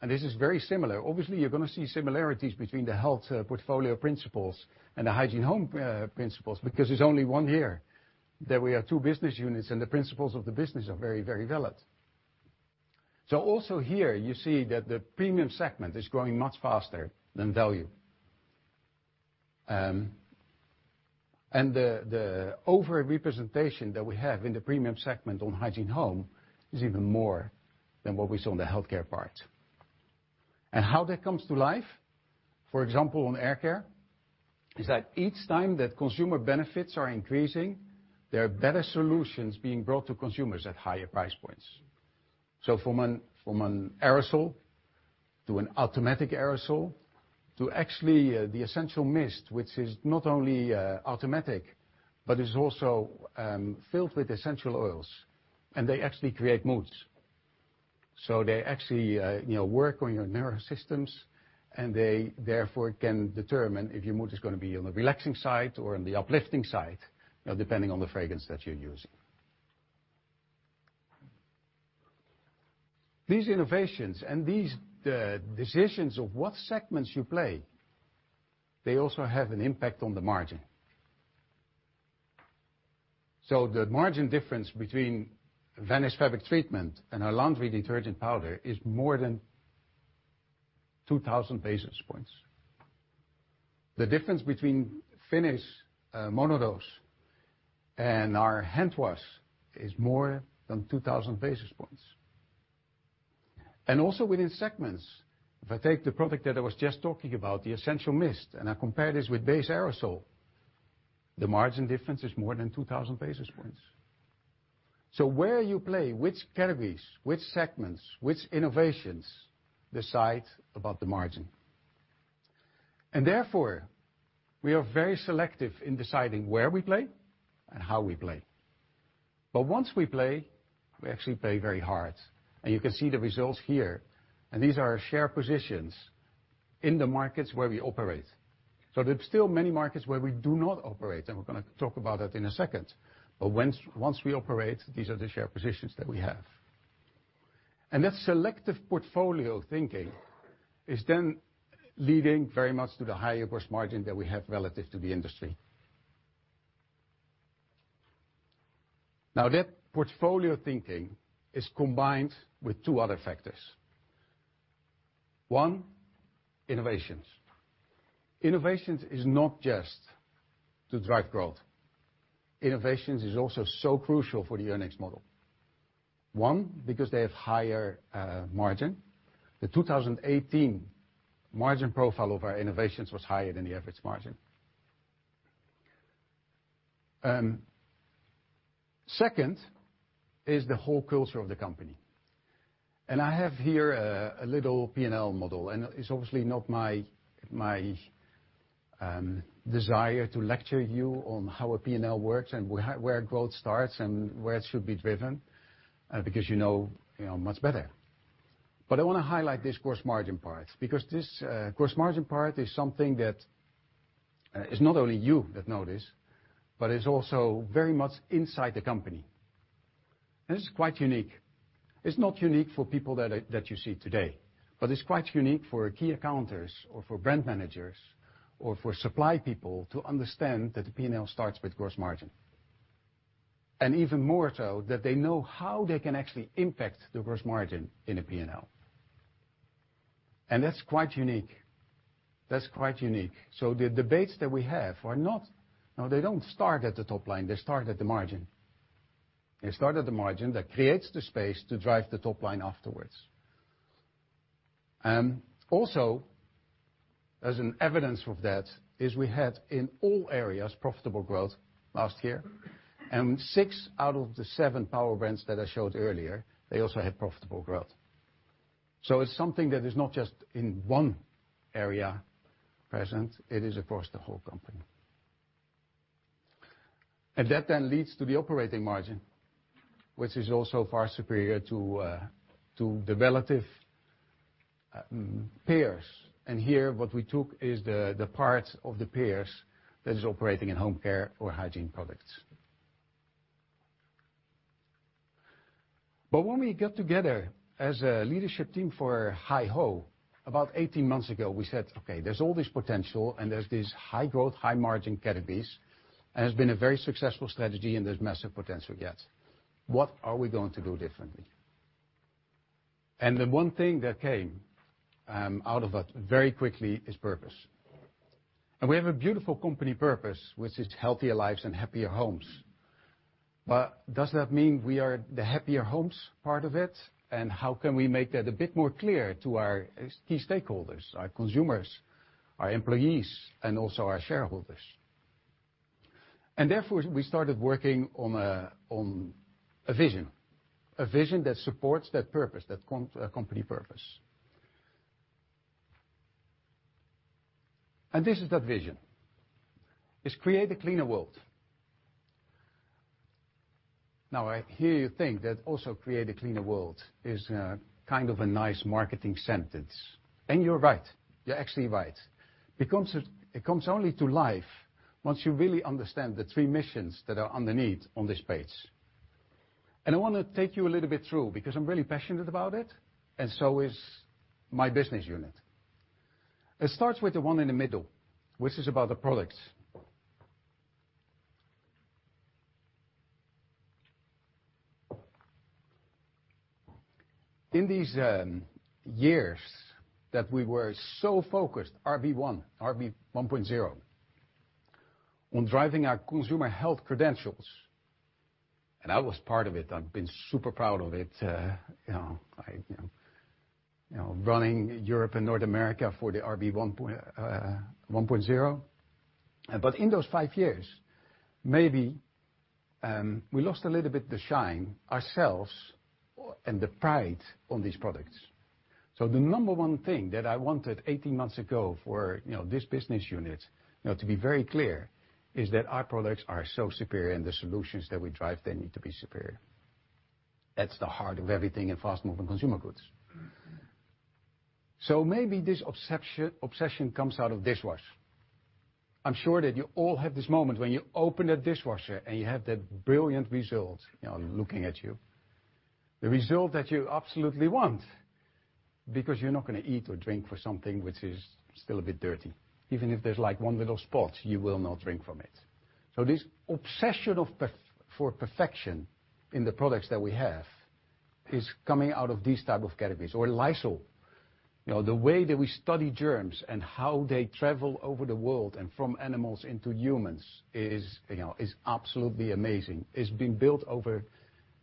and this is very similar. Obviously, you're going to see similarities between the Health portfolio principles and the Hygiene Home principles, because there's only one here, that we have two business units and the principles of the business are very valid. Also here you see that the premium segment is growing much faster than value. The over-representation that we have in the premium segment on Hygiene Home is even more than what we saw on the healthcare part. How that comes to life, for example, on air care, is that each time that consumer benefits are increasing, there are better solutions being brought to consumers at higher price points. From an aerosol to an automatic aerosol to actually the Essential Mist, which is not only automatic, but is also filled with essential oils, and they actually create moods. They actually work on your neural systems, and they therefore can determine if your mood is going to be on the relaxing side or on the uplifting side, depending on the fragrance that you're using. These innovations and these decisions of what segments you play, they also have an impact on the margin. The margin difference between Vanish fabric treatment and our laundry detergent powder is more than 2,000 basis points. The difference between Finish mono-dose and our hand dish is more than 2,000 basis points. Also within segments, if I take the product that I was just talking about, the Essential Mist, and I compare this with base aerosol, the margin difference is more than 2,000 basis points. Where you play, which categories, which segments, which innovations decide about the margin. Therefore, we are very selective in deciding where we play and how we play. Once we play, we actually play very hard. You can see the results here. These are our share positions in the markets where we operate. There's still many markets where we do not operate, and we're going to talk about that in a second. Once we operate, these are the share positions that we have. That selective portfolio thinking is then leading very much to the higher gross margin that we have relative to the industry. Now, that portfolio thinking is combined with two other factors. One, innovations. Innovations is not just to drive growth. Innovations is also so crucial for the Earn X model. One, because they have higher margin. The 2018 margin profile of our innovations was higher than the average margin. Second is the whole culture of the company. I have here a little P&L model, it's obviously not my desire to lecture you on how a P&L works and where growth starts and where it should be driven, because you know much better. I want to highlight this gross margin part, because this gross margin part is something that is not only you that know this, but it's also very much inside the company. It's quite unique. It's not unique for people that you see today, but it's quite unique for key accountants or for brand managers or for supply people to understand that the P&L starts with gross margin. Even more so that they know how they can actually impact the gross margin in a P&L. That's quite unique. The debates that we have, they don't start at the top line, they start at the margin. They start at the margin that creates the space to drive the top line afterwards. Also, as an evidence of that, is we had, in all areas, profitable growth last year, and six out of the seven power brands that I showed earlier, they also had profitable growth. It's something that is not just in one area present, it is across the whole company. That then leads to the operating margin, which is also far superior to the relative peers. Here, what we took is the parts of the peers that is operating in home care or hygiene products. When we got together as a leadership team for HyHo, about 18 months ago, we said, "Okay, there's all this potential, there's these high growth, high margin categories, it's been a very successful strategy, there's massive potential yet. What are we going to do differently?" The one thing that came out of it very quickly is purpose. We have a beautiful company purpose, which is healthier lives and happier homes. Does that mean we are the happier homes part of it? How can we make that a bit more clear to our key stakeholders, our consumers, our employees, also our shareholders? Therefore, we started working on a vision. A vision that supports that purpose, that company purpose. This is that vision, is create a cleaner world. I hear you think that also create a cleaner world is kind of a nice marketing sentence. You're right. You're actually right. It comes only to life once you really understand the three missions that are underneath on this page. I want to take you a little bit through, because I'm really passionate about it, and so is my business unit. It starts with the one in the middle, which is about the products. In these years that we were so focused, RB 1.0, on driving our consumer health credentials, and I was part of it. I've been super proud of it, running Europe and North America for the RB 1.0. In those five years, maybe we lost a little bit the shine ourselves and the pride on these products. The number one thing that I wanted 18 months ago for this business unit, to be very clear, is that our products are so superior, and the solutions that we drive, they need to be superior. That's the heart of everything in fast-moving consumer goods. Maybe this obsession comes out of dishwasher. I'm sure that you all have this moment when you open a dishwasher, and you have that brilliant result looking at you. The result that you absolutely want because you're not going to eat or drink for something which is still a bit dirty. Even if there's one little spot, you will not drink from it. This obsession for perfection in the products that we have is coming out of these type of categories, or Lysol. The way that we study germs and how they travel over the world and from animals into humans is absolutely amazing. It's been built over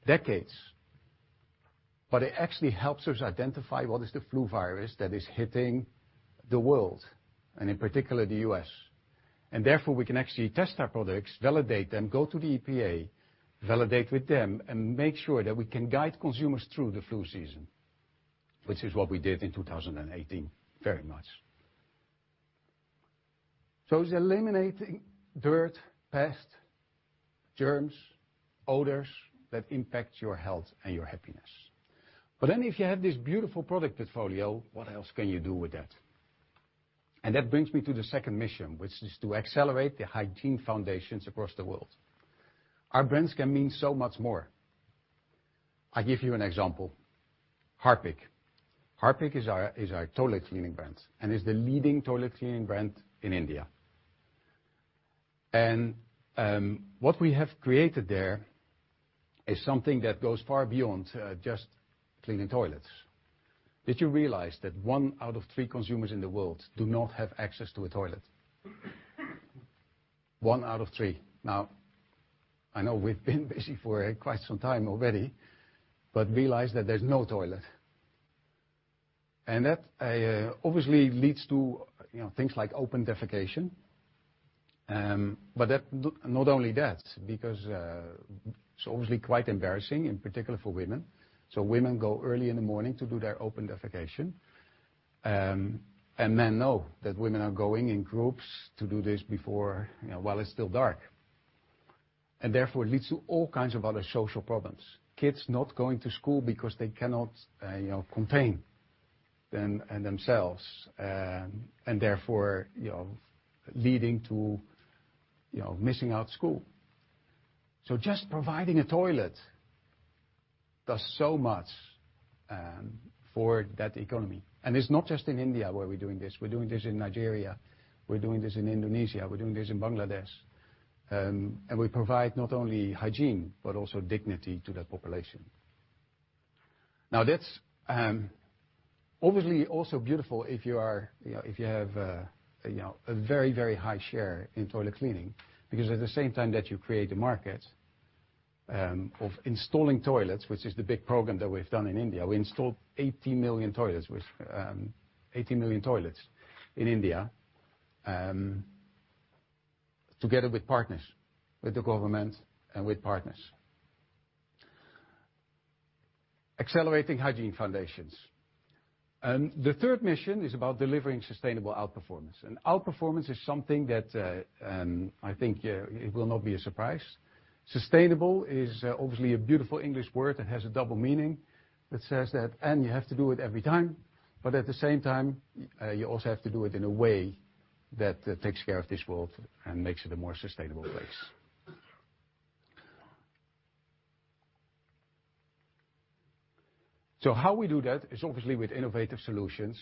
decades. It actually helps us identify what is the flu virus that is hitting the world, and in particular, the U.S. Therefore, we can actually test our products, validate them, go to the EPA, validate with them, and make sure that we can guide consumers through the flu season, which is what we did in 2018 very much. It's eliminating dirt, pest, germs, odors that impact your health and your happiness. If you have this beautiful product portfolio, what else can you do with that? That brings me to the second mission, which is to accelerate the hygiene foundations across the world. Our brands can mean so much more. I give you an example. Harpic. Harpic is our toilet cleaning brand, and is the leading toilet cleaning brand in India. What we have created there is something that goes far beyond just cleaning toilets. Did you realize that one out of three consumers in the world do not have access to a toilet? One out of three. Now, I know we've been busy for quite some time already, but realize that there's no toilet. That obviously leads to things like open defecation, but not only that, because it's obviously quite embarrassing, in particular for women. Women go early in the morning to do their open defecation. Men know that women are going in groups to do this while it's still dark. It leads to all kinds of other social problems, kids not going to school because they cannot contain themselves, and therefore leading to missing out school. Just providing a toilet does so much for that economy. It's not just in India where we're doing this. We're doing this in Nigeria, we're doing this in Indonesia, we're doing this in Bangladesh. We provide not only hygiene, but also dignity to that population. Now that's obviously also beautiful if you have a very, very high share in toilet cleaning, because at the same time that you create a market of installing toilets, which is the big program that we've done in India. We installed 80 million toilets in India, together with partners, with the government and with partners. Accelerating hygiene foundations. The third mission is about delivering sustainable outperformance. Outperformance is something that, I think it will not be a surprise. Sustainable is obviously a beautiful English word that has a double meaning that says that and you have to do it every time. At the same time, you also have to do it in a way that takes care of this world and makes it a more sustainable place. How we do that is obviously with innovative solutions,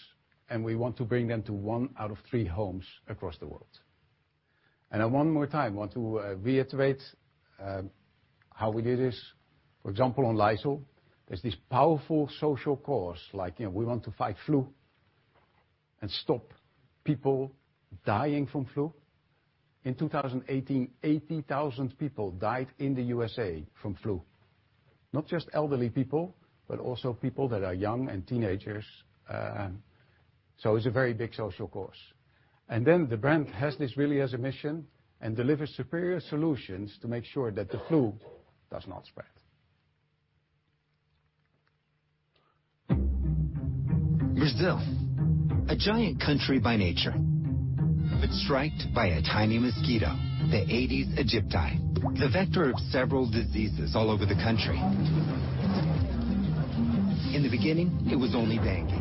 and we want to bring them to one out of three homes across the world. One more time, want to reiterate how we do this. For example, on Lysol, there's this powerful social cause, like we want to fight flu and stop people dying from flu. In 2018, 80,000 people died in the U.S.A. from flu. Not just elderly people, but also people that are young and teenagers. It's a very big social cause. Then the brand has this really as a mission and delivers superior solutions to make sure that the flu does not spread. Brazil, a giant country by nature, striked by a tiny mosquito, the Aedes aegypti, the vector of several diseases all over the country. In the beginning, it was only dengue,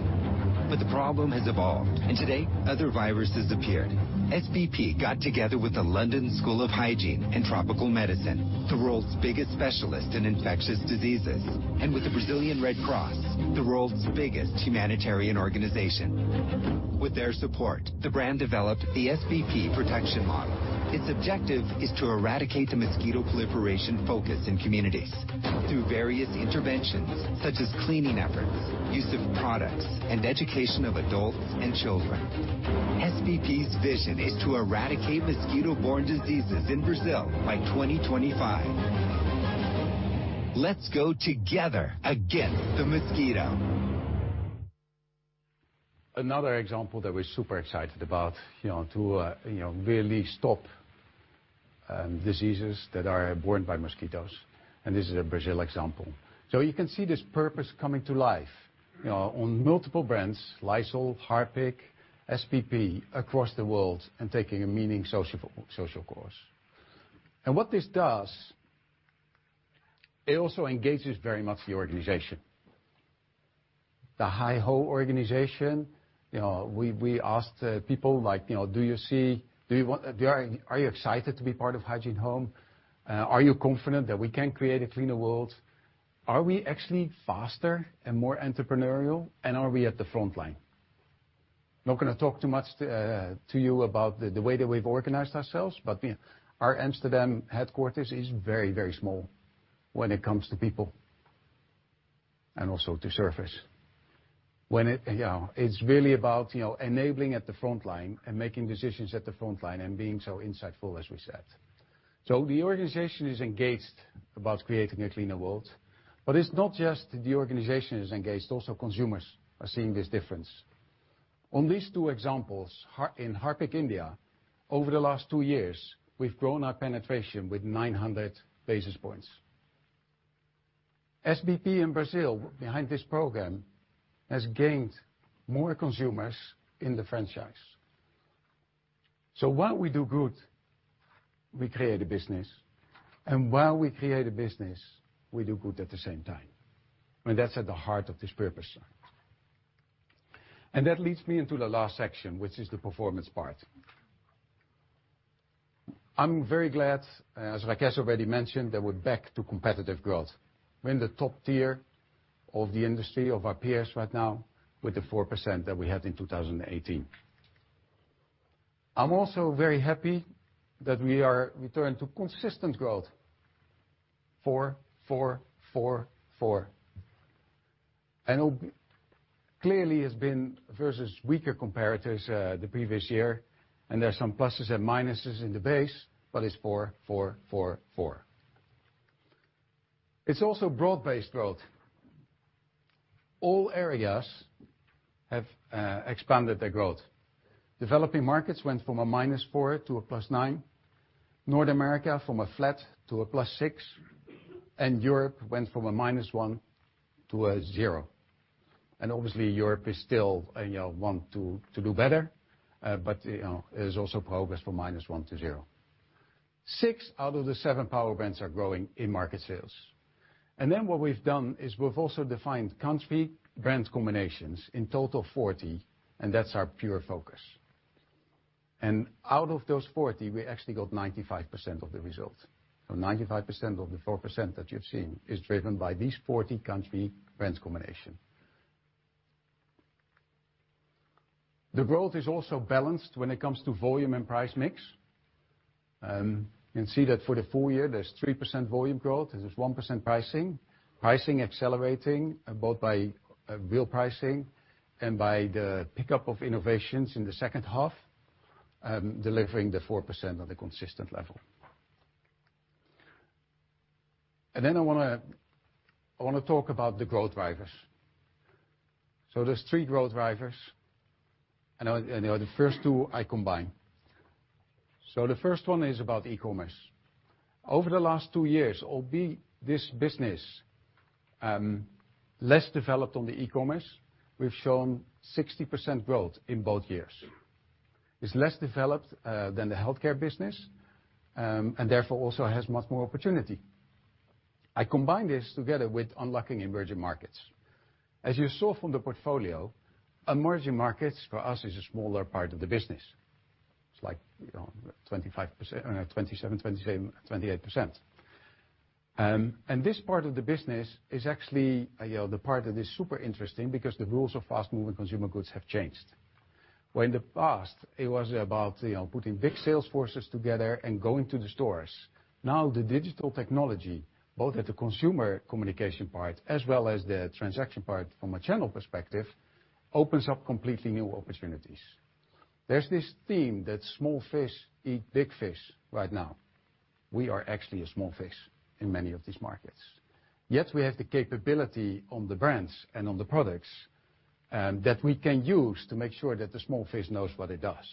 the problem has evolved, today other viruses appeared. SBP got together with the London School of Hygiene & Tropical Medicine, the world's biggest specialist in infectious diseases, and with the Brazilian Red Cross, the world's biggest humanitarian organization. With their support, the brand developed the SBP protection model. Its objective is to eradicate the mosquito proliferation focus in communities through various interventions such as cleaning efforts, use of products, and education of adults and children. SBP's vision is to eradicate mosquito-borne diseases in Brazil by 2025. Let's go together against the mosquito. Another example that we're super excited about to really stop diseases that are borne by mosquitoes, this is a Brazil example. You can see this purpose coming to life on multiple brands, Lysol, Harpic, SBP, across the world and taking a meaning social cause. What this does, it also engages very much the organization. The HyHo organization, we asked people like, "Are you excited to be part of Hygiene Home? Are you confident that we can create a cleaner world? Are we actually faster and more entrepreneurial and are we at the frontline?" Not going to talk too much to you about the way that we've organized ourselves, our Amsterdam headquarters is very, very small when it comes to people and also to surface. It's really about enabling at the frontline and making decisions at the frontline and being so insightful, as we said. The organization is engaged about creating a cleaner world, it's not just the organization is engaged, also consumers are seeing this difference. On these two examples, in Harpic India, over the last two years, we've grown our penetration with 900 basis points. SBP in Brazil, behind this program, has gained more consumers in the franchise. While we do good, we create a business, while we create a business, we do good at the same time. I mean, that's at the heart of this purpose sign. That leads me into the last section, which is the performance part. I'm very glad, as Rakesh already mentioned, that we're back to competitive growth. We're in the top tier of the industry of our peers right now with the 4% that we had in 2018. I am also very happy that we are returned to consistent growth, 4, 4. And clearly has been versus weaker comparators the previous year, and there are some pluses and minuses in the base, but it is 4, 4. It is also broad-based growth. All areas have expanded their growth. Developing Markets went from a -4 to a +9. North America, from a flat to a +6. And Europe went from a -1 to a zero. And obviously Europe is still want to do better, but is also progress from -1 to zero. six out of the seven power brands are growing in market sales. And then what we have done is we have also defined country brand combinations, in total 40, and that is our pure focus. And out of those 40, we actually got 95% of the result. 95% of the 4% that you have seen is driven by these 40 country brands combination. The growth is also balanced when it comes to volume and price mix. You can see that for the full year, there is 3% volume growth, there is 1% pricing. Pricing accelerating both by real pricing and by the pickup of innovations in the second half, delivering the 4% on the consistent level. Then I want to talk about the growth drivers. There are three growth drivers, and the first two I combine. The first one is about e-commerce. Over the last two years, albeit this business less developed on the e-commerce, we have shown 60% growth in both years. It is less developed than the Health business, and therefore also has much more opportunity. I combine this together with unlocking Emerging Markets. As you saw from the portfolio, Emerging Markets for us is a smaller part of the business. It is like 27%, 28%. And this part of the business is actually the part that is super interesting because the rules of fast-moving consumer goods have changed. Where in the past, it was about putting big sales forces together and going to the stores. Now, the digital technology, both at the consumer communication part as well as the transaction part from a channel perspective, opens up completely new opportunities. There is this theme that small fish eat big fish right now. We are actually a small fish in many of these markets. Yet we have the capability on the brands and on the products that we can use to make sure that the small fish knows what it does.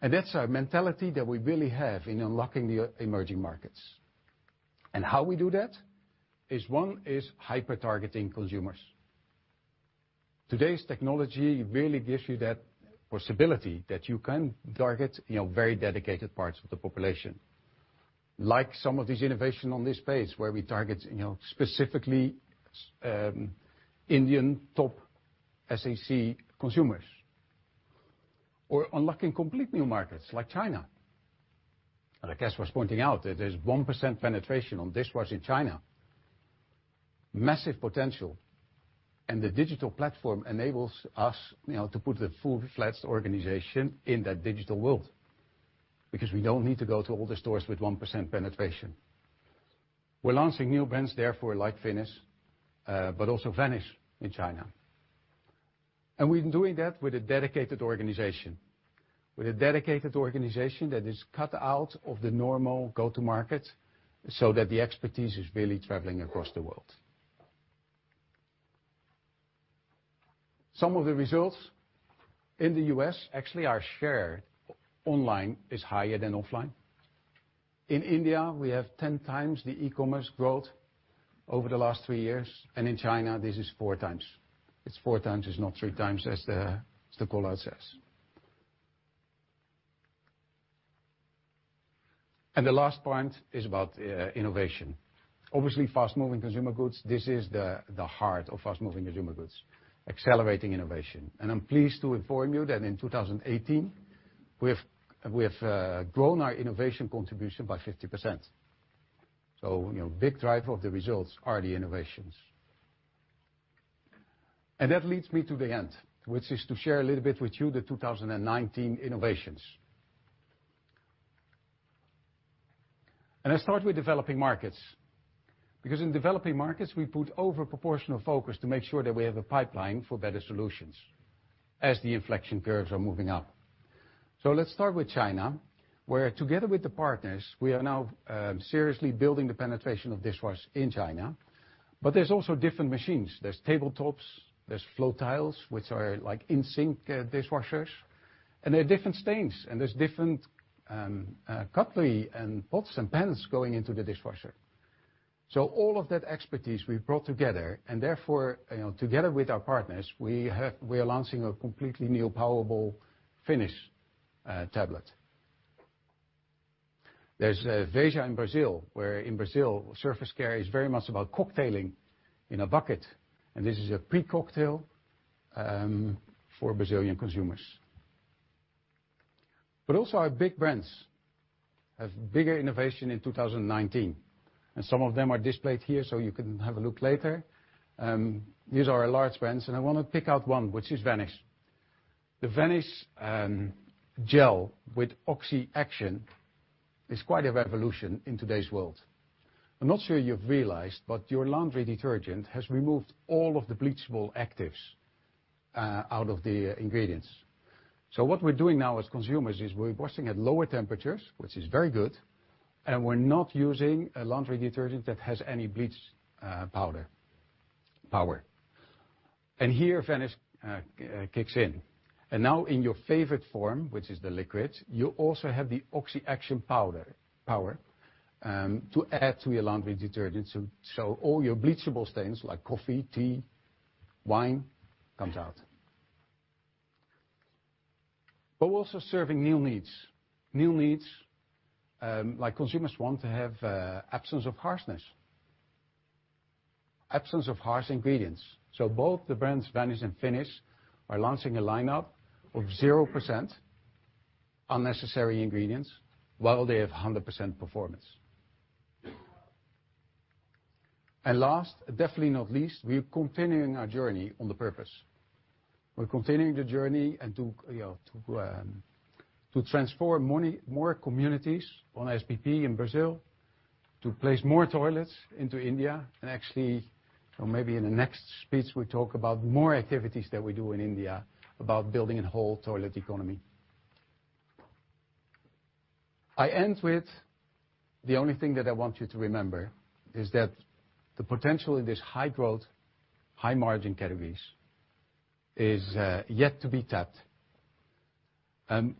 And that is a mentality that we really have in unlocking the Emerging Markets. How we do that is one, is hyper targeting consumers. Today's technology really gives you that possibility that you can target very dedicated parts of the population. Like some of these innovation on this page, where we target specifically Indian top SAC consumers or unlocking complete new markets like China. I guess worth pointing out that there is 1% penetration on dishwash in China. Massive potential, and the digital platform enables us to put the full flats organization in that digital world, because we do not need to go to all the stores with 1% penetration. We are launching new brands therefore, like Finish, but also Vanish in China. We are doing that with a dedicated organization. With a dedicated organization that is cut out of the normal go-to-market so that the expertise is really traveling across the world. Some of the results in the U.S. actually, our share online is higher than offline. In India, we have 10 times the e-commerce growth over the last three years. In China, this is four times. It's four times, it's not three times as the call-out says. The last point is about innovation. Obviously, fast-moving consumer goods, this is the heart of fast-moving consumer goods, accelerating innovation. I'm pleased to inform you that in 2018, we have grown our innovation contribution by 50%. Big driver of the results are the innovations. That leads me to the end, which is to share a little bit with you the 2019 innovations. I start with developing markets, because in developing markets, we put over proportional focus to make sure that we have a pipeline for better solutions as the inflection curves are moving up. Let's start with China, where together with the partners, we are now seriously building the penetration of dishwash in China. There's also different machines. There's tabletops, there's Fotiles, which are like in-sink dishwashers, and there are different stains, and there's different cutlery and pots and pans going into the dishwasher. All of that expertise we've brought together, and therefore, together with our partners, we are launching a completely new powerful Finish tablet. There's Asia and Brazil, where in Brazil, surface care is very much about cocktailing in a bucket, and this is a pre-cocktail for Brazilian consumers. Also our big brands have bigger innovation in 2019, and some of them are displayed here, so you can have a look later. These are our large brands, and I want to pick out one, which is Vanish. The Vanish gel with Oxy Action is quite a revolution in today's world. I'm not sure you've realized, but your laundry detergent has removed all of the bleachable actives out of the ingredients. What we're doing now as consumers is we're washing at lower temperatures, which is very good, and we're not using a laundry detergent that has any bleach power. Here, Vanish kicks in. Now in your favorite form, which is the liquid, you also have the Oxy Action power to add to your laundry detergent. All your bleachable stains like coffee, tea, wine comes out. We're also serving new needs. New needs like consumers want to have absence of harshness. Absence of harsh ingredients. Both the brands Vanish and Finish are launching a lineup of 0% unnecessary ingredients while they have 100% performance. Last, definitely not least, we're continuing our journey on the purpose. We're continuing the journey and to transform more communities on SBP in Brazil, to place more toilets into India. Actually, maybe in the next speech, we talk about more activities that we do in India about building a whole toilet economy. I end with the only thing that I want you to remember is that the potential in these high-growth, high-margin categories is yet to be tapped.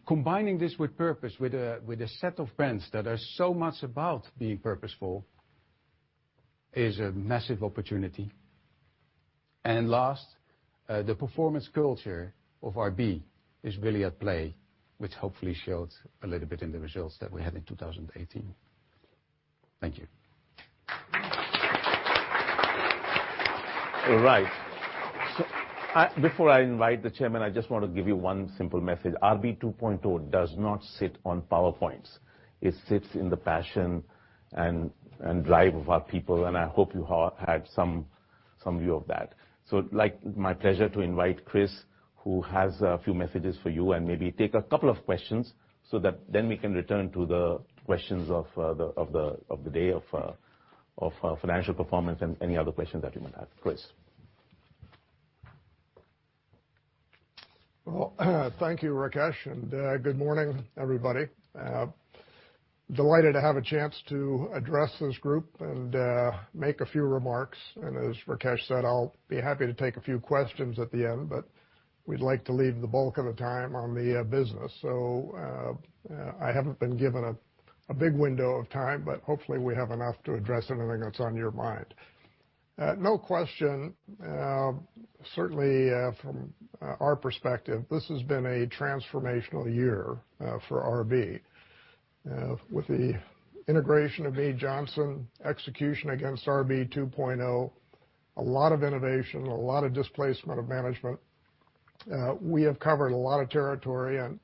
Combining this with purpose, with a set of brands that are so much about being purposeful, is a massive opportunity. Last, the performance culture of RB is really at play, which hopefully showed a little bit in the results that we had in 2018. Thank you. All right. Before I invite the chairman, I just want to give you one simple message. RB 2.0 does not sit on PowerPoints. It sits in the passion and drive of our people, and I hope you all had some view of that. My pleasure to invite Chris, who has a few messages for you and maybe take a couple of questions so that then we can return to the questions of the day of financial performance and any other questions that you might have. Chris. Well, thank you, Rakesh, and good morning, everybody. Delighted to have a chance to address this group and make a few remarks. As Rakesh said, I'll be happy to take a few questions at the end, but we'd like to leave the bulk of the time on the business. I haven't been given a big window of time, but hopefully we have enough to address anything that's on your mind. No question, certainly from our perspective, this has been a transformational year for RB. With the integration of Mead Johnson, execution against RB 2.0, a lot of innovation, a lot of displacement of management. We have covered a lot of territory and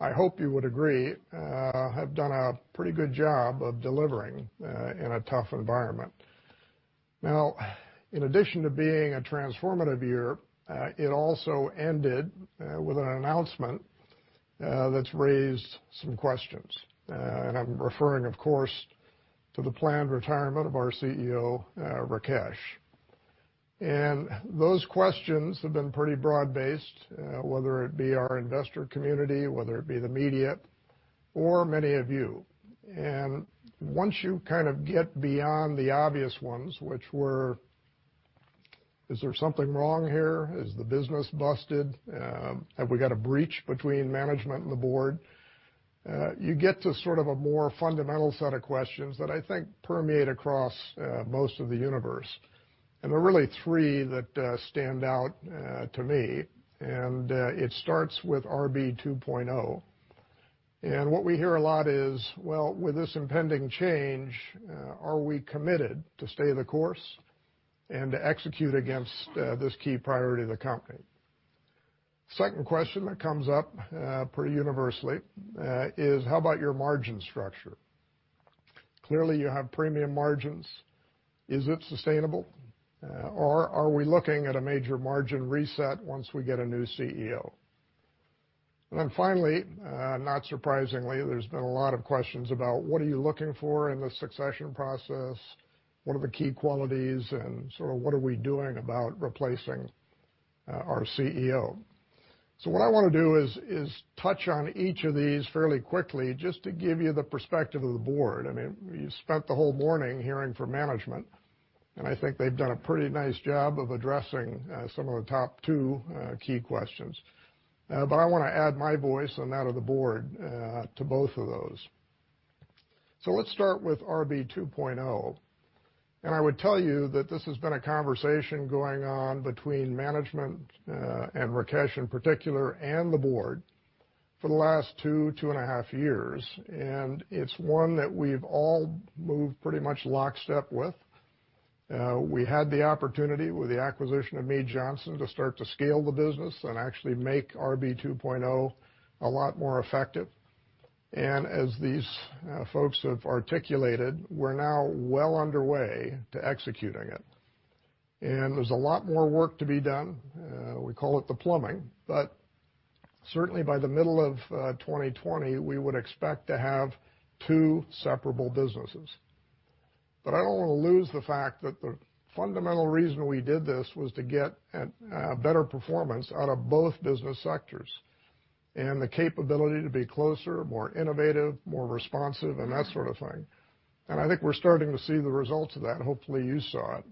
I hope you would agree, have done a pretty good job of delivering in a tough environment. Now, in addition to being a transformative year, it also ended with an announcement that's raised some questions. I'm referring, of course, to the planned retirement of our CEO, Rakesh. Those questions have been pretty broad-based, whether it be our investor community, whether it be the media, or many of you. Once you kind of get beyond the obvious ones, which were, is there something wrong here? Is the business busted? Have we got a breach between management and the board? You get to sort of a more fundamental set of questions that I think permeate across most of the universe. There are really three that stand out to me, and it starts with RB 2.0. What we hear a lot is, well, with this impending change, are we committed to stay the course and to execute against this key priority of the company? Second question that comes up pretty universally is how about your margin structure? Clearly, you have premium margins. Is it sustainable? Are we looking at a major margin reset once we get a new CEO? Finally, not surprisingly, there's been a lot of questions about what are you looking for in the succession process, what are the key qualities, and sort of what are we doing about replacing our CEO? What I want to do is touch on each of these fairly quickly just to give you the perspective of the board. You spent the whole morning hearing from management, and I think they've done a pretty nice job of addressing some of the top two key questions. I want to add my voice and that of the board to both of those. Let's start with RB 2.0. I would tell you that this has been a conversation going on between management, Rakesh in particular, and the board for the last two and a half years. It's one that we've all moved pretty much lockstep with. We had the opportunity with the acquisition of Mead Johnson to start to scale the business and actually make RB 2.0 a lot more effective. As these folks have articulated, we're now well underway to executing it. There's a lot more work to be done. We call it the plumbing. Certainly, by the middle of 2020, we would expect to have two separable businesses. I don't want to lose the fact that the fundamental reason we did this was to get better performance out of both business sectors, and the capability to be closer, more innovative, more responsive, and that sort of thing. I think we're starting to see the results of that, and hopefully you saw it.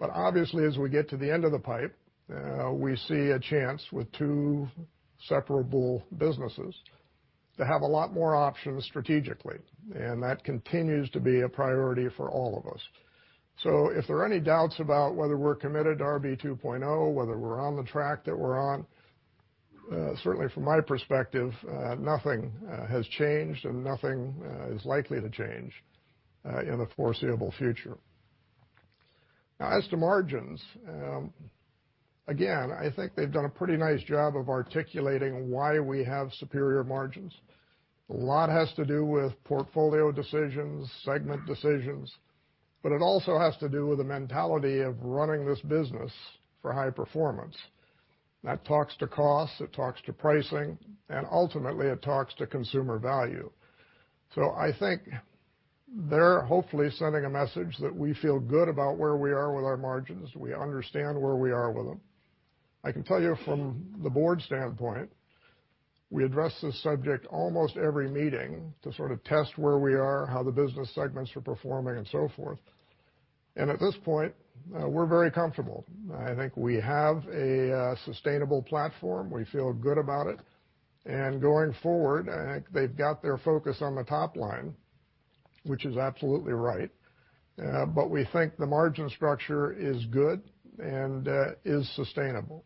Obviously, as we get to the end of the pipe, we see a chance with two separable businesses to have a lot more options strategically. That continues to be a priority for all of us. If there are any doubts about whether we're committed to RB 2.0, whether we're on the track that we're on, certainly from my perspective, nothing has changed and nothing is likely to change in the foreseeable future. Now as to margins. Again, I think they've done a pretty nice job of articulating why we have superior margins. A lot has to do with portfolio decisions, segment decisions, but it also has to do with the mentality of running this business for high performance. That talks to cost, it talks to pricing, and ultimately it talks to consumer value. I think they're hopefully sending a message that we feel good about where we are with our margins. We understand where we are with them. I can tell you from the board's standpoint, we address this subject almost every meeting to sort of test where we are, how the business segments are performing, and so forth. At this point, we're very comfortable. I think we have a sustainable platform. We feel good about it. Going forward, I think they've got their focus on the top line, which is absolutely right. We think the margin structure is good and is sustainable.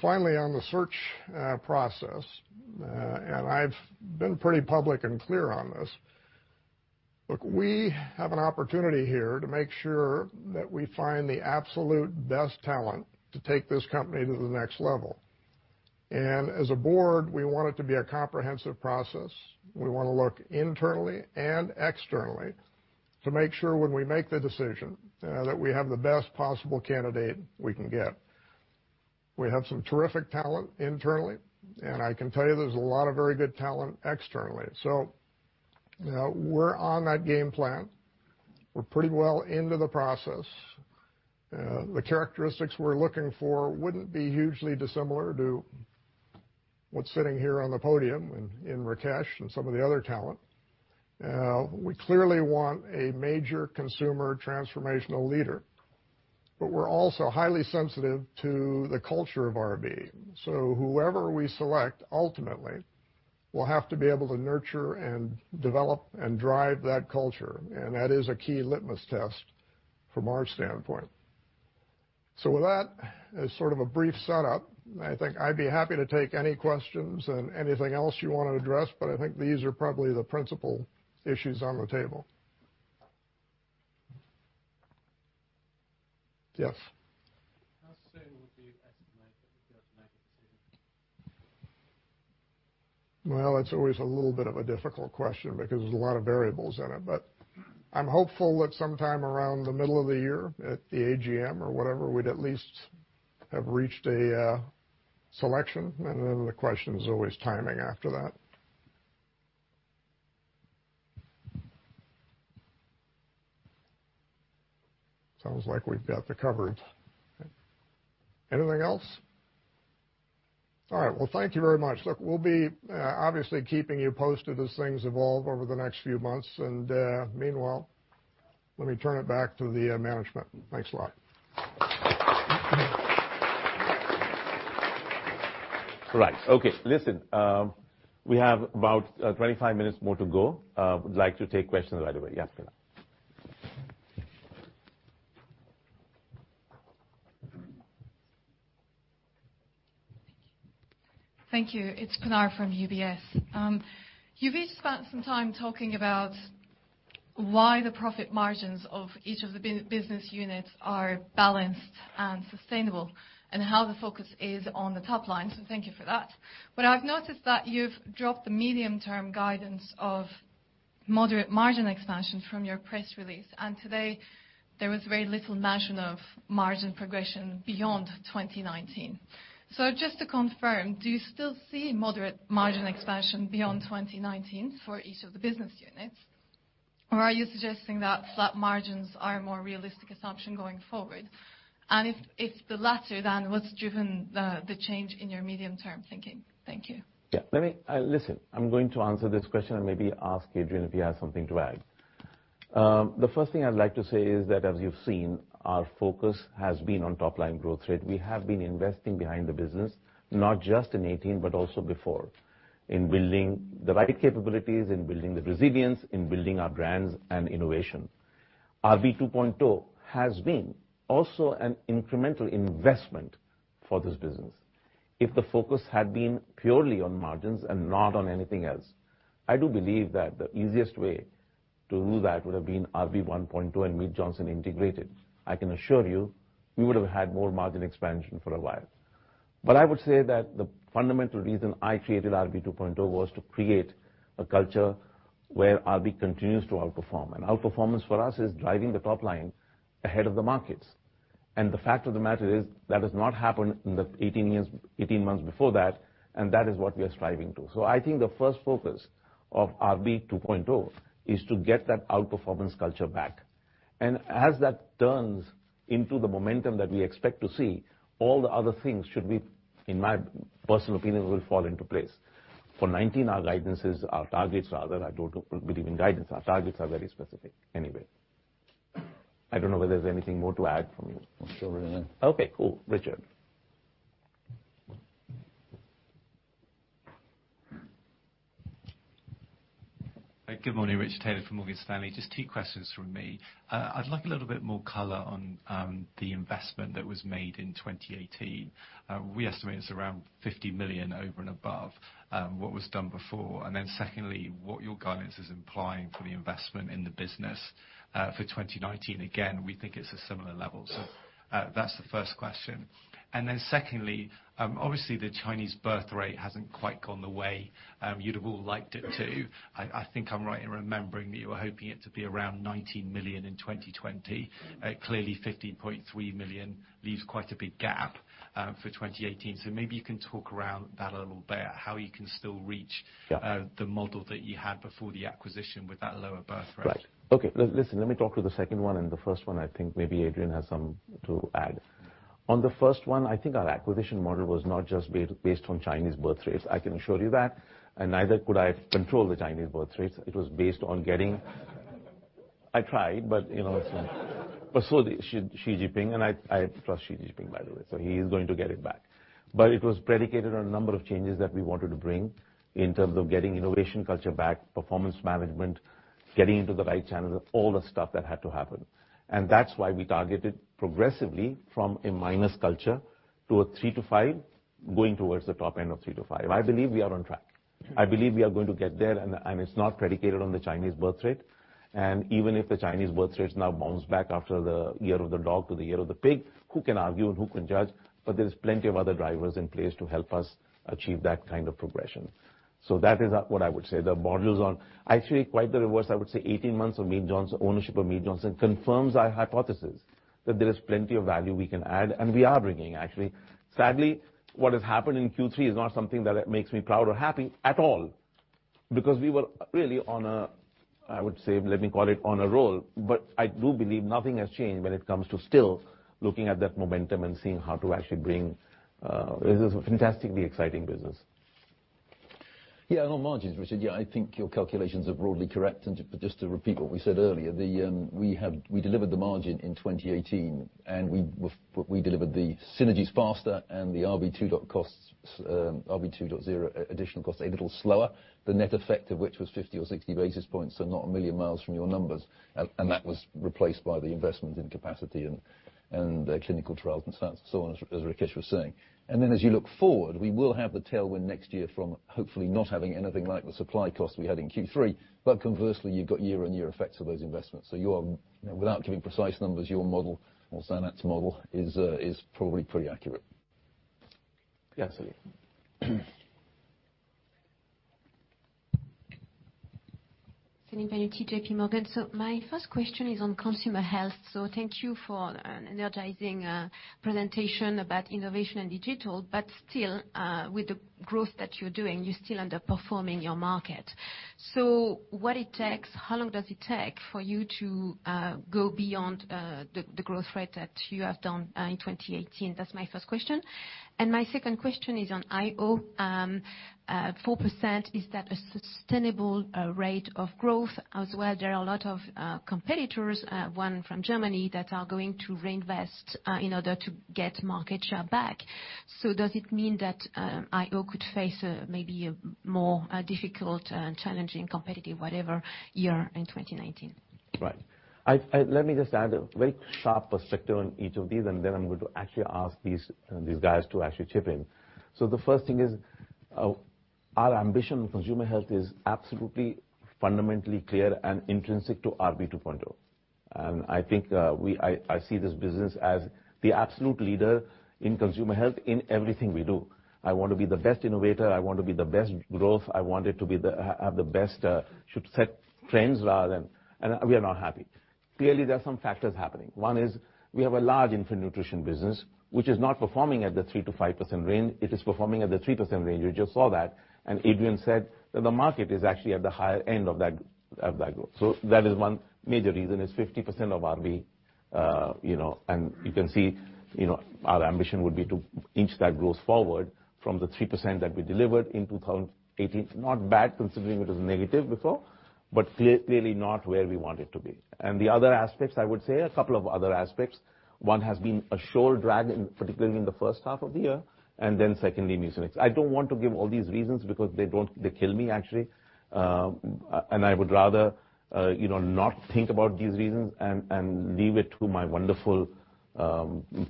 Finally, on the search process, and I've been pretty public and clear on this. Look, we have an opportunity here to make sure that we find the absolute best talent to take this company to the next level. As a board, we want it to be a comprehensive process. We want to look internally and externally to make sure when we make the decision, that we have the best possible candidate we can get. We have some terrific talent internally, and I can tell you there's a lot of very good talent externally. We're on that game plan. We're pretty well into the process. The characteristics we're looking for wouldn't be hugely dissimilar to what's sitting here on the podium in Rakesh and some of the other talent. We clearly want a major consumer transformational leader. We're also highly sensitive to the culture of RB. Whoever we select ultimately will have to be able to nurture and develop and drive that culture. That is a key litmus test from our standpoint. With that as sort of a brief setup, I think I'd be happy to take any questions and anything else you want to address, but I think these are probably the principal issues on the table. Yes. How soon would you estimate that you'll be able to make a decision? Well, it's always a little bit of a difficult question because there's a lot of variables in it, but I'm hopeful that sometime around the middle of the year at the AGM or whatever, we'd at least have reached a selection, and then the question is always timing after that. Sounds like we've got that covered. Anything else? All right. Well, thank you very much. Look, we'll be obviously keeping you posted as things evolve over the next few months. Meanwhile, let me turn it back to the management. Thanks a lot. Right. Okay. Listen, we have about 25 minutes more to go. Would like to take questions right away. Yes, go ahead. Thank you. It's Pinar from UBS. You've spent some time talking about why the profit margins of each of the business units are balanced and sustainable and how the focus is on the top line, thank you for that. I've noticed that you've dropped the medium-term guidance of moderate margin expansion from your press release. Today, there was very little mention of margin progression beyond 2019. Just to confirm, do you still see moderate margin expansion beyond 2019 for each of the business units? Or are you suggesting that flat margins are a more realistic assumption going forward? If it's the latter, what's driven the change in your medium-term thinking? Thank you. Listen, I'm going to answer this question and maybe ask Adrian if he has something to add. The first thing I'd like to say is that as you've seen, our focus has been on top line growth rate. We have been investing behind the business, not just in 2018, but also before, in building the right capabilities, in building the resilience, in building our brands and innovation. RB 2.0 has been also an incremental investment for this business. If the focus had been purely on margins and not on anything else, I do believe that the easiest way to do that would have been RB 1.0 and Mead Johnson integrated. I can assure you, we would have had more margin expansion for a while. I would say that the fundamental reason I created RB 2.0 was to create a culture where RB continues to outperform. Outperformance for us is driving the top line ahead of the markets. The fact of the matter is, that has not happened in the 18 months before that is what we are striving to. I think the first focus of RB 2.0 is to get that outperformance culture back. As that turns into the momentum that we expect to see, all the other things should be, in my personal opinion, will fall into place. For 2019, our guidances, our targets rather, I don't believe in guidance. Our targets are very specific anyway. I don't know whether there's anything more to add from you. I'm sure. Okay, cool. Richard. Good morning. Richard Taylor from Morgan Stanley. Just two questions from me. I'd like a little bit more color on the investment that was made in 2018. We estimate it's around 50 million over and above what was done before. Secondly, what your guidance is implying for the investment in the business for 2019, again, we think it's a similar level. That's the first question. Secondly, obviously the Chinese birth rate hasn't quite gone the way you'd have all liked it to. I think I'm right in remembering that you were hoping it to be around 19 million in 2020. Clearly, 15.3 million leaves quite a big gap for 2018. Maybe you can talk around that a little bit, how you can still reach Yeah the model that you had before the acquisition with that lower birthrate. Right. Okay. Listen, let me talk to the second one, the first one, I think maybe Adrian has some to add. On the first one, I think our acquisition model was not just based on Chinese birthrates. I can assure you that. Neither could I control the Chinese birthrates. It was based on getting, I tried, but you know. So did Xi Jinping, I trust Xi Jinping, by the way. He is going to get it back. It was predicated on a number of changes that we wanted to bring in terms of getting innovation culture back, performance management, getting into the right channels, all the stuff that had to happen. That's why we targeted progressively from a minus culture to a 3-5, going towards the top end of 3-5. I believe we are on track. I believe we are going to get there, it's not predicated on the Chinese birthrate. Even if the Chinese birthrate now bounce back after the Year of the Dog to the Year of the Pig, who can argue and who can judge? There's plenty of other drivers in place to help us achieve that kind of progression. That is what I would say. The model is on actually quite the reverse. I would say 18 months of Mead Johnson, ownership of Mead Johnson confirms our hypothesis that there is plenty of value we can add, and we are bringing, actually. Sadly, what has happened in Q3 is not something that makes me proud or happy at all because we were really on a, I would say, let me call it on a roll. I do believe nothing has changed when it comes to still looking at that momentum and seeing how to actually bring. This is a fantastically exciting business. On margins, Richard, I think your calculations are broadly correct. Just to repeat what we said earlier, we delivered the margin in 2018, we delivered the synergies faster and the RB 2.0 additional cost a little slower. The net effect of which was 50 or 60 basis points, not a million miles from your numbers. That was replaced by the investment in capacity and clinical trials and so on, as Rakesh was saying. Then as you look forward, we will have the tailwind next year from hopefully not having anything like the supply cost we had in Q3. Conversely, you've got year-on-year effects of those investments. You are, without giving precise numbers, your model or Zanet's model is probably pretty accurate. Yes, Celine. Celine Pannuti, J.P. Morgan. My first question is on consumer health. Thank you for an energizing presentation about innovation and digital, but still with the growth that you're doing, you're still underperforming your market. What it takes, how long does it take for you to go beyond the growth rate that you have done in 2018? That's my first question. My second question is on HyHo. 4% is that a sustainable rate of growth as well? There are a lot of competitors, one from Germany, that are going to reinvest in order to get market share back. Does it mean that HyHo could face maybe a more difficult and challenging competitive, whatever year in 2019? Right. Let me just add a very sharp perspective on each of these. I'm going to actually ask these guys to actually chip in. The first thing is our ambition with consumer health is absolutely fundamentally clear and intrinsic to RB 2.0. I think I see this business as the absolute leader in consumer health in everything we do. I want to be the best innovator. I want to be the best growth. I want it to be the, should set trends rather than We are not happy. Clearly, there are some factors happening. One is we have a large infant nutrition business, which is not performing at the 3% to 5% range. It is performing at the 3% range. You just saw that. Adrian said that the market is actually at the higher end of that growth. That is one major reason. It's 50% of RB. You can see our ambition would be to inch that growth forward from the 3% that we delivered in 2018. It's not bad considering it was negative before, clearly not where we want it to be. The other aspects, I would say a couple of other aspects. One has been a sure drag, particularly in the first half of the year. Secondly, Mucinex. I don't want to give all these reasons because they kill me, actually. I would rather not think about these reasons and leave it to my wonderful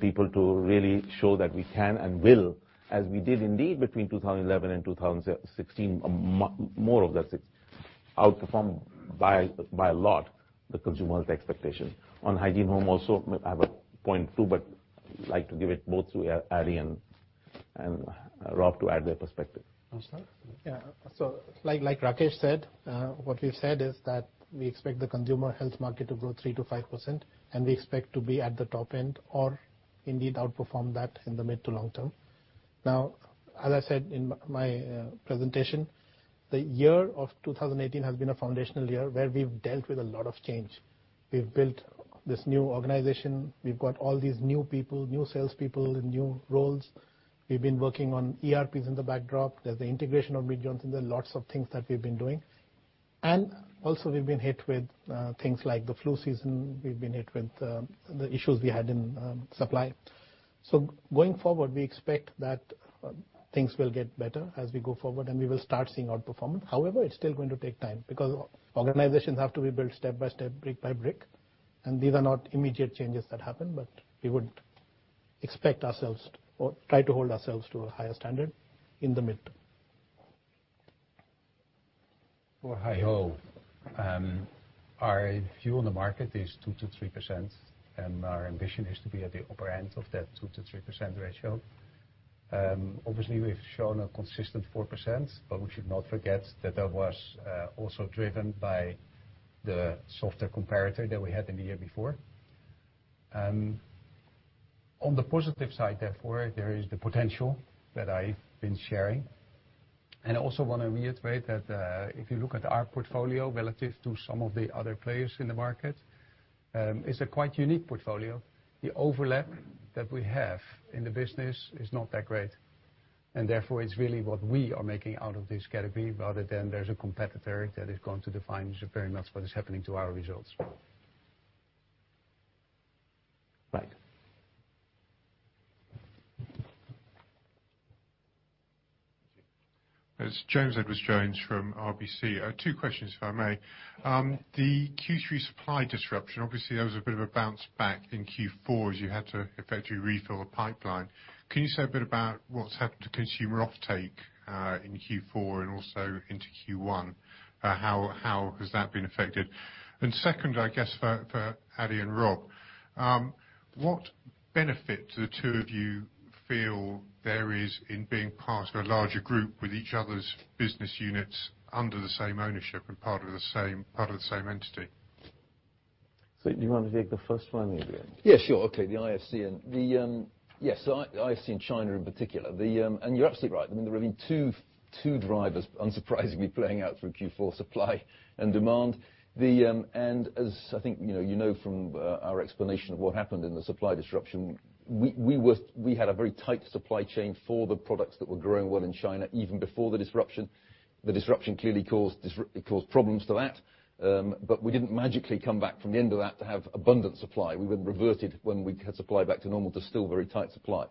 people to really show that we can and will, as we did indeed between 2011 and 2016, more of that success, outperform by a lot the consumer's expectation. On Hygiene Home also, I have a point, too. I like to give it both to Adi and Rob to add their perspective. Awesome. Yeah. Like Rakesh said, what we've said is that we expect the consumer health market to grow 3%-5%, and we expect to be at the top end or indeed outperform that in the mid to long term. As I said in my presentation, the year of 2018 has been a foundational year where we've dealt with a lot of change. We've built this new organization. We've got all these new people, new salespeople in new roles. We've been working on ERPs in the backdrop. There's the integration of Mead Johnson. There are lots of things that we've been doing. Also we've been hit with things like the flu season. We've been hit with the issues we had in supply. Going forward, we expect that things will get better as we go forward, and we will start seeing outperformance. It's still going to take time because organizations have to be built step by step, brick by brick. These are not immediate changes that happen, but we would expect ourselves or try to hold ourselves to a higher standard in the midterm. For high-low, our view on the market is 2%-3%. Our ambition is to be at the upper end of that 2%-3% ratio. Obviously, we've shown a consistent 4%. We should not forget that that was also driven by the softer comparator that we had in the year before. On the positive side, therefore, there is the potential that I've been sharing. I also want to reiterate that if you look at our portfolio relative to some of the other players in the market, it's a quite unique portfolio. The overlap that we have in the business is not that great. Therefore, it's really what we are making out of this category rather than there's a competitor that is going to define very much what is happening to our results. Mike? It's James Edwardes Jones from RBC. Two questions, if I may. The Q3 supply disruption, obviously that was a bit of a bounce back in Q4 as you had to effectively refill the pipeline. Can you say a bit about what's happened to consumer offtake in Q4 and also into Q1? How has that been affected? Second, I guess for Adi and Rob, what benefit do the two of you feel there is in being part of a larger group with each other's business units under the same ownership and part of the same entity? Do you want to take the first one maybe, Rob? Yeah, sure. Okay. The IFCN. Yes, IFCN in China in particular. You're absolutely right. There have been two drivers unsurprisingly playing out through Q4 supply and demand. As I think you know from our explanation of what happened in the supply disruption, we had a very tight supply chain for the products that were growing well in China even before the disruption. The disruption clearly caused problems to that. We didn't magically come back from the end of that to have abundant supply. We reverted when we cut supply back to normal to still very tight supply.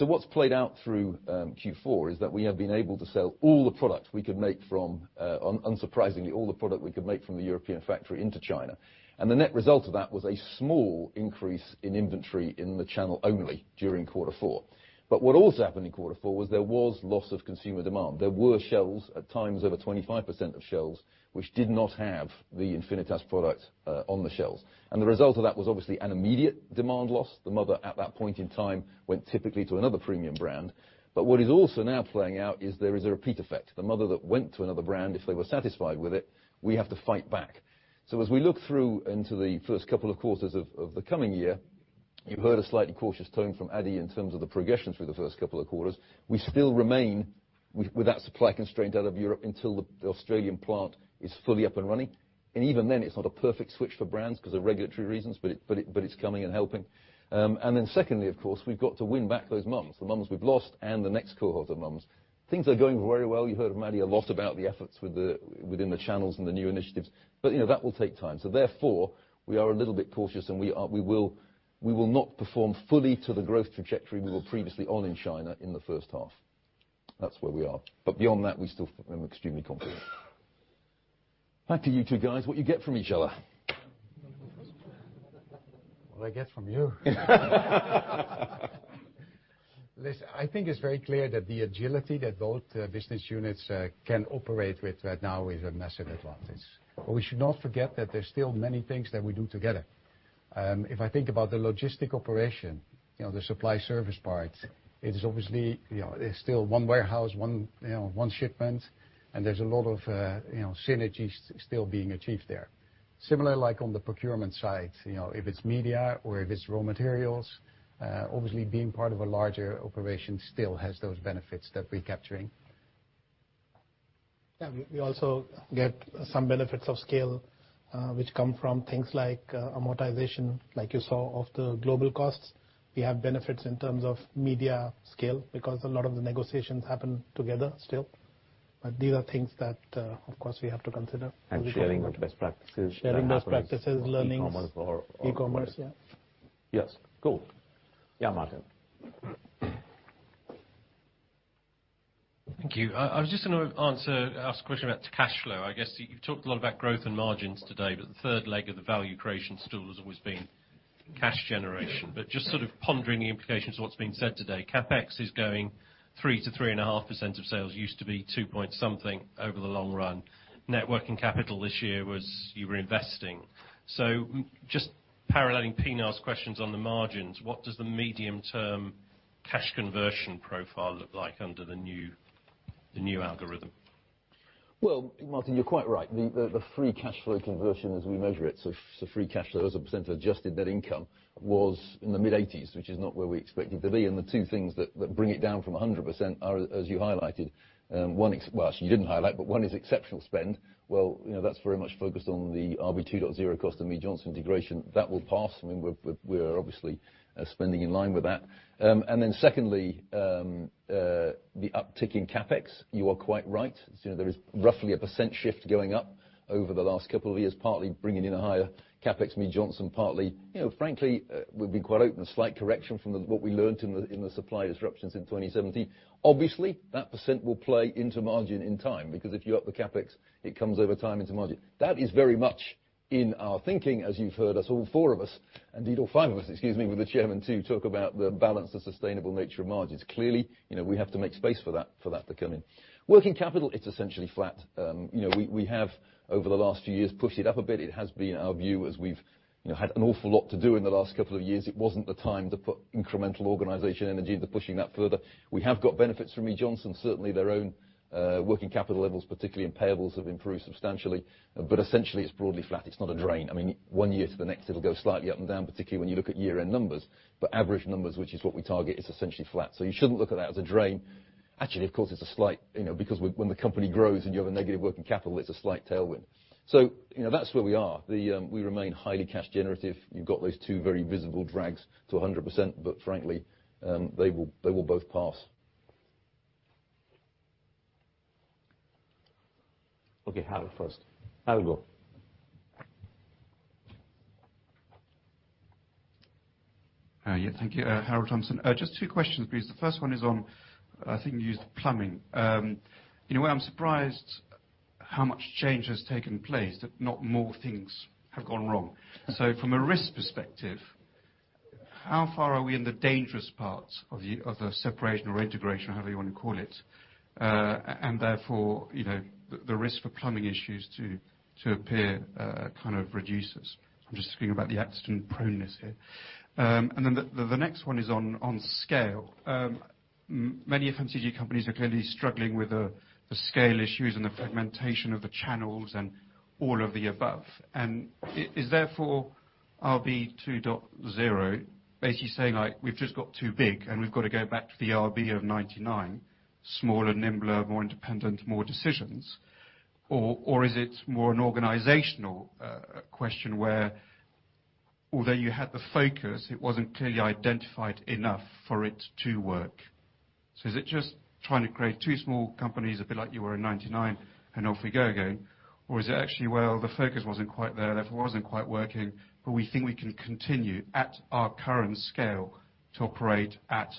What's played out through Q4 is that we have been able to sell all the product we could make from, unsurprisingly, all the product we could make from the European factory into China. The net result of that was a small increase in inventory in the channel only during quarter four. What also happened in quarter four was there was loss of consumer demand. There were shelves, at times over 25% of shelves, which did not have the Enfinitas product on the shelves. The result of that was obviously an immediate demand loss. The mother, at that point in time, went typically to another premium brand. What is also now playing out is there is a repeat effect. The mother that went to another brand, if they were satisfied with it, we have to fight back. As we look through into the first couple of quarters of the coming year, you've heard a slightly cautious tone from Adi in terms of the progression through the first couple of quarters. We still remain with that supply constraint out of Europe until the Australian plant is fully up and running. Even then, it's not a perfect switch for brands because of regulatory reasons, but it's coming and helping. Secondly, of course, we've got to win back those moms, the moms we've lost and the next cohort of moms. Things are going very well. You heard from Adi a lot about the efforts within the channels and the new initiatives, but that will take time. Therefore, we are a little bit cautious, and we will not perform fully to the growth trajectory we were previously on in China in the first half. That's where we are. Beyond that, we still feel extremely confident. Back to you two guys. What you get from each other? What I get from you. Listen, I think it's very clear that the agility that both business units can operate with right now is a massive advantage. We should not forget that there's still many things that we do together. If I think about the logistic operation, the supply service part, it is obviously still one warehouse, one shipment, and there's a lot of synergies still being achieved there. Similar like on the procurement side, if it's media or if it's raw materials, obviously being part of a larger operation still has those benefits that we're capturing. Yeah, we also get some benefits of scale which come from things like amortization, like you saw of the global costs. We have benefits in terms of media scale because a lot of the negotiations happen together still. These are things that, of course, we have to consider. Sharing of best practices. Sharing best practices, learnings. E-commerce E-commerce, yeah. Yes, cool. Yeah, Martin. Thank you. I was just going to ask a question about cash flow. I guess you've talked a lot about growth and margins today, but the third leg of the value creation stool has always been cash generation. Just sort of pondering the implications of what's been said today, CapEx is going 3% to 3.5% of sales. Used to be two point something over the long run. Net working capital this year was you were investing. Just paralleling Pinar's questions on the margins, what does the medium-term cash conversion profile look like under the new algorithm? Well, Martin, you're quite right. The free cash flow conversion as we measure it, so free cash flow as a percent of adjusted net income was in the mid-80s, which is not where we expect it to be. The two things that bring it down from 100% are, as you highlighted, one is exceptional spend. Well, that's very much focused on the RB 2.0 cost and Mead Johnson integration. That will pass. We are obviously spending in line with that. Secondly, the uptick in CapEx, you are quite right. There is roughly a percent shift going up over the last couple of years, partly bringing in a higher CapEx Mead Johnson, partly, frankly, we've been quite open, a slight correction from what we learnt in the supply disruptions in 2017. Obviously, that percentage will play into margin in time, because if you up the CapEx, it comes over time into margin. That is very much in our thinking, as you've heard us, all four of us, indeed all five of us, excuse me, with the Chairman, too, talk about the balance and sustainable nature of margins. Clearly, we have to make space for that to come in. Working capital, it's essentially flat. We have, over the last few years, pushed it up a bit. It has been our view, as we've had an awful lot to do in the last couple of years, it wasn't the time to put incremental organization energy into pushing that further. We have got benefits from Mead Johnson. Certainly, their own working capital levels, particularly in payables, have improved substantially. Essentially, it's broadly flat. It's not a drain. One year to the next, it'll go slightly up and down, particularly when you look at year-end numbers. Average numbers, which is what we target, is essentially flat. You shouldn't look at that as a drain. Actually, of course, because when the company grows and you have a negative working capital, it's a slight tailwind. That's where we are. We remain highly cash generative. You've got those two very visible drags to 100%, frankly, they will both pass. Okay, Harold first. Harold, go on. Hi. Yeah, thank you. Harold Thompson. Just two questions, please. The first one is on, I think you used plumbing. In a way, I'm surprised how much change has taken place, that not more things have gone wrong. From a risk perspective, how far are we in the dangerous parts of the separation or integration, or however you want to call it? Therefore, the risk for plumbing issues to appear kind of reduces. I'm just thinking about the accident proneness here. The next one is on scale. Many FMCG companies are clearly struggling with the scale issues and the fragmentation of the channels and all of the above. Is therefore RB 2.0 basically saying, we've just got too big and we've got to go back to the RB of 1999, smaller, nimbler, more independent, more decisions? Is it more an organizational question where although you had the focus, it wasn't clearly identified enough for it to work? Is it just trying to create two small companies, a bit like you were in 1999, and off we go again? Is it actually, well, the focus wasn't quite there, therefore it wasn't quite working, but we think we can continue at our current scale to operate at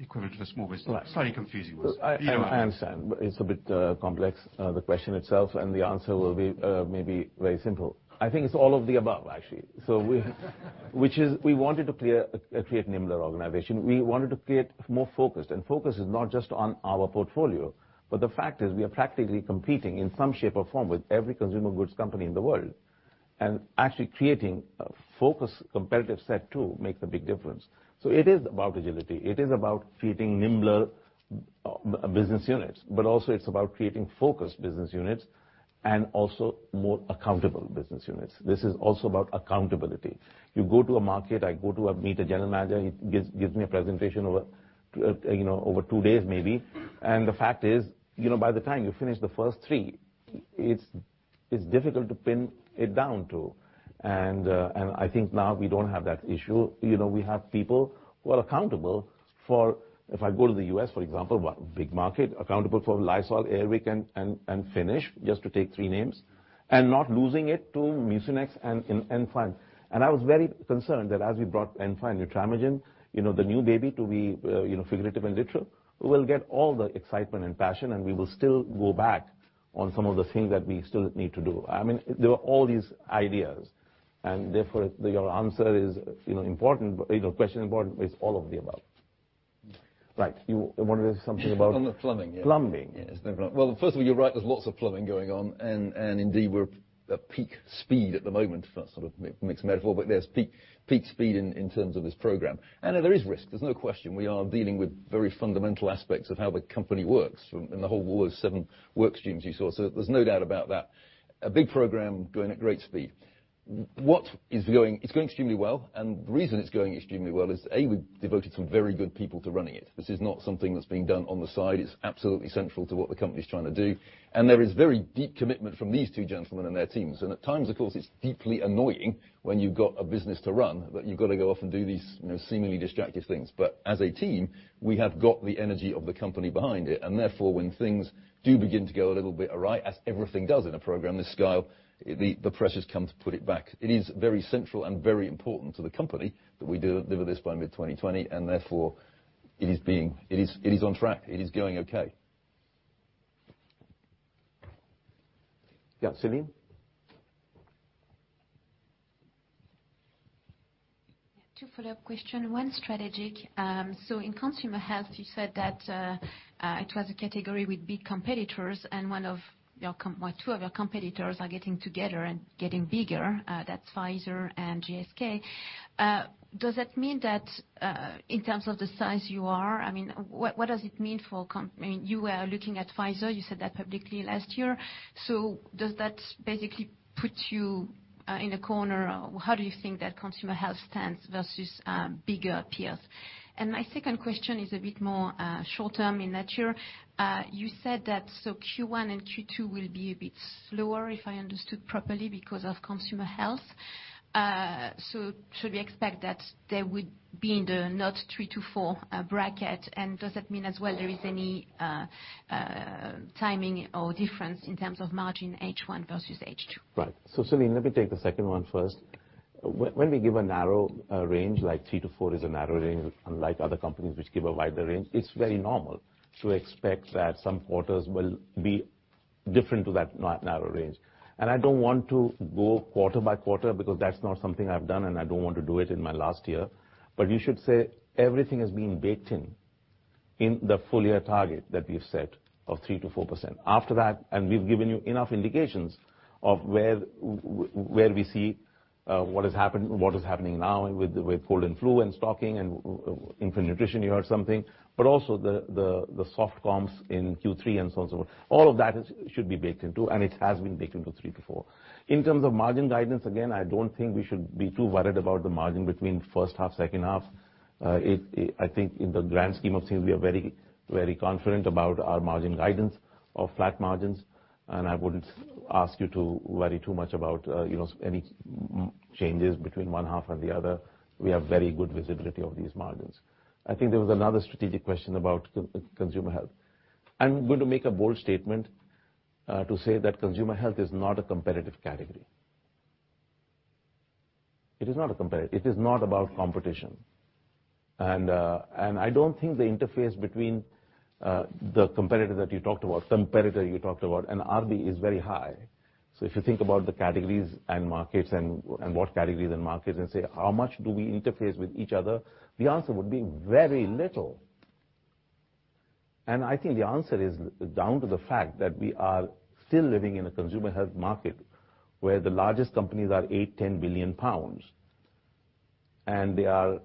equivalent of a small business? Right. Slightly confusing. I understand. It's a bit complex, the question itself. The answer will be maybe very simple. I think it's all of the above, actually. Which is we wanted to create a nimbler organization. We wanted to create more focus. Focus is not just on our portfolio, but the fact is we are practically competing in some shape or form with every consumer goods company in the world. Actually creating a focus competitive set, too, makes a big difference. It is about agility. It is about creating nimbler business units, but also it's about creating focused business units and also more accountable business units. This is also about accountability. You go to a market, I go to meet a general manager, he gives me a presentation over two days maybe. The fact is, by the time you finish the first three, it's difficult to pin it down to. I think now we don't have that issue. We have people who are accountable for, if I go to the U.S., for example, big market, accountable for Lysol, Air Wick and Finish, just to take three names. Not losing it to Mucinex and Nurofen. I was very concerned that as we brought Nurofen, Nutramigen, the new baby to be figurative and literal, we will get all the excitement and passion, we will still go back on some of the things that we still need to do. There were all these ideas. Therefore, your question is important, but it's all of the above. Right, you wanted something about- On the plumbing, yeah plumbing. Yes. Well, first of all, you're right, there's lots of plumbing going on. Indeed, we're at peak speed at the moment. If that sort of mixes metaphor, but there's peak speed in terms of this program. There is risk. There's no question. We are dealing with very fundamental aspects of how the company works and the whole seven work streams you saw. There's no doubt about that. A big program going at great speed. It's going extremely well, and the reason it's going extremely well is, A, we devoted some very good people to running it. This is not something that's being done on the side. It's absolutely central to what the company's trying to do. There is very deep commitment from these two gentlemen and their teams. At times, of course, it's deeply annoying when you've got a business to run, but you've got to go off and do these seemingly distractive things. As a team, we have got the energy of the company behind it, therefore when things do begin to go a little bit awry, as everything does in a program this scale, the pressures come to put it back. It is very central and very important to the company that we deliver this by mid-2020, therefore it is on track. It is going okay. Celine? Two follow-up question, one strategic. In consumer health, you said that it was a category with big competitors and two of your competitors are getting together and getting bigger. That's Pfizer and GSK. Does that mean that in terms of the size you are, what does it mean for You were looking at Pfizer, you said that publicly last year. Does that basically put you in a corner? How do you think that consumer health stands versus bigger peers? My second question is a bit more short-term in nature. You said that Q1 and Q2 will be a bit slower, if I understood properly, because of consumer health. Should we expect that they would be in the not 3%-4% bracket? Does that mean as well there is any timing or difference in terms of margin H1 versus H2? Right. Celine, let me take the second one first. When we give a narrow range, like 3%-4% is a narrow range, unlike other companies which give a wider range, it's very normal to expect that some quarters will be different to that narrow range. I don't want to go quarter by quarter because that's not something I've done, and I don't want to do it in my last year. You should say everything has been baked in the full-year target that we've set of 3% to 4%. After that, we've given you enough indications of where we see what is happening now with cold and flu and stocking and infant nutrition, you heard something, but also the soft comps in Q3 and so on. All of that should be baked into, and it has been baked into 3%-4%. In terms of margin guidance, again, I don't think we should be too worried about the margin between first half, second half. I think in the grand scheme of things, we are very confident about our margin guidance of flat margins, and I wouldn't ask you to worry too much about any changes between one half and the other. We have very good visibility of these margins. I think there was another strategic question about consumer health. I'm going to make a bold statement to say that consumer health is not a competitive category. It is not about competition. I don't think the interface between the competitor that you talked about, and RB is very high. If you think about the categories and markets and say, "How much do we interface with each other?" The answer would be very little. I think the answer is down to the fact that we are still living in a consumer health market where the largest companies are 8 billion pounds, 10 billion pounds, and they are,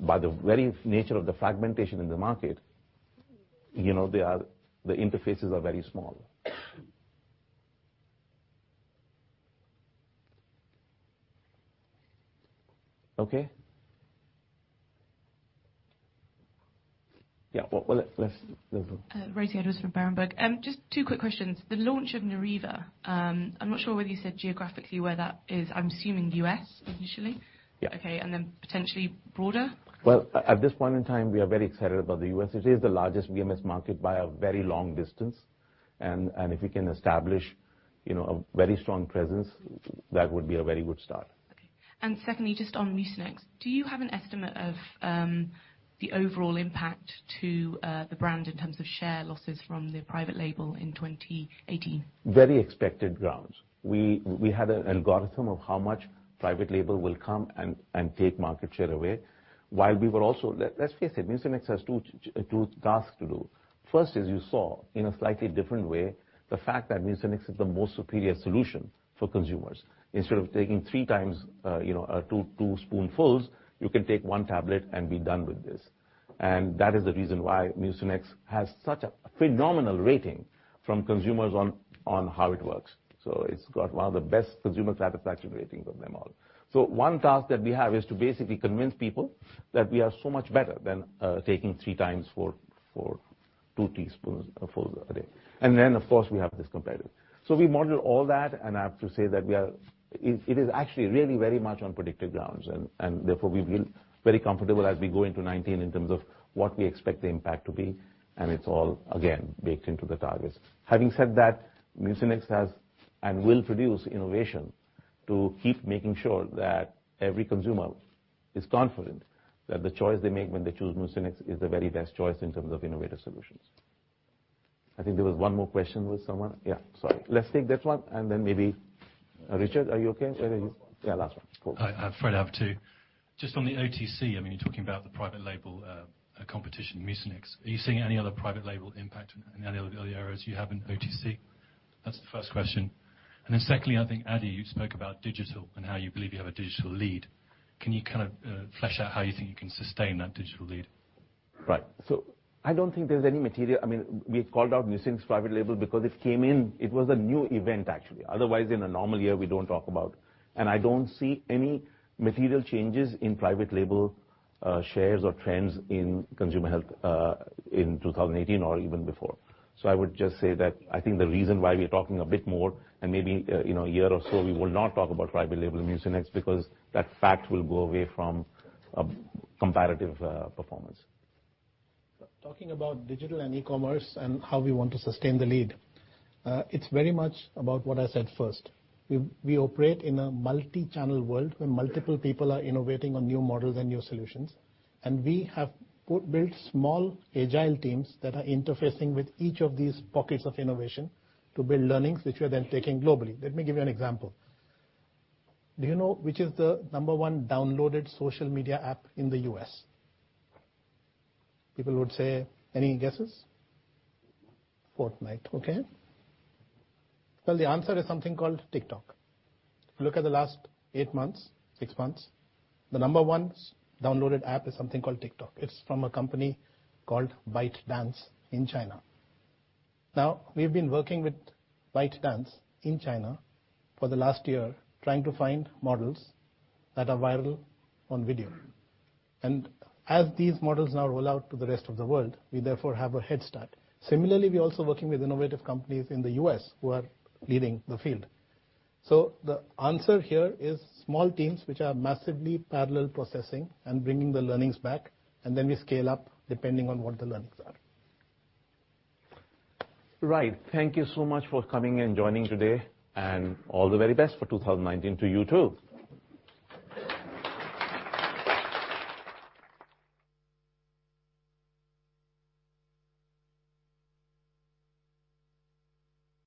by the very nature of the fragmentation in the market, the interfaces are very small. Okay? Yeah, let's go. Rosie Edwards from Berenberg. Just two quick questions. The launch of Neuriva, I am not sure whether you said geographically where that is. I am assuming U.S. initially? Yeah. Okay. Then potentially broader? Well, at this point in time, we are very excited about the U.S. It is the largest VMS market by a very long distance, if we can establish a very strong presence, that would be a very good start. Secondly, just on Mucinex, do you have an estimate of the overall impact to the brand in terms of share losses from the private label in 2018? Very expected grounds. We had an algorithm of how much private label will come and take market share away, while we were also, let's face it, Mucinex has two tasks to do. First, as you saw, in a slightly different way, the fact that Mucinex is the most superior solution for consumers. Instead of taking three times two spoonfuls, you can take one tablet and be done with this. That is the reason why Mucinex has such a phenomenal rating from consumers on how it works. It's got one of the best consumer satisfaction ratings of them all. One task that we have is to basically convince people that we are so much better than taking three times, four, two teaspoons full a day. Of course, we have this competitor. We model all that, and I have to say that it is actually really very much on predictive grounds. Therefore, we feel very comfortable as we go into 2019 in terms of what we expect the impact to be, and it's all, again, baked into the targets. Having said that, Mucinex has and will produce innovation to keep making sure that every consumer is confident that the choice they make when they choose Mucinex is the very best choice in terms of innovative solutions. I think there was one more question with someone. Yeah, sorry. Let's take that one, and then maybe, Richard, are you okay? Yeah, last one. Cool. Hi, Fred Lave. Just on the OTC, you're talking about the private label competition, Mucinex. Are you seeing any other private label impact in any of the other areas you have in OTC? That's the first question. Secondly, I think, Adi, you spoke about digital and how you believe you have a digital lead. Can you kind of flesh out how you think you can sustain that digital lead? Right. I don't think there's any material, we called out Mucinex private label because it came in, it was a new event, actually. Otherwise, in a normal year, we don't talk about, and I don't see any material changes in private label shares or trends in consumer health in 2018 or even before. I would just say that I think the reason why we're talking a bit more and maybe a year or so, we will not talk about private label Mucinex because that fact will go away from a comparative performance. Talking about digital and e-commerce and how we want to sustain the lead, it's very much about what I said first. We operate in a multi-channel world where multiple people are innovating on new models and new solutions. We have built small agile teams that are interfacing with each of these pockets of innovation to build learnings which we are then taking globally. Let me give you an example. Do you know which is the number one downloaded social media app in the U.S.? People would say, any guesses? Fortnite. The answer is something called TikTok. If you look at the last eight months, six months, the number one downloaded app is something called TikTok. It's from a company called ByteDance in China. We've been working with ByteDance in China for the last year, trying to find models that are viral on video. As these models now roll out to the rest of the world, we therefore have a head start. Similarly, we're also working with innovative companies in the U.S. who are leading the field. The answer here is small teams, which are massively parallel processing and bringing the learnings back. Then we scale up depending on what the learnings are. Right. Thank you so much for coming and joining today, and all the very best for 2019 to you too.